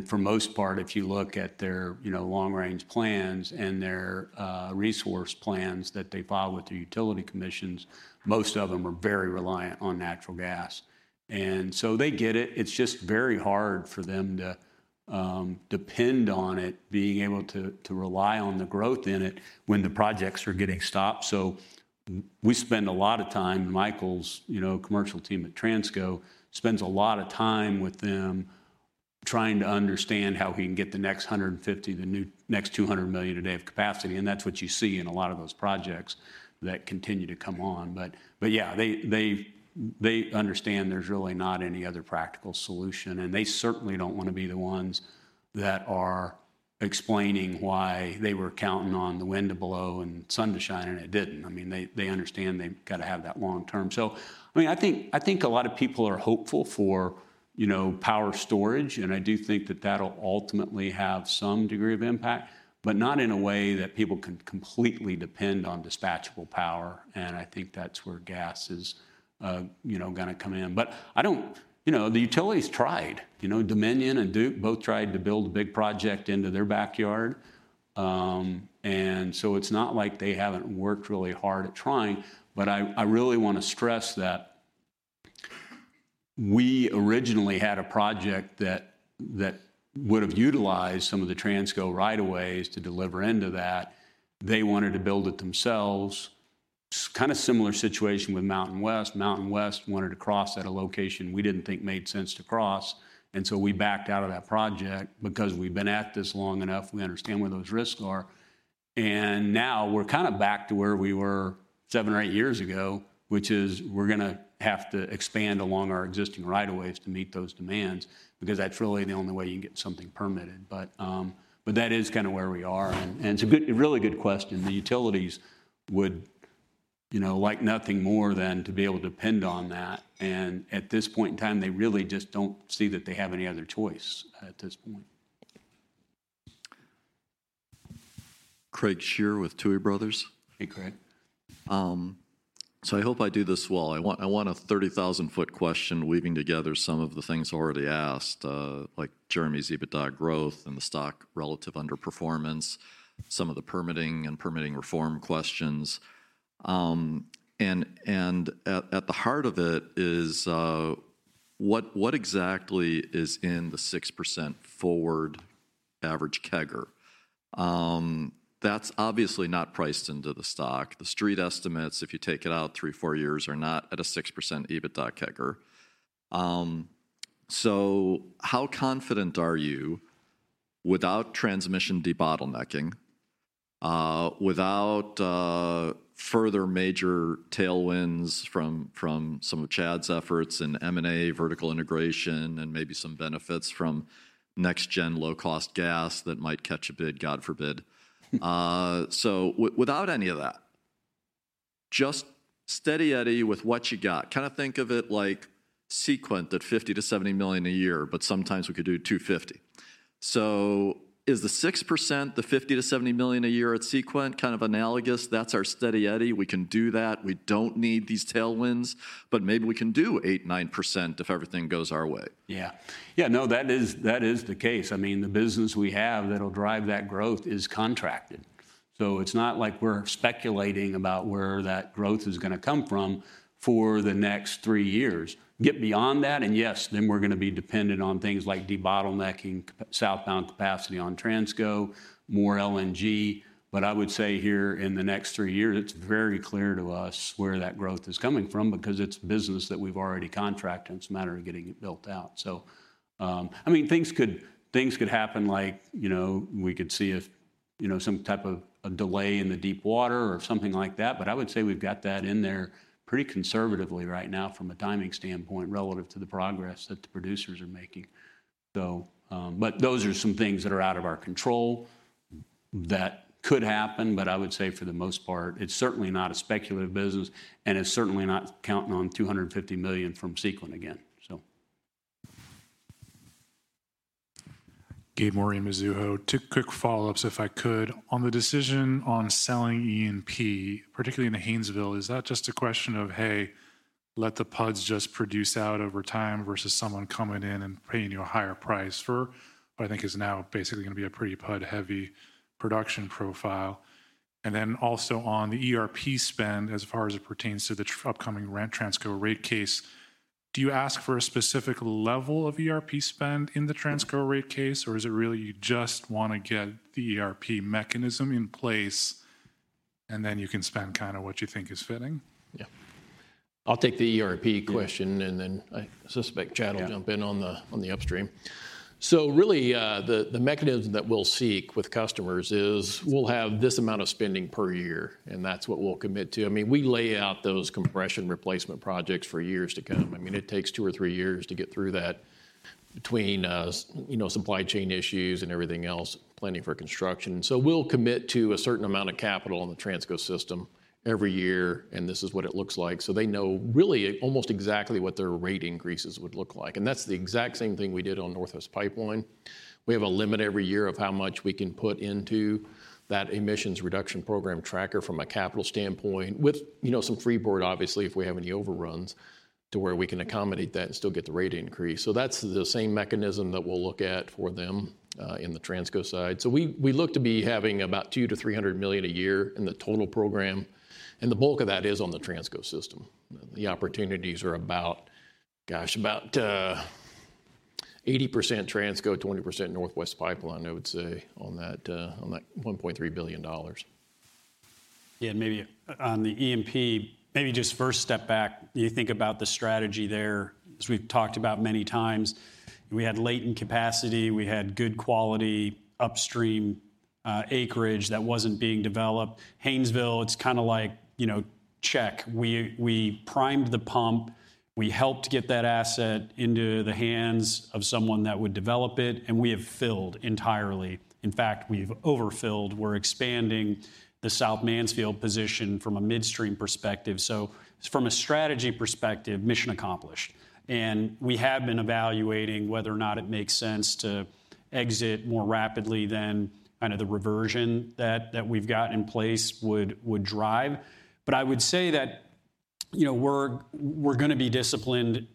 Speaker 3: For most part, if you look at their, you know, long-range plans and their resource plans that they file with the utility commissions, most of them are very reliant on natural gas. They get it. It's just very hard for them to depend on it being able to rely on the growth in it when the projects are getting stopped. We spend a lot of time, Micheal Dunn's, you know, commercial team at Transco spends a lot of time with them trying to understand how we can get the next 150, the next 200 million a day of capacity, and that's what you see in a lot of those projects that continue to come on. Yeah, they understand there's really not any other practical solution, and they certainly don't wanna be the ones that are explaining why they were counting on the wind to blow and sun to shine, and it didn't. I mean, they understand they've gotta have that long term. I mean, I think a lot of people are hopeful for, you know, power storage, and I do think that that'll ultimately have some degree of impact, but not in a way that people can completely depend on dispatchable power, and I think that's where gas is, you know, gonna come in. I don't. You know, the utilities tried. You know, Dominion and Duke both tried to build a big project into their backyard. It's not like they haven't worked really hard at trying. I really wanna stress that we originally had a project that would've utilized some of the Transco right of ways to deliver into that. They wanted to build it themselves. Kind of similar situation with Mountain West. MountainWest wanted to cross at a location we didn't think made sense to cross, and so we backed out of that project because we've been at this long enough, we understand where those risks are. Now we're kind of back to where we were seven or eight years ago, which is we're gonna have to expand along our existing right of ways to meet those demands because that's really the only way you can get something permitted. That is kinda where we are. It's a really good question. The utilities would, you know, like nothing more than to be able to depend on that. At this point in time, they really just don't see that they have any other choice at this point.
Speaker 16: Craig Shere with Tuohy Brothers.
Speaker 3: Hey, Craig.
Speaker 16: I hope I do this well. I want a 30,000-foot question weaving together some of the things already asked, like Justin's EBITDA growth and the stock relative underperformance, some of the permitting and permitting reform questions. At the heart of it is what exactly is in the 6% forward average CAGR? That's obviously not priced into the stock. The street estimates, if you take it out three, four years, are not at a 6% EBITDA CAGR. How confident are you without transmission debottlenecking, without further major tailwinds from some of Chad's efforts in M&A, vertical integration, and maybe some benefits from NextGen Gas that might catch a bid, God forbid? Without any of that, just steady Eddie with what you got. Kind of think of it like Sequent at $50 million-$70 million a year, but sometimes we could do $250 million. Is the 6%, the $50 million-$70 million a year at Sequent kind of analogous, that's our steady Eddie, we can do that, we don't need these tailwinds, but maybe we can do 8%, 9% if everything goes our way?
Speaker 3: Yeah. Yeah, no, that is, that is the case. I mean, the business we have that'll drive that growth is contracted. It's not like we're speculating about where that growth is gonna come from for the next three years. Get beyond that, and yes, then we're gonna be dependent on things like debottlenecking, southbound capacity on Transco, more LNG. I would say here in the next three years, it's very clear to us where that growth is coming from because it's business that we've already contracted, and it's a matter of getting it built out. I mean, things could happen like, you know, we could see a, you know, some type of a delay in the deep water or something like that, but I would say we've got that in there pretty conservatively right now from a timing standpoint relative to the progress that the producers are making. Those are some things that are out of our control that could happen. I would say for the most part, it's certainly not a speculative business, and it's certainly not counting on $250 million from Sequent again.
Speaker 16: Two quick follow-ups, if I could. On the decision on selling E&P, particularly in the Haynesville, is that just a question of, hey, let the PUDs just produce out over time versus someone coming in and paying you a higher price for what I think is now basically gonna be a pretty PUD-heavy production profile? Also on the ERP spend as far as it pertains to the upcoming Transco rate case, do you ask for a specific level of ERP spend in the Transco rate case, or is it really you just wanna get the ERP mechanism in place, and then you can spend kinda what you think is fitting?
Speaker 3: Yeah.
Speaker 4: I'll take the ERP question. I suspect Chad will jump in on the upstream. Really, the mechanism that we'll seek with customers is we'll have this amount of spending per year, and that's what we'll commit to. I mean, we lay out those compression replacement projects for years to come. I mean, it takes two or three years to get through that between, you know, supply chain issues and everything else, planning for construction. We'll commit to a certain amount of capital on the Transco system every year, and this is what it looks like. They know really almost exactly what their rate increases would look like. That's the exact same thing we did on Northwest Pipeline. We have a limit every year of how much we can put into that emissions reduction program tracker from a capital standpoint with, you know, some free board, obviously, if we have any overruns to where we can accommodate that and still get the rate increase. That's the same mechanism that we'll look at for them in the Transco side. We look to be having about $200 million-$300 million a year in the total program, and the bulk of that is on the Transco system. The opportunities are about, gosh, about 80% Transco, 20% Northwest Pipeline, I would say, on that $1.3 billion.
Speaker 6: Yeah, maybe on the E&P, maybe just first step back, you think about the strategy there, as we've talked about many times. We had latent capacity. We had good quality upstream acreage that wasn't being developed. Haynesville, it's kinda like, you know, check. We primed the pump. We helped get that asset into the hands of someone that would develop it, we have filled entirely. In fact, we've overfilled. We're expanding the South Mansfield position from a midstream perspective. So from a strategy perspective, mission accomplished. We have been evaluating whether or not it makes sense to exit more rapidly than kind of the reversion that we've got in place would drive. I would say that, you know, we're gonna be disciplined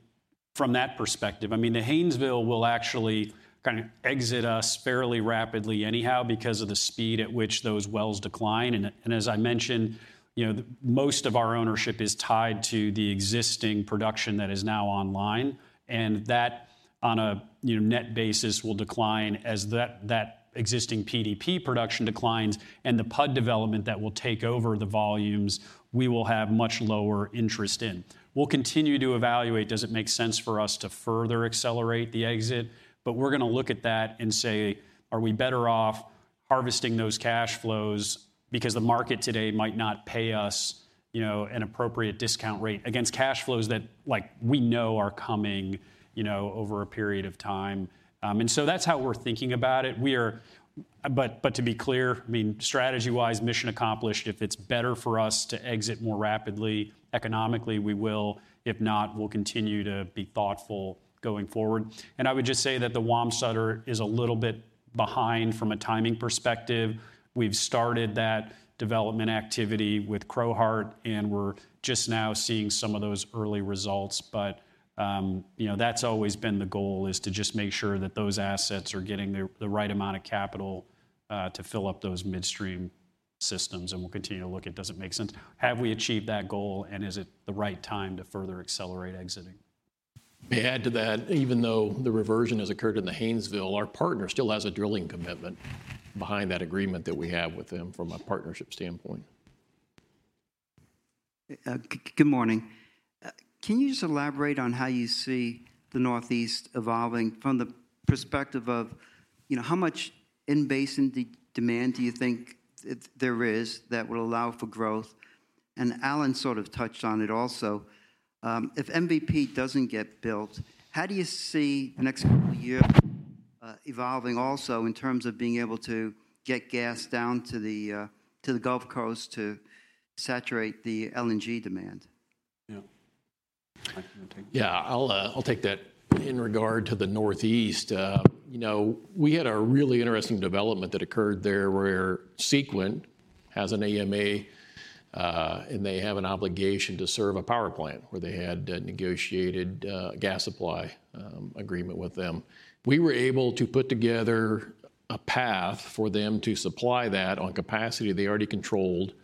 Speaker 6: from that perspective. I mean, the Haynesville will actually kind of exit us fairly rapidly anyhow because of the speed at which those wells decline. As I mentioned, you know, most of our ownership is tied to the existing production that is now online. That on a, you know, net basis will decline as that existing PDP production declines and the PUD development that will take over the volumes, we will have much lower interest in. We'll continue to evaluate, does it make sense for us to further accelerate the exit? We're gonna look at that and say, are we better off harvesting those cash flows because the market today might not pay us, you know, an appropriate discount rate against cash flows that like we know are coming, you know, over a period of time. So that's how we're thinking about it. But, but to be clear, I mean, strategy-wise, mission accomplished. If it's better for us to exit more rapidly economically, we will. If not, we'll continue to be thoughtful going forward. I would just say that the Wamsutter is a little bit behind from a timing perspective. We've started that development activity with Crowheart, and we're just now seeing some of those early results. But, you know, that's always been the goal, is to just make sure that those assets are getting the right amount of capital to fill up those midstream systems. We'll continue to look at, does it make sense? Have we achieved that goal, and is it the right time to further accelerate exiting?
Speaker 4: Add to that, even though the reversion has occurred in the Haynesville, our partner still has a drilling commitment behind that agreement that we have with them from a partnership standpoint.
Speaker 17: Good morning. Can you just elaborate on how you see the Northeast evolving from the perspective of, you know, how much in-basin demand do you think there is that will allow for growth? Alan sort of touched on it also. If MVP doesn't get built, how do you see the next couple of years evolving also in terms of being able to get gas down to the Gulf Coast to saturate the LNG demand?
Speaker 4: Yeah. I can take that. Yeah, I'll take that. In regard to the Northeast, you know, we had a really interesting development that occurred there where Sequent has an AMA, and they have an obligation to serve a power plant where they had a negotiated gas supply agreement with them. We were able to put together a path for them to supply that on capacity they already controlled,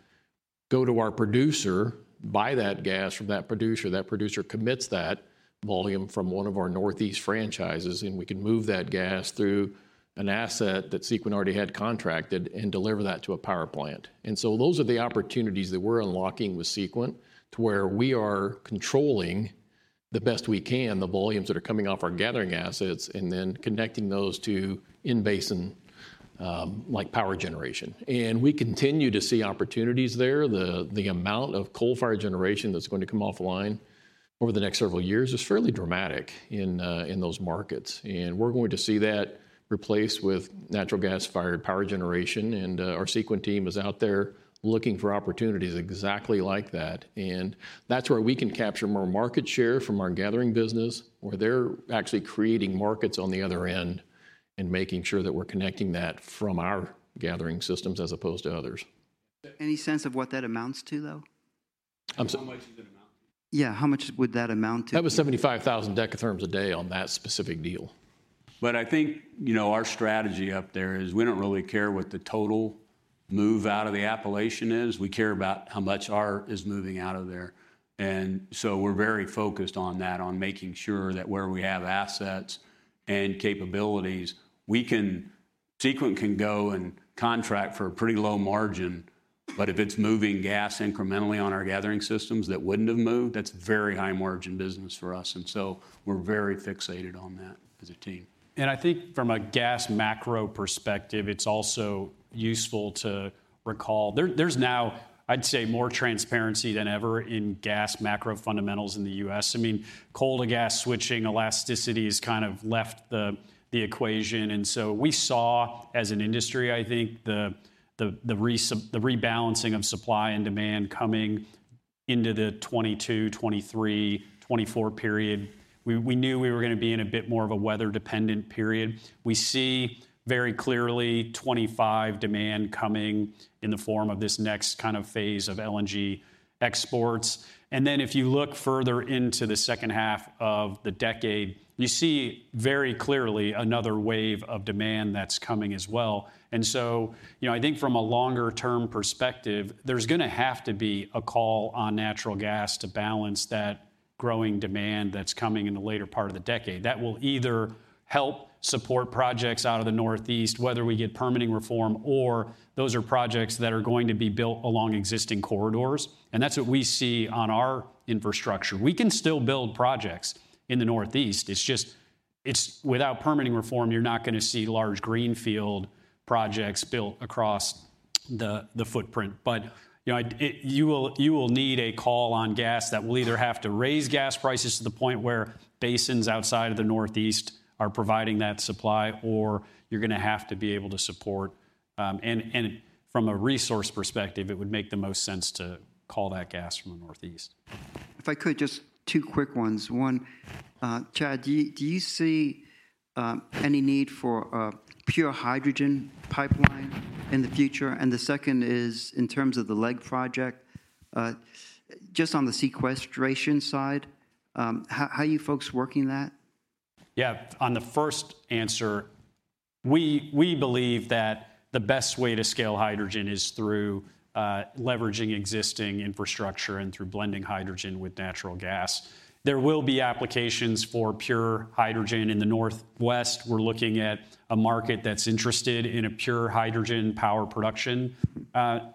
Speaker 4: go to our producer, buy that gas from that producer. That producer commits that volume from one of our Northeast franchises, and we can move that gas through an asset that Sequent already had contracted and deliver that to a power plant. Those are the opportunities that we're unlocking with Sequent to where we are controlling the best we can the volumes that are coming off our gathering assets and then connecting those to in-basin, like power generation. We continue to see opportunities there. The amount of coal-fired generation that's going to come offline over the next several years is fairly dramatic in those markets. We're going to see that replaced with natural gas-fired power generation. Our Sequent team is out there looking for opportunities exactly like that. That's where we can capture more market share from our gathering business, where they're actually creating markets on the other end and making sure that we're connecting that from our gathering systems as opposed to others.
Speaker 17: Any sense of what that amounts to, though?
Speaker 4: I'm so-
Speaker 6: How much does it amount to?
Speaker 17: Yeah. How much would that amount to?
Speaker 4: That was 75,000 decatherms a day on that specific deal.
Speaker 3: I think, you know, our strategy up there is we don't really care what the total move out of the Appalachian is. We care about how much our is moving out of there. We're very focused on that, on making sure that where we have assets and capabilities, we can. Sequent can go and contract for a pretty low margin, but if it's moving gas incrementally on our gathering systems that wouldn't have moved, that's very high margin business for us. We're very fixated on that as a team.
Speaker 6: I think from a gas macro perspective, it's also useful to recall there's now, I'd say, more transparency than ever in gas macro fundamentals in the U.S. I mean, coal-to-gas switching elasticity has kind of left the equation. we saw as an industry, I think the rebalancing of supply and demand coming into the 2022, 2023, 2024 period. We knew we were gonna be in a bit more of a weather-dependent period. We see very clearly 2025 demand coming in the form of this next kind of phase of LNG exports. If you look further into the second half of the decade, you see very clearly another wave of demand that's coming as well. You know, I think from a longer-term perspective, there's gonna have to be a call on natural gas to balance that growing demand that's coming in the later part of the decade. That will either help support projects out of the Northeast, whether we get permitting reform or those are projects that are going to be built along existing corridors. That's what we see on our infrastructure. We can still build projects in the Northeast. It's without permitting reform, you're not gonna see large greenfield projects built across the footprint. You know, you will need a call on gas that will either have to raise gas prices to the point where basins outside of the Northeast are providing that supply, or you're gonna have to be able to support. From a resource perspective, it would make the most sense to call that gas from the Northeast.
Speaker 17: If I could, just two quick ones. One, Chad, do you see any need for a pure hydrogen pipeline in the future? The second is in terms of the LEG project, just on the sequestration side, how are you folks working that?
Speaker 6: Yeah. On the first answer, we believe that the best way to scale hydrogen is through leveraging existing infrastructure and through blending hydrogen with natural gas. There will be applications for pure hydrogen. In the Northwest, we're looking at a market that's interested in a pure hydrogen power production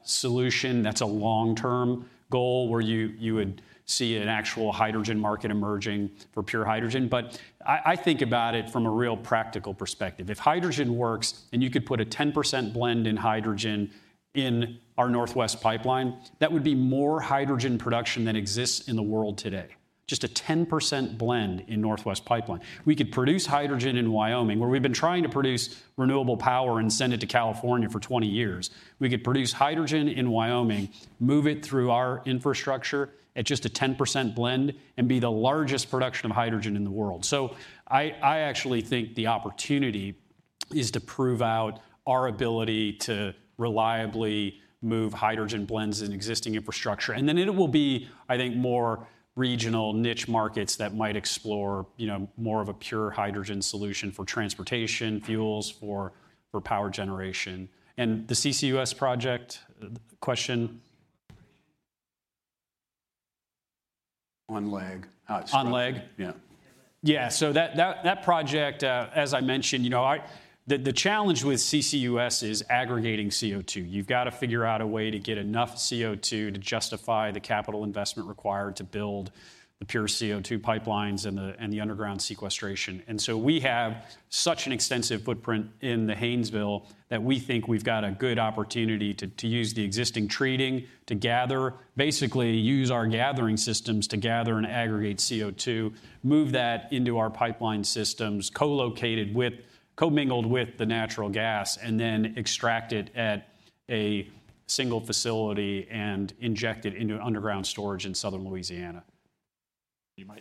Speaker 6: solution. That's a long-term goal where you would see an actual hydrogen market emerging for pure hydrogen. I think about it from a real practical perspective. If hydrogen works, and you could put a 10% blend in hydrogen in our Northwest Pipeline, that would be more hydrogen production than exists in the world today. Just a 10% blend in Northwest Pipeline. We could produce hydrogen in Wyoming, where we've been trying to produce renewable power and send it to California for 20 years. We could produce hydrogen in Wyoming, move it through our infrastructure at just a 10% blend, and be the largest production of hydrogen in the world. I actually think the opportunity is to prove out our ability to reliably move hydrogen blends in existing infrastructure. Then it will be, I think, more regional niche markets that might explore, you know, more of a pure hydrogen solution for transportation fuels for power generation. The CCUS project question.
Speaker 3: On LEG. How it's structured.
Speaker 6: On LEG.
Speaker 3: Yeah.
Speaker 6: Yeah. That project, as I mentioned, you know, the challenge with CCUS is aggregating CO2. You've gotta figure out a way to get enough CO2 to justify the capital investment required to build the pure CO2 pipelines and the underground sequestration. We have such an extensive footprint in the Haynesville that we think we've got a good opportunity to use the existing treating to basically use our gathering systems to gather and aggregate CO2, move that into our pipeline systems, co-located with co-mingled with the natural gas, and then extract it at a single facility and inject it into underground storage in Southern Louisiana.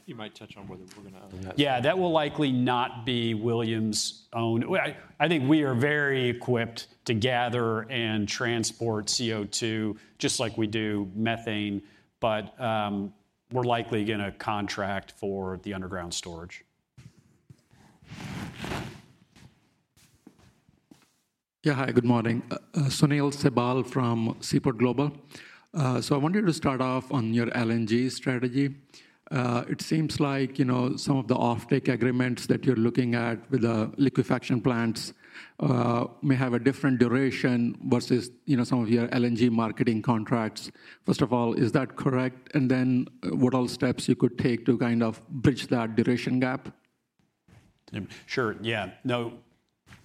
Speaker 3: You might touch on whether we're gonna-
Speaker 6: Yeah, that will likely not be Williams-owned. Well, I think we are very equipped to gather and transport CO2 just like we do methane, but we're likely gonna contract for the underground storage.
Speaker 18: Yeah. Hi, good morning. Sunil Sibal from Seaport Global. I wanted to start off on your LNG strategy. It seems like, you know, some of the offtake agreements that you're looking at with the liquefaction plants, may have a different duration versus, you know, some of your LNG marketing contracts. First of all, is that correct? And then what all steps you could take to kind of bridge that duration gap?
Speaker 6: Sure.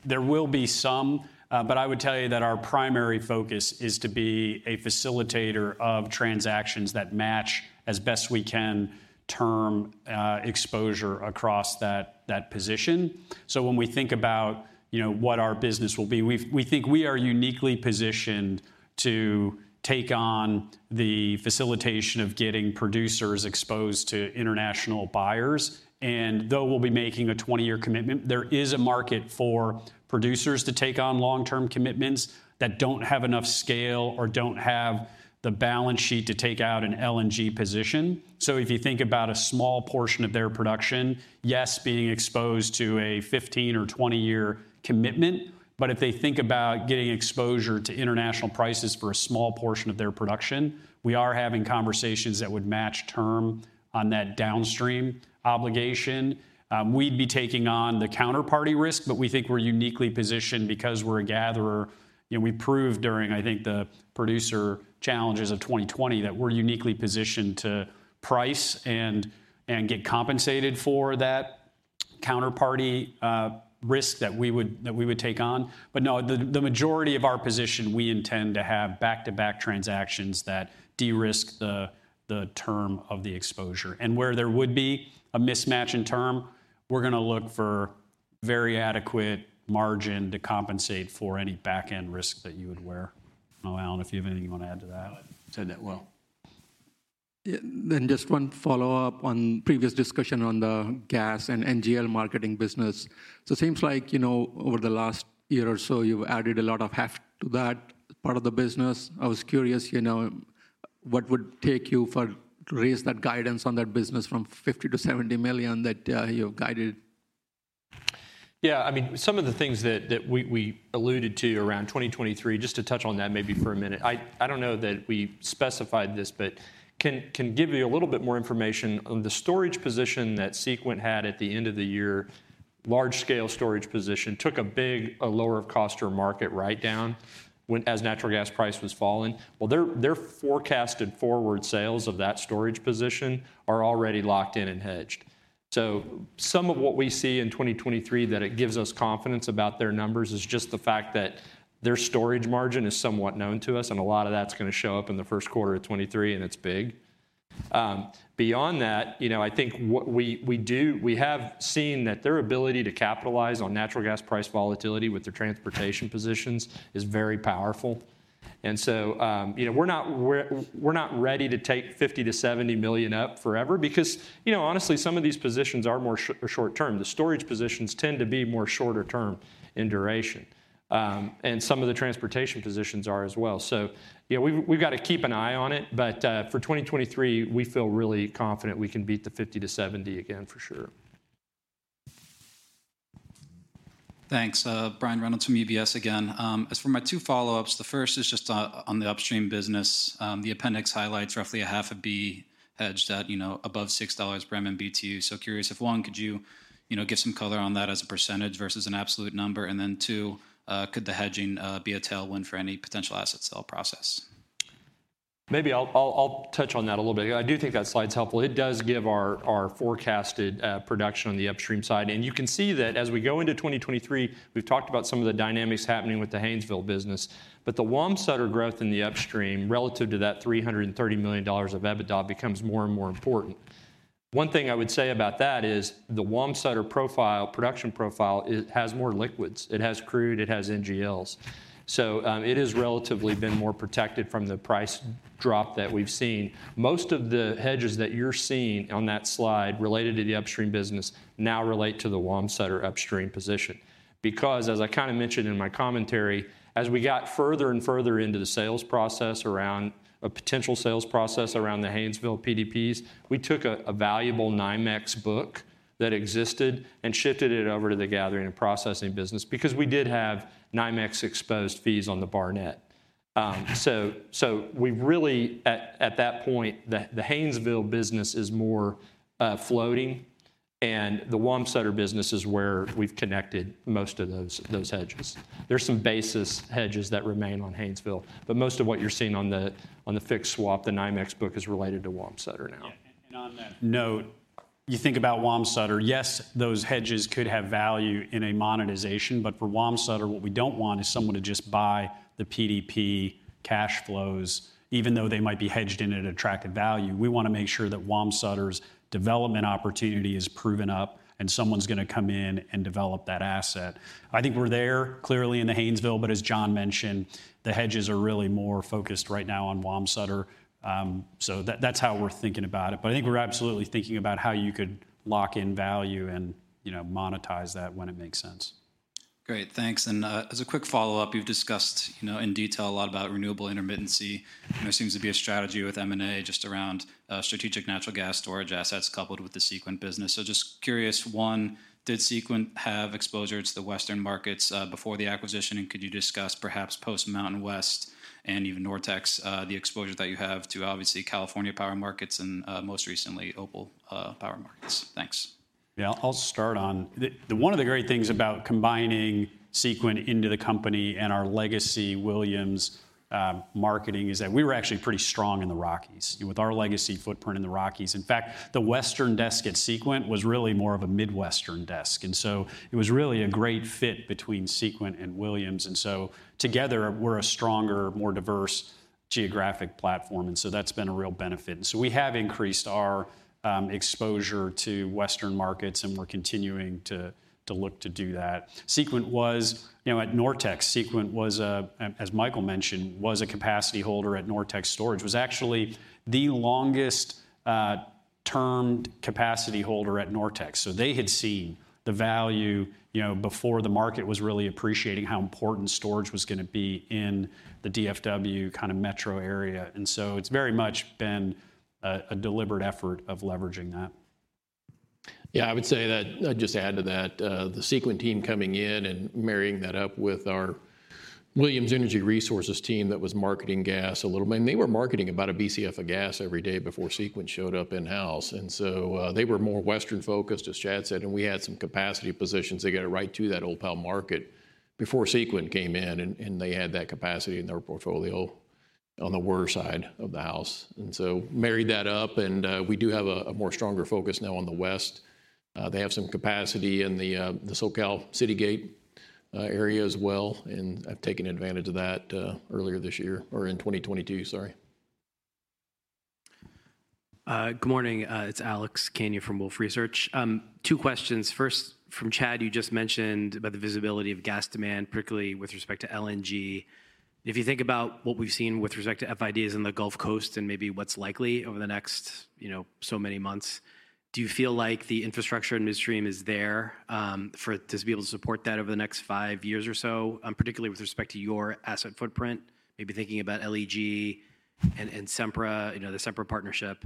Speaker 6: There will be some, but I would tell you that our primary focus is to be a facilitator of transactions that match as best we can term exposure across that position. When we think about what our business will be, we think we are uniquely positioned to take on the facilitation of getting producers exposed to international buyers. Though we'll be making a 20-year commitment, there is a market for producers to take on long-term commitments that don't have enough scale or don't have the balance sheet to take out an LNG position. If you think about a small portion of their production, yes, being exposed to a 15- or 20-year commitment, but if they think about getting exposure to international prices for a small portion of their production, we are having conversations that would match term on that downstream obligation. We'd be taking on the counterparty risk, but we think we're uniquely positioned because we're a gatherer, you know, we proved during, I think, the producer challenges of 2020, that we're uniquely positioned to price and get compensated for that counterparty risk that we would take on. No, the majority of our position, we intend to have back-to-back transactions that de-risk the term of the exposure. And where there would be a mismatch in term, we're gonna look for very adequate margin to compensate for any back-end risk that you would wear. Oh, Alan, if you have anything you want to add to that.
Speaker 3: No, you said that well.
Speaker 18: Yeah. Just one follow-up on previous discussion on the gas and NGL marketing business. It seems like, you know, over the last year or so, you've added a lot of heft to that part of the business. I was curious, you know, what would take you to raise that guidance on that business from $50 million-$70 million that you've guided.
Speaker 5: I mean, some of the things that we alluded to around 2023, just to touch on that maybe for a minute. I don't know that we specified this, but can give you a little bit more information on the storage position that Sequent had at the end of the year, large scale storage position, took a big lower of cost to market write down as natural gas price was falling. Well, their forecasted forward sales of that storage position are already locked in and hedged. Some of what we see in 2023 that it gives us confidence about their numbers is just the fact that their storage margin is somewhat known to us, and a lot of that's gonna show up in the first quarter of 23, and it's big. Beyond that, you know, I think what we have seen that their ability to capitalize on natural gas price volatility with their transportation positions is very powerful. You know, we're not ready to take $50 million-$70 million up forever because, you know, honestly, some of these positions are more short-term. The storage positions tend to be more shorter term in duration, and some of the transportation positions are as well. Yeah, we've got to keep an eye on it. For 2023, we feel really confident we can beat the $50 million-$70 million again for sure.
Speaker 7: Thanks. Brian Reynolds from UBS again. As for my two follow-ups, the first is just on the upstream business. The appendix highlights roughly a half of a B hedged at, you know, above $6 MMBtu. Curious if, one, could you know, give some color on that as a percentage versus an absolute number? Two, could the hedging be a tailwind for any potential asset sale process?
Speaker 5: Maybe I'll touch on that a little bit. I do think that slide's helpful. It does give our forecasted production on the upstream side. You can see that as we go into 2023, we've talked about some of the dynamics happening with the Haynesville business, the Wamsutter growth in the upstream relative to that $330 million of EBITDA becomes more and more important. One thing I would say about that is the Wamsutter profile, production profile, it has more liquids. It has crude, it has NGLs. It has relatively been more protected from the price drop that we've seen. Most of the hedges that you're seeing on that slide related to the upstream business now relate to the Wamsutter upstream position. As I kind of mentioned in my commentary, as we got further and further into the sales process around a potential sales process around the Haynesville PDPs, we took a valuable NYMEX book that existed and shifted it over to the gathering and processing business because we did have NYMEX exposed fees on the Barnett. So we really at that point, the Haynesville business is more floating, and the Wamsutter business is where we've connected most of those hedges. There's some basis hedges that remain on Haynesville, but most of what you're seeing on the fixed swap, the NYMEX book, is related to Wamsutter now.
Speaker 6: Yeah. On that note, you think about Wamsutter, yes, those hedges could have value in a monetization. For Wamsutter, what we don't want is someone to just buy the PDP cash flows, even though they might be hedged in at attractive value. We wanna make sure that Wamsutter's development opportunity is proven up and someone's gonna come in and develop that asset. I think we're there clearly in the Haynesville, but as John mentioned, the hedges are really more focused right now on Wamsutter. So that's how we're thinking about it. I think we're absolutely thinking about how you could lock in value and, you know, monetize that when it makes sense.
Speaker 7: Great. Thanks. As a quick follow-up, you've discussed, you know, in detail a lot about renewable intermittency. There seems to be a strategy with M&A just around strategic natural gas storage assets coupled with the Sequent business. Just curious, one, did Sequent have exposure to the Western markets before the acquisition? Could you discuss perhaps post MountainWest and even NorTex's the exposure that you have to obviously California power markets and most recently, Opal power markets? Thanks.
Speaker 6: Yeah. I'll start on. One of the great things about combining Sequent into the company and our legacy Williams marketing is that we were actually pretty strong in the Rockies with our legacy footprint in the Rockies. In fact, the Western desk at Sequent was really more of a Midwestern desk. It was really a great fit between Sequent and Williams. Together, we're a stronger, more diverse geographic platform. That's been a real benefit. We have increased our exposure to Western markets, and we're continuing to look to do that. Sequent was, you know, at Nortex, Sequent was, as Micheal mentioned, a capacity holder at NorTex Storage, was actually the longest termed capacity holder at Nortex. They had seen the value, you know, before the market was really appreciating how important storage was gonna be in the DFW kind of metro area. It's very much been a deliberate effort of leveraging that.
Speaker 4: I would say that I'd just add to that, the Sequent team coming in and marrying that up with our Williams Energy Resources team that was marketing gas a little bit. I mean, they were marketing about one BCF of gas every day before Sequent showed up in-house. They were more Western-focused, as Chad said, and we had some capacity positions. They got a right to that Opal market before Sequent came in, and they had that capacity in their portfolio. On the water side of the house. married that up, and we do have a more stronger focus now on the West. They have some capacity in the SoCal CityGate area as well, and I've taken advantage of that earlier this year or in 2022, sorry.
Speaker 19: Good morning. It's Keith Stanley from Wolfe Research. Two questions. First, from Chad, you just mentioned about the visibility of gas demand, particularly with respect to LNG. If you think about what we've seen with respect to FIDs in the Gulf Coast and maybe what's likely over the next, you know, so many months, do you feel like the infrastructure and midstream is there, for it to be able to support that over the next five years or so, particularly with respect to your asset footprint, maybe thinking about LEG and Sempra, you know, the Sempra partnership,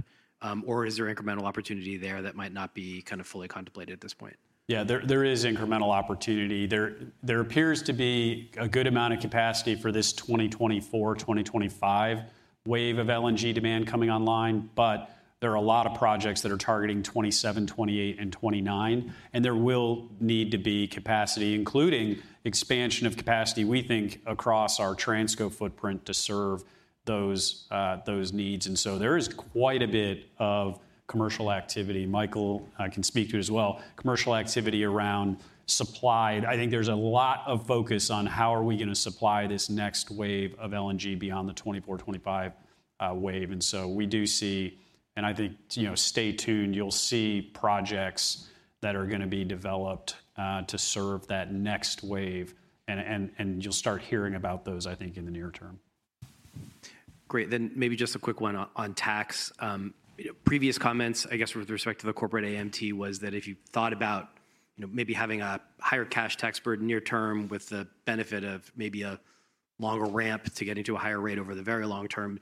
Speaker 19: or is there incremental opportunity there that might not be kind of fully contemplated at this point?
Speaker 6: Yeah. There is incremental opportunity. There appears to be a good amount of capacity for this 2024/2025 wave of LNG demand coming online, but there are a lot of projects that are targeting 2027, 2028 and 2029, and there will need to be capacity, including expansion of capacity, we think, across our Transco footprint to serve those needs. There is quite a bit of commercial activity. Micheal can speak to it as well. Commercial activity around supply. I think there's a lot of focus on how are we gonna supply this next wave of LNG beyond the 2024/2025 wave. We do see, and I think, you know, stay tuned, you'll see projects that are gonna be developed to serve that next wave and you'll start hearing about those, I think, in the near term.
Speaker 19: Great. Maybe just a quick one on tax. You know, previous comments, I guess, with respect to the corporate AMT was that if you thought about, you know, maybe having a higher cash tax burden near term with the benefit of maybe a longer ramp to getting to a higher rate over the very long term,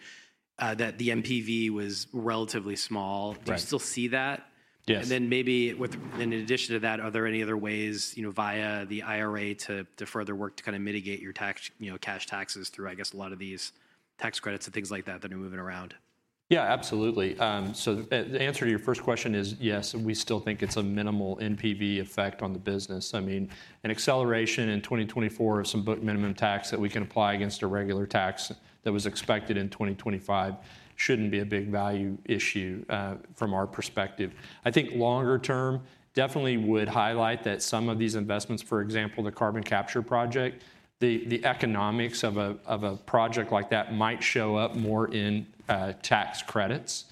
Speaker 19: that the NPV was relatively small.
Speaker 6: Right.
Speaker 19: Do you still see that?
Speaker 6: Yes.
Speaker 19: Maybe in addition to that, are there any other ways, you know, via the IRA to further work to kinda mitigate your tax, you know, cash taxes through, I guess, a lot of these tax credits and things like that are moving around?
Speaker 6: Absolutely. The answer to your first question is yes, we still think it's a minimal NPV effect on the business. I mean, an acceleration in 2024 of some book minimum tax that we can apply against a regular tax that was expected in 2025 shouldn't be a big value issue from our perspective. I think longer term, definitely would highlight that some of these investments, for example, the carbon capture project, the economics of a project like that might show up more in tax credits.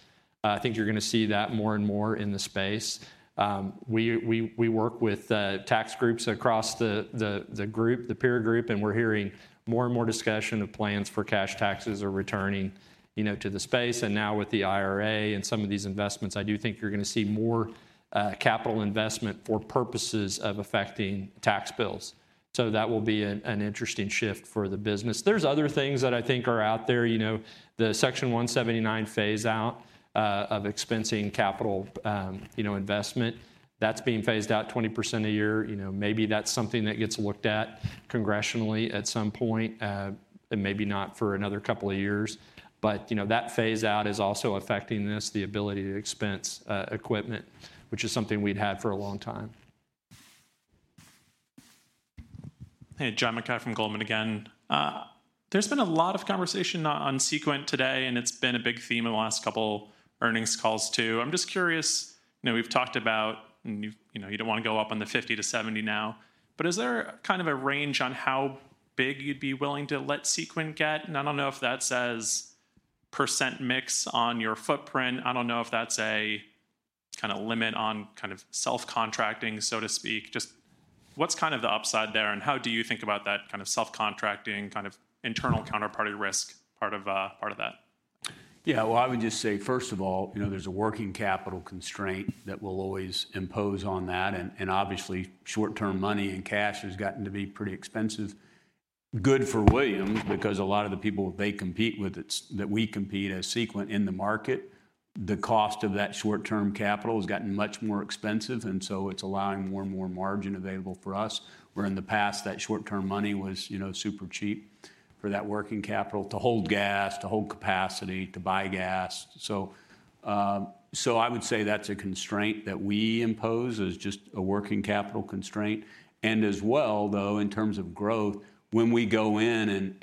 Speaker 6: I think you're gonna see that more and more in the space. We work with tax groups across the group, the peer group, and we're hearing more and more discussion of plans for cash taxes are returning, you know, to the space. Now with the IRA and some of these investments, I do think you're gonna see more capital investment for purposes of affecting tax bills. That will be an interesting shift for the business. There's other things that I think are out there. You know, the Section 179 phase out of expensing capital, you know, investment, that's being phased out 20% a year. You know, maybe that's something that gets looked at congressionally at some point, and maybe not for another couple of years. You know, that phase out is also affecting this, the ability to expense equipment, which is something we'd had for a long time.
Speaker 10: Hey, John Mackay from Goldman again. There's been a lot of conversation on Sequent today, and it's been a big theme in the last couple earnings calls too. I'm just curious, you know, we've talked about, you know, you don't wanna go up on the 50%-70% now, but is there kind of a range on how big you'd be willing to let Sequent get? I don't know if that says percentage mix on your footprint. I don't know if that's a kinda limit on kind of self-contracting, so to speak. Just what's kind of the upside there, and how do you think about that kind of self-contracting, kind of internal counterparty risk part of, part of that?
Speaker 6: I would just say, first of all, you know, there's a working capital constraint that we'll always impose on that. And obviously, short-term money and cash has gotten to be pretty expensive. Good for Williams because a lot of the people they compete with, that we compete as Sequent in the market, the cost of that short-term capital has gotten much more expensive, and so it's allowing more and more margin available for us, where in the past, that short-term money was, you know, super cheap for that working capital to hold gas, to hold capacity, to buy gas. I would say that's a constraint that we impose as just a working capital constraint. As well, though, in terms of growth, when we go in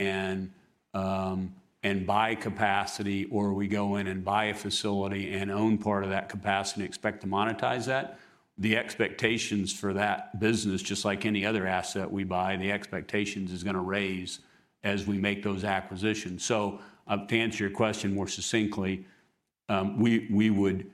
Speaker 6: and buy capacity or we go in and buy a facility and own part of that capacity and expect to monetize that, the expectations for that business, just like any other asset we buy, the expectations is gonna raise as we make those acquisitions. To answer your question more succinctly, we would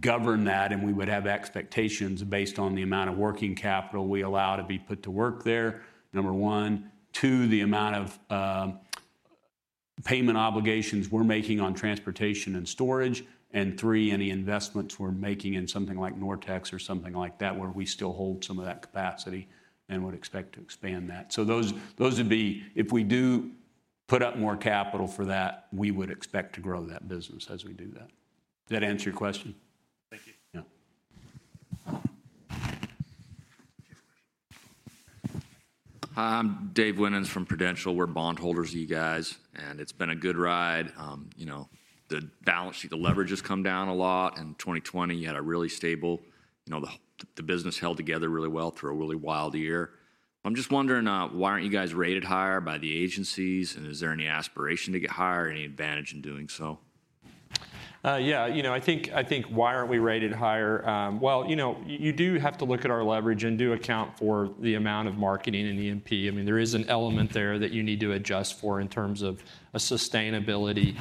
Speaker 6: govern that, and we would have expectations based on the amount of working capital we allow to be put to work there, number one. Two, the amount of payment obligations we're making on transportation and storage. Three, any investments we're making in something like NorTex or something like that where we still hold some of that capacity and would expect to expand that. If we do put up more capital for that, we would expect to grow that business as we do that. Does that answer your question?
Speaker 10: Thank you.
Speaker 6: Yeah.
Speaker 20: Hi, I'm David Winans from Prudential. We're bondholders, you guys, and it's been a good ride. you know, the balance sheet, the leverage has come down a lot. In 2020, you had a really stable, you know, the business held together really well through a really wild year. I'm just wondering, why aren't you guys rated higher by the agencies, and is there any aspiration to get higher, any advantage in doing so?
Speaker 3: Yeah. You know, I think, I think why aren't we rated higher? Well, you know, you do have to look at our leverage and do account for the amount of marketing in E&P. I mean, there is an element there that you need to adjust for in terms of a sustainability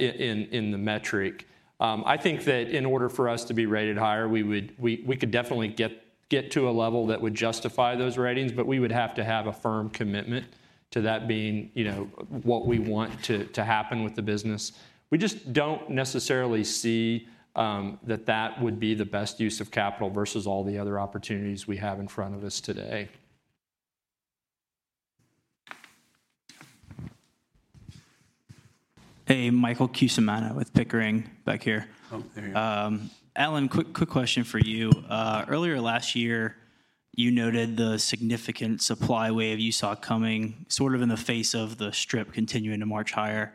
Speaker 3: in the metric. I think that in order for us to be rated higher, we could definitely get to a level that would justify those ratings, but we would have to have a firm commitment to that being, you know, what we want to happen with the business. We just don't necessarily see that that would be the best use of capital versus all the other opportunities we have in front of us today.
Speaker 21: Hey, Michael Cusimano with Pickering, back here.
Speaker 3: Oh, there you are.
Speaker 21: Alan, quick question for you. Earlier last year, you noted the significant supply wave you saw coming sort of in the face of the strip continuing to march higher.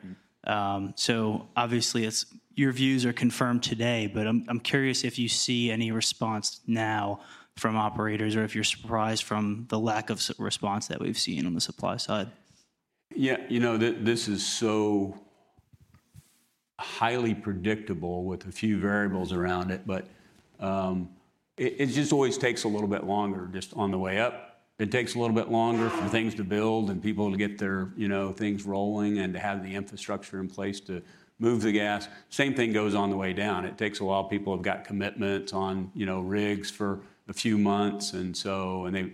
Speaker 21: Obviously, your views are confirmed today, but I'm curious if you see any response now from operators or if you're surprised from the lack of response that we've seen on the supply side.
Speaker 3: Yeah. You know, this is so highly predictable with a few variables around it. It just always takes a little bit longer just on the way up. It takes a little bit longer for things to build and people to get their, you know, things rolling and to have the infrastructure in place to move the gas. Same thing goes on the way down. It takes a while. People have got commitments on, you know, rigs for a few months, and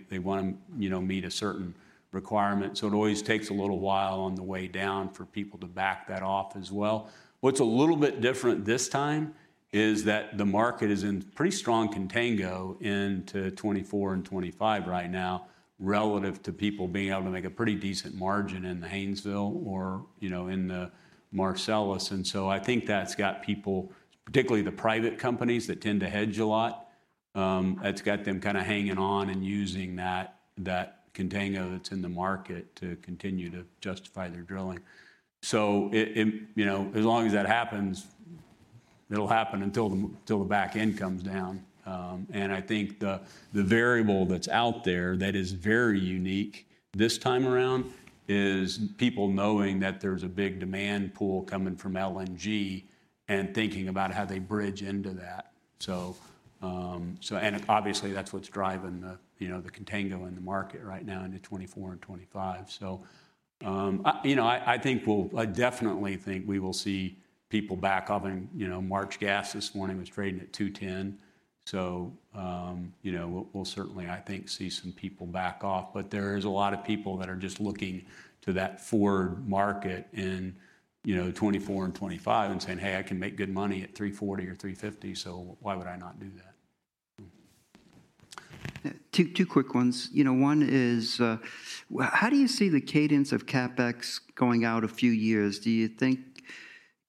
Speaker 3: they wanna, you know, meet a certain requirement. It always takes a little while on the way down for people to back that off as well. What's a little bit different this time is that the market is in pretty strong contango into 2024 and 2025 right now, relative to people being able to make a pretty decent margin in the Haynesville or, you know, in the Marcellus. I think that's got people, particularly the private companies that tend to hedge a lot, it's got them kinda hanging on and using that contango that's in the market to continue to justify their drilling. You know, as long as that happens, it'll happen until the till the back end comes down. I think the variable that's out there that is very unique this time around is people knowing that there's a big demand pool coming from LNG and thinking about how they bridge into that. Obviously, that's what's driving the, you know, the contango in the market right now into 2024 and 2025. I definitely think we will see people back off. You know, March gas this morning was trading at $2.10 so, you know, we'll certainly, I think, see some people back off. There is a lot of people that are just looking to that forward market in, you know, 2024 and 2025 and saying, "Hey, I can make good money at $3.40 or $3.50, so why would I not do that?
Speaker 17: Two quick ones. You know, one is, how do you see the cadence of CapEx going out a few years? Do you think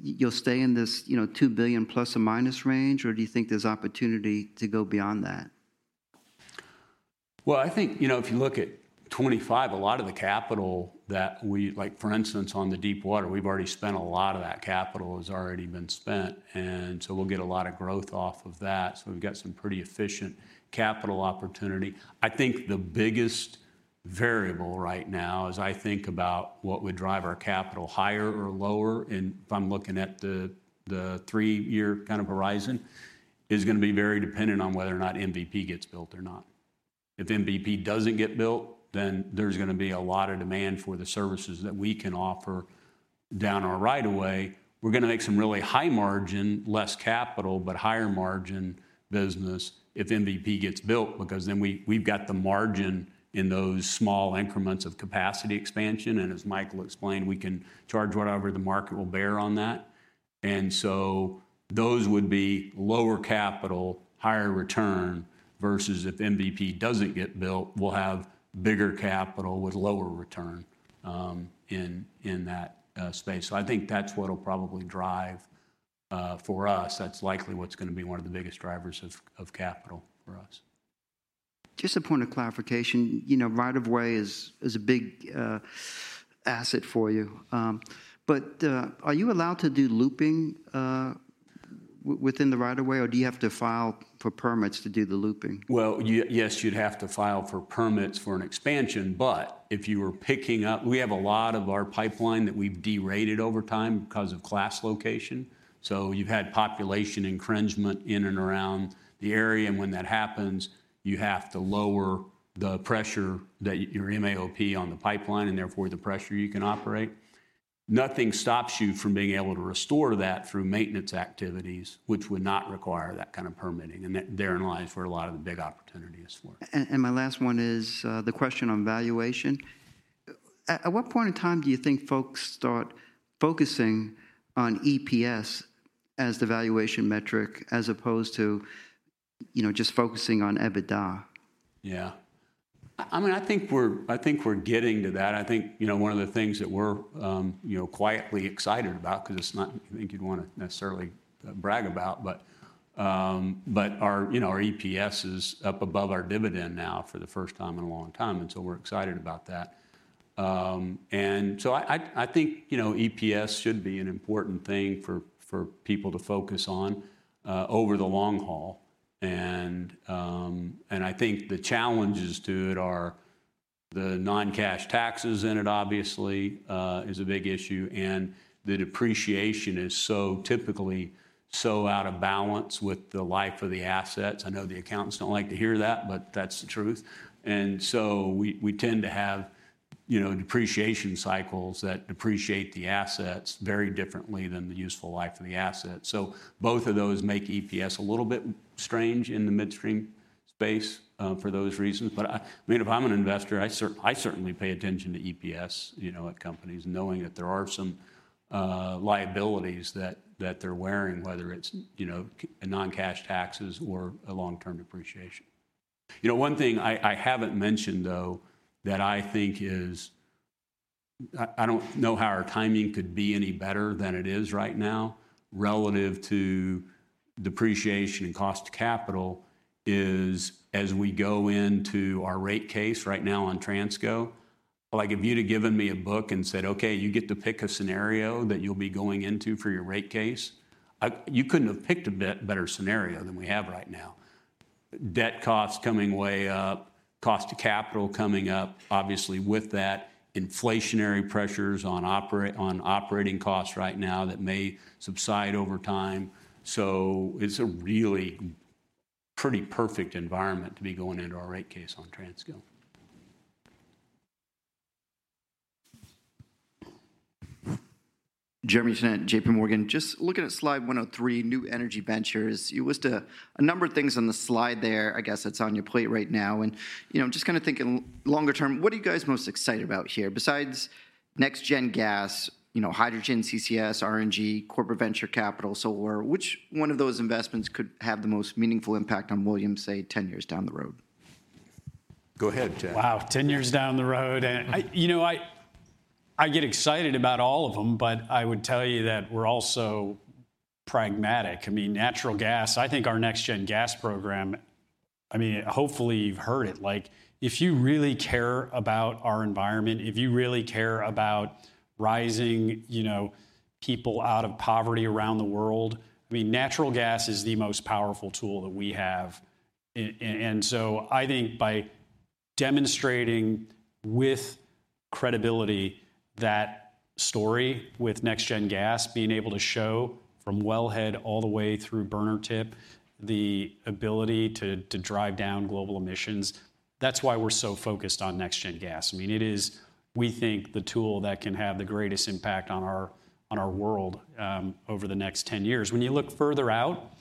Speaker 17: you'll stay in this, you know, $2 billion plus or minus range, or do you think there's opportunity to go beyond that?
Speaker 3: Well, I think, you know, if you look at 2025, a lot of the capital. Like for instance, on the deep water, we've already spent a lot of that capital. It's already been spent. We'll get a lot of growth off of that. We've got some pretty efficient capital opportunity. I think the biggest variable right now, as I think about what would drive our capital higher or lower, and if I'm looking at the three-year kind of horizon, is gonna be very dependent on whether or not MVP gets built or not. If MVP doesn't get built, there's gonna be a lot of demand for the services that we can offer down our right of way. We're gonna make some really high margin, less capital, but higher margin business if MVP gets built because then we've got the margin in those small increments of capacity expansion. As Micheal explained, we can charge whatever the market will bear on that. Those would be lower capital, higher return, versus if MVP doesn't get built, we'll have bigger capital with lower return in that space. I think that's what'll probably drive for us. That's likely what's gonna be one of the biggest drivers of capital for us.
Speaker 17: Just a point of clarification. You know, right of way is a big asset for you. Are you allowed to do looping within the right of way, or do you have to file for permits to do the looping?
Speaker 3: Well, yes, you'd have to file for permits for an expansion. If you were picking up We have a lot of our pipeline that we've derated over time because of class location. You've had population encroachment in and around the area, and when that happens, you have to lower the pressure that your MAOP on the pipeline and therefore the pressure you can operate. Nothing stops you from being able to restore that through maintenance activities, which would not require that kind of permitting, therein lies where a lot of the big opportunity is for.
Speaker 17: My last one is the question on valuation. At what point in time do you think folks start focusing on EPS as the valuation metric as opposed to, you know, just focusing on EBITDA?
Speaker 3: Yeah. I mean, I think we're getting to that. I think, you know, one of the things that we're, you know, quietly excited about because it's not I think you'd wanna necessarily brag about, but our, you know, our EPS is up above our dividend now for the first time in a long time. We're excited about that. I think, you know, EPS should be an important thing for people to focus on over the long haul. I think the challenges to it are the non-cash taxes in it obviously is a big issue, and the depreciation is so typically out of balance with the life of the assets. I know the accountants don't like to hear that, but that's the truth. We tend to have, you know, depreciation cycles that depreciate the assets very differently than the useful life of the asset. Both of those make EPS a little bit strange in the midstream space for those reasons. I mean, if I'm an investor, I certainly pay attention to EPS, you know, at companies, knowing that there are some liabilities that they're wearing, whether it's, you know, a non-cash taxes or a long-term depreciation. You know, one thing I haven't mentioned, though, that I think is I don't know how our timing could be any better than it is right now relative to depreciation and cost to capital is, as we go into our rate case right now on Transco. If you'd have given me a book and said, "Okay, you get to pick a scenario that you'll be going into for your rate case," you couldn't have picked a better scenario than we have right now. Debt costs coming way up, cost to capital coming up, obviously with that, inflationary pressures on operating costs right now that may subside over time. It's a really pretty perfect environment to be going into our rate case on Transco.
Speaker 17: Just looking at slide 103, New Energy Ventures, you listed a number of things on the slide there, I guess that's on your plate right now. you know, I'm just kinda thinking longer term, what are you guys most excited about here? Besides NextGen Gas, you know, hydrogen, CCS, RNG, corporate venture capital, solar, which one of those investments could have the most meaningful impact on Williams, say, 10 years down the road?
Speaker 3: Go ahead, Chad.
Speaker 6: Wow, ten years down the road. I, you know, I get excited about all of them, but I would tell you that we're also pragmatic. I mean, natural gas, I think our Next Gen Gas program, I mean, hopefully you've heard it. Like, if you really care about our environment, if you really care about rising, you know, people out of poverty around the world, I mean, natural gas is the most powerful tool that we have. I think by demonstrating with credibility that story with Next Gen Gas, being able to show from wellhead all the way through burner tip, the ability to drive down global emissions, that's why we're so focused on Next Gen Gas. I mean, it is, we think, the tool that can have the greatest impact on our world over the next ten years. When you look further out,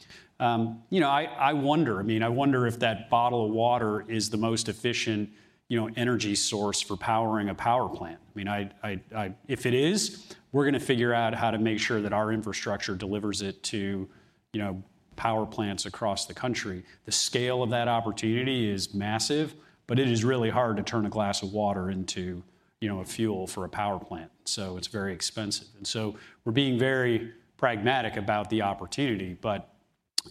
Speaker 6: you know, I wonder. I mean, I wonder if that bottle of water is the most efficient, you know, energy source for powering a power plant. I mean, if it is, we're gonna figure out how to make sure that our infrastructure delivers it to, you know, power plants across the country. The scale of that opportunity is massive, but it is really hard to turn a glass of water into, you know, a fuel for a power plant, so it's very expensive. We're being very pragmatic about the opportunity.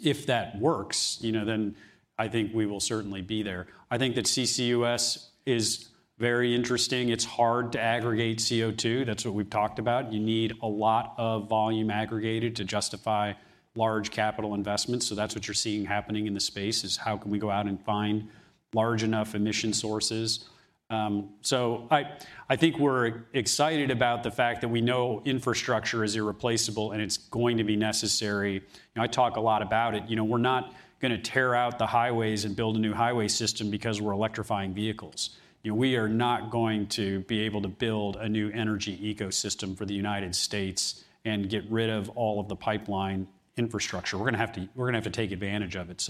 Speaker 6: If that works, you know, then I think we will certainly be there. I think that CCUS is very interesting. It's hard to aggregate CO2. That's what we've talked about. You need a lot of volume aggregated to justify large capital investments, so that's what you're seeing happening in the space, is how can we go out and find large enough emission sources. I think we're excited about the fact that we know infrastructure is irreplaceable, and it's going to be necessary. You know, I talk a lot about it. You know, we're not gonna tear out the highways and build a new highway system because we're electrifying vehicles. You know, we are not going to be able to build a new energy ecosystem for the United States and get rid of all of the pipeline infrastructure. We're gonna have to take advantage of it.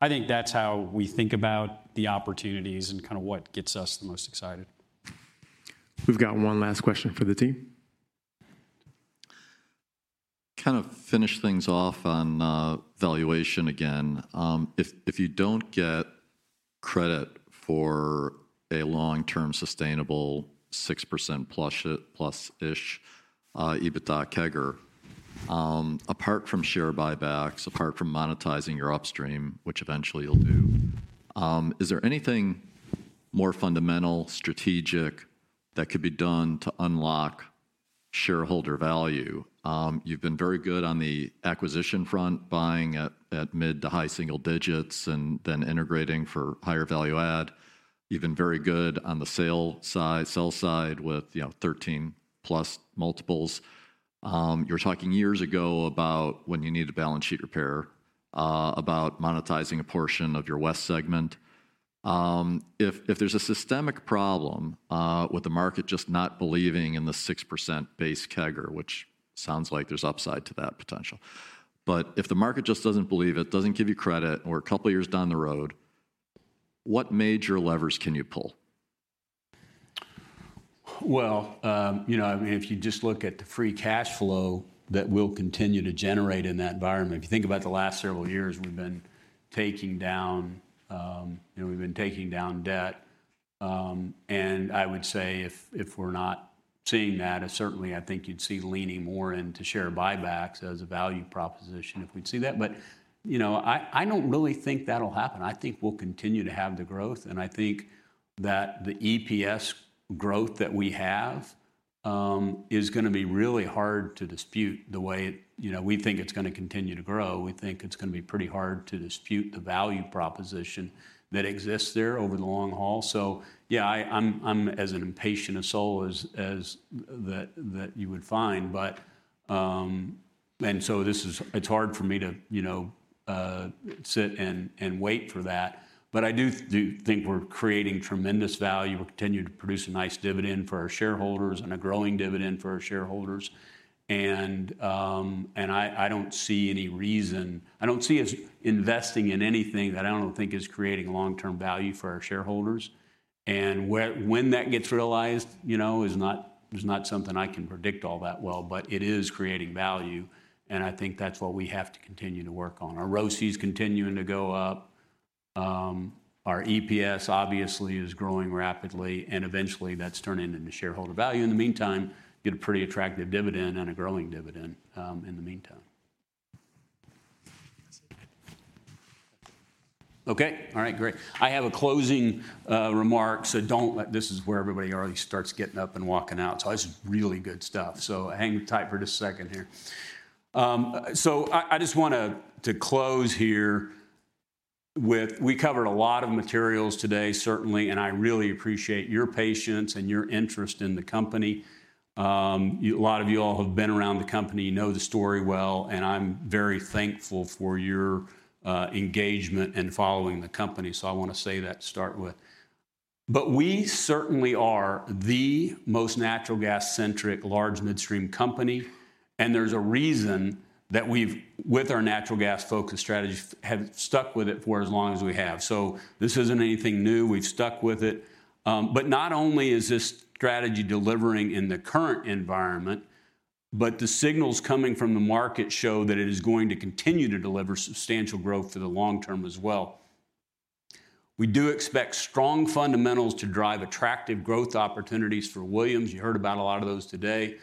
Speaker 6: I think that's how we think about the opportunities and kinda what gets us the most excited.
Speaker 1: We've got one last question for the team.
Speaker 16: Kind of finish things off on valuation again. If, if you don't get credit for a long-term sustainable 6% plus-ish EBITDA CAGR, apart from share buybacks, apart from monetizing your upstream, which eventually you'll do, is there anything more fundamental, strategic that could be done to unlock shareholder value? You've been very good on the acquisition front, buying at mid to high single digits and then integrating for higher value add. You've been very good on the sale side with, you know, 13+ multiples. You were talking years ago about when you needed balance sheet repair, about monetizing a portion of your West segment. If, if there's a systemic problem with the market just not believing in the 6% base CAGR, which sounds like there's upside to that potential. If the market just doesn't believe it, doesn't give you credit, or a couple years down the road, what major levers can you pull?
Speaker 3: Well, you know, I mean, if you just look at the free cash flow that we'll continue to generate in that environment. If you think about the last several years, we've been taking down, you know, we've been taking down debt. I would say if we're not seeing that, certainly I think you'd see leaning more into share buybacks as a value proposition if we'd see that. You know, I don't really think that'll happen. I think we'll continue to have the growth, and I think that the EPS growth that we have, is gonna be really hard to dispute the way, you know, we think it's gonna continue to grow. We think it's gonna be pretty hard to dispute the value proposition that exists there over the long haul. Yeah, I'm as impatient a soul as that you would find, but. This is hard for me to, you know, sit and wait for that. I do think we're creating tremendous value. We'll continue to produce a nice dividend for our shareholders and a growing dividend for our shareholders. I don't see any reason I don't see us investing in anything that I don't think is creating long-term value for our shareholders. When that gets realized, you know, is not, is not something I can predict all that well, but it is creating value, and I think that's what we have to continue to work on. Our ROCE's continuing to go up. Our EPS obviously is growing rapidly, and eventually that's turning into shareholder value. In the meantime, get a pretty attractive dividend and a growing dividend, in the meantime. Okay. All right, great. I have a closing remark. This is where everybody already starts getting up and walking out. This is really good stuff, so hang tight for just a second here. I just want to close here with. We covered a lot of materials today, certainly, and I really appreciate your patience and your interest in the company. A lot of you all have been around the company, know the story well, and I'm very thankful for your engagement in following the company, so I want to say that to start with. We certainly are the most natural gas-centric large midstream company, and there's a reason that we've, with our natural gas-focused strategy, have stuck with it for as long as we have. This isn't anything new. We've stuck with it. Not only is this strategy delivering in the current environment, but the signals coming from the market show that it is going to continue to deliver substantial growth for the long term as well. We do expect strong fundamentals to drive attractive growth opportunities for Williams, you heard about a lot of those today,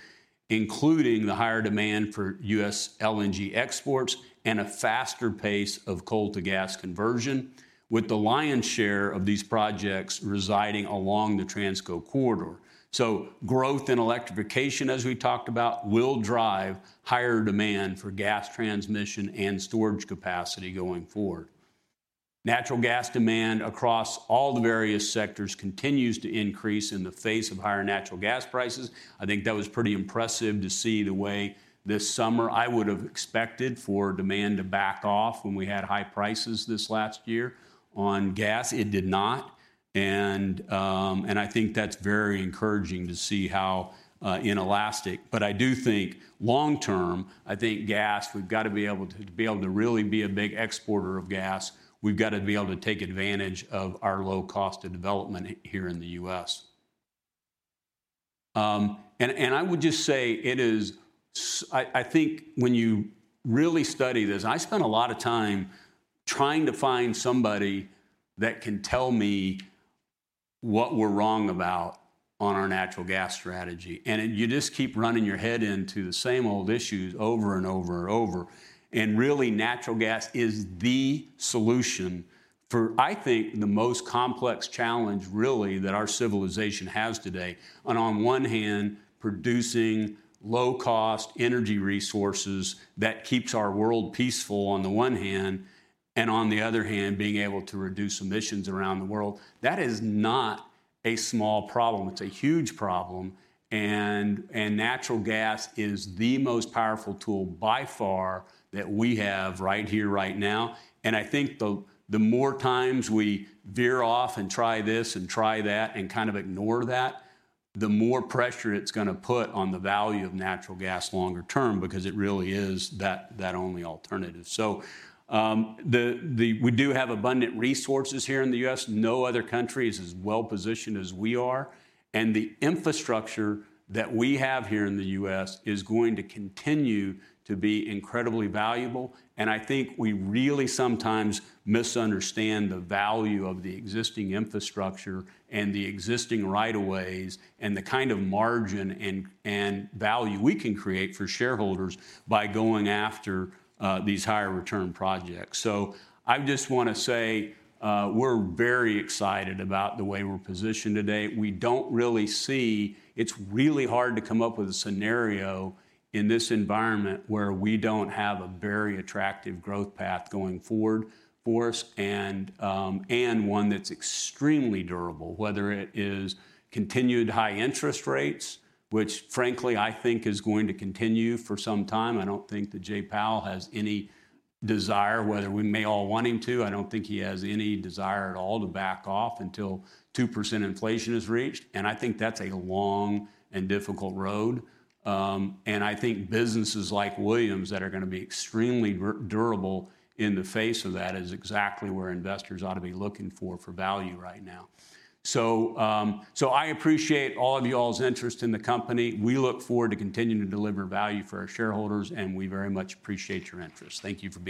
Speaker 3: including the higher demand for US LNG exports and a faster pace of coal to gas conversion, with the lion's share of these projects residing along the Transco corridor. Growth in electrification, as we talked about, will drive higher demand for gas transmission and storage capacity going forward. Natural gas demand across all the various sectors continues to increase in the face of higher natural gas prices. I think that was pretty impressive to see the way this summer. I would have expected for demand to back off when we had high prices this last year on gas. It did not, I think that's very encouraging to see how inelastic. I do think long term, I think gas, we've gotta be able to really be a big exporter of gas, we've gotta be able to take advantage of our low cost of development here in the U.S. I would just say I think when you really study this, and I spent a lot of time trying to find somebody that can tell me what we're wrong about on our natural gas strategy, and you just keep running your head into the same old issues over and over and over. Really, natural gas is the solution for, I think, the most complex challenge really that our civilization has today. On one hand, producing low cost energy resources that keeps our world peaceful on the one hand, and on the other hand, being able to reduce emissions around the world. That is not a small problem. It's a huge problem, and natural gas is the most powerful tool by far that we have right here, right now. I think the more times we veer off and try this and try that and kind of ignore that, the more pressure it's gonna put on the value of natural gas longer term because it really is that only alternative. We do have abundant resources here in the U.S. No other country is as well-positioned as we are, and the infrastructure that we have here in the U.S. is going to continue to be incredibly valuable. I think we really sometimes misunderstand the value of the existing infrastructure and the existing right of ways and the kind of margin and value we can create for shareholders by going after these higher return projects. I just wanna say, we're very excited about the way we're positioned today. We don't really. It's really hard to come up with a scenario in this environment where we don't have a very attractive growth path going forward for us and one that's extremely durable. Whether it is continued high interest rates, which frankly I think is going to continue for some time. I don't think that Jerome Powell has any desire, whether we may all want him to, I don't think he has any desire at all to back off until 2% inflation is reached, and I think that's a long and difficult road. I think businesses like Williams that are gonna be extremely durable in the face of that is exactly where investors ought to be looking for for value right now. I appreciate all of y'all's interest in the company. We look forward to continuing to deliver value for our shareholders, and we very much appreciate your interest. Thank you for coming.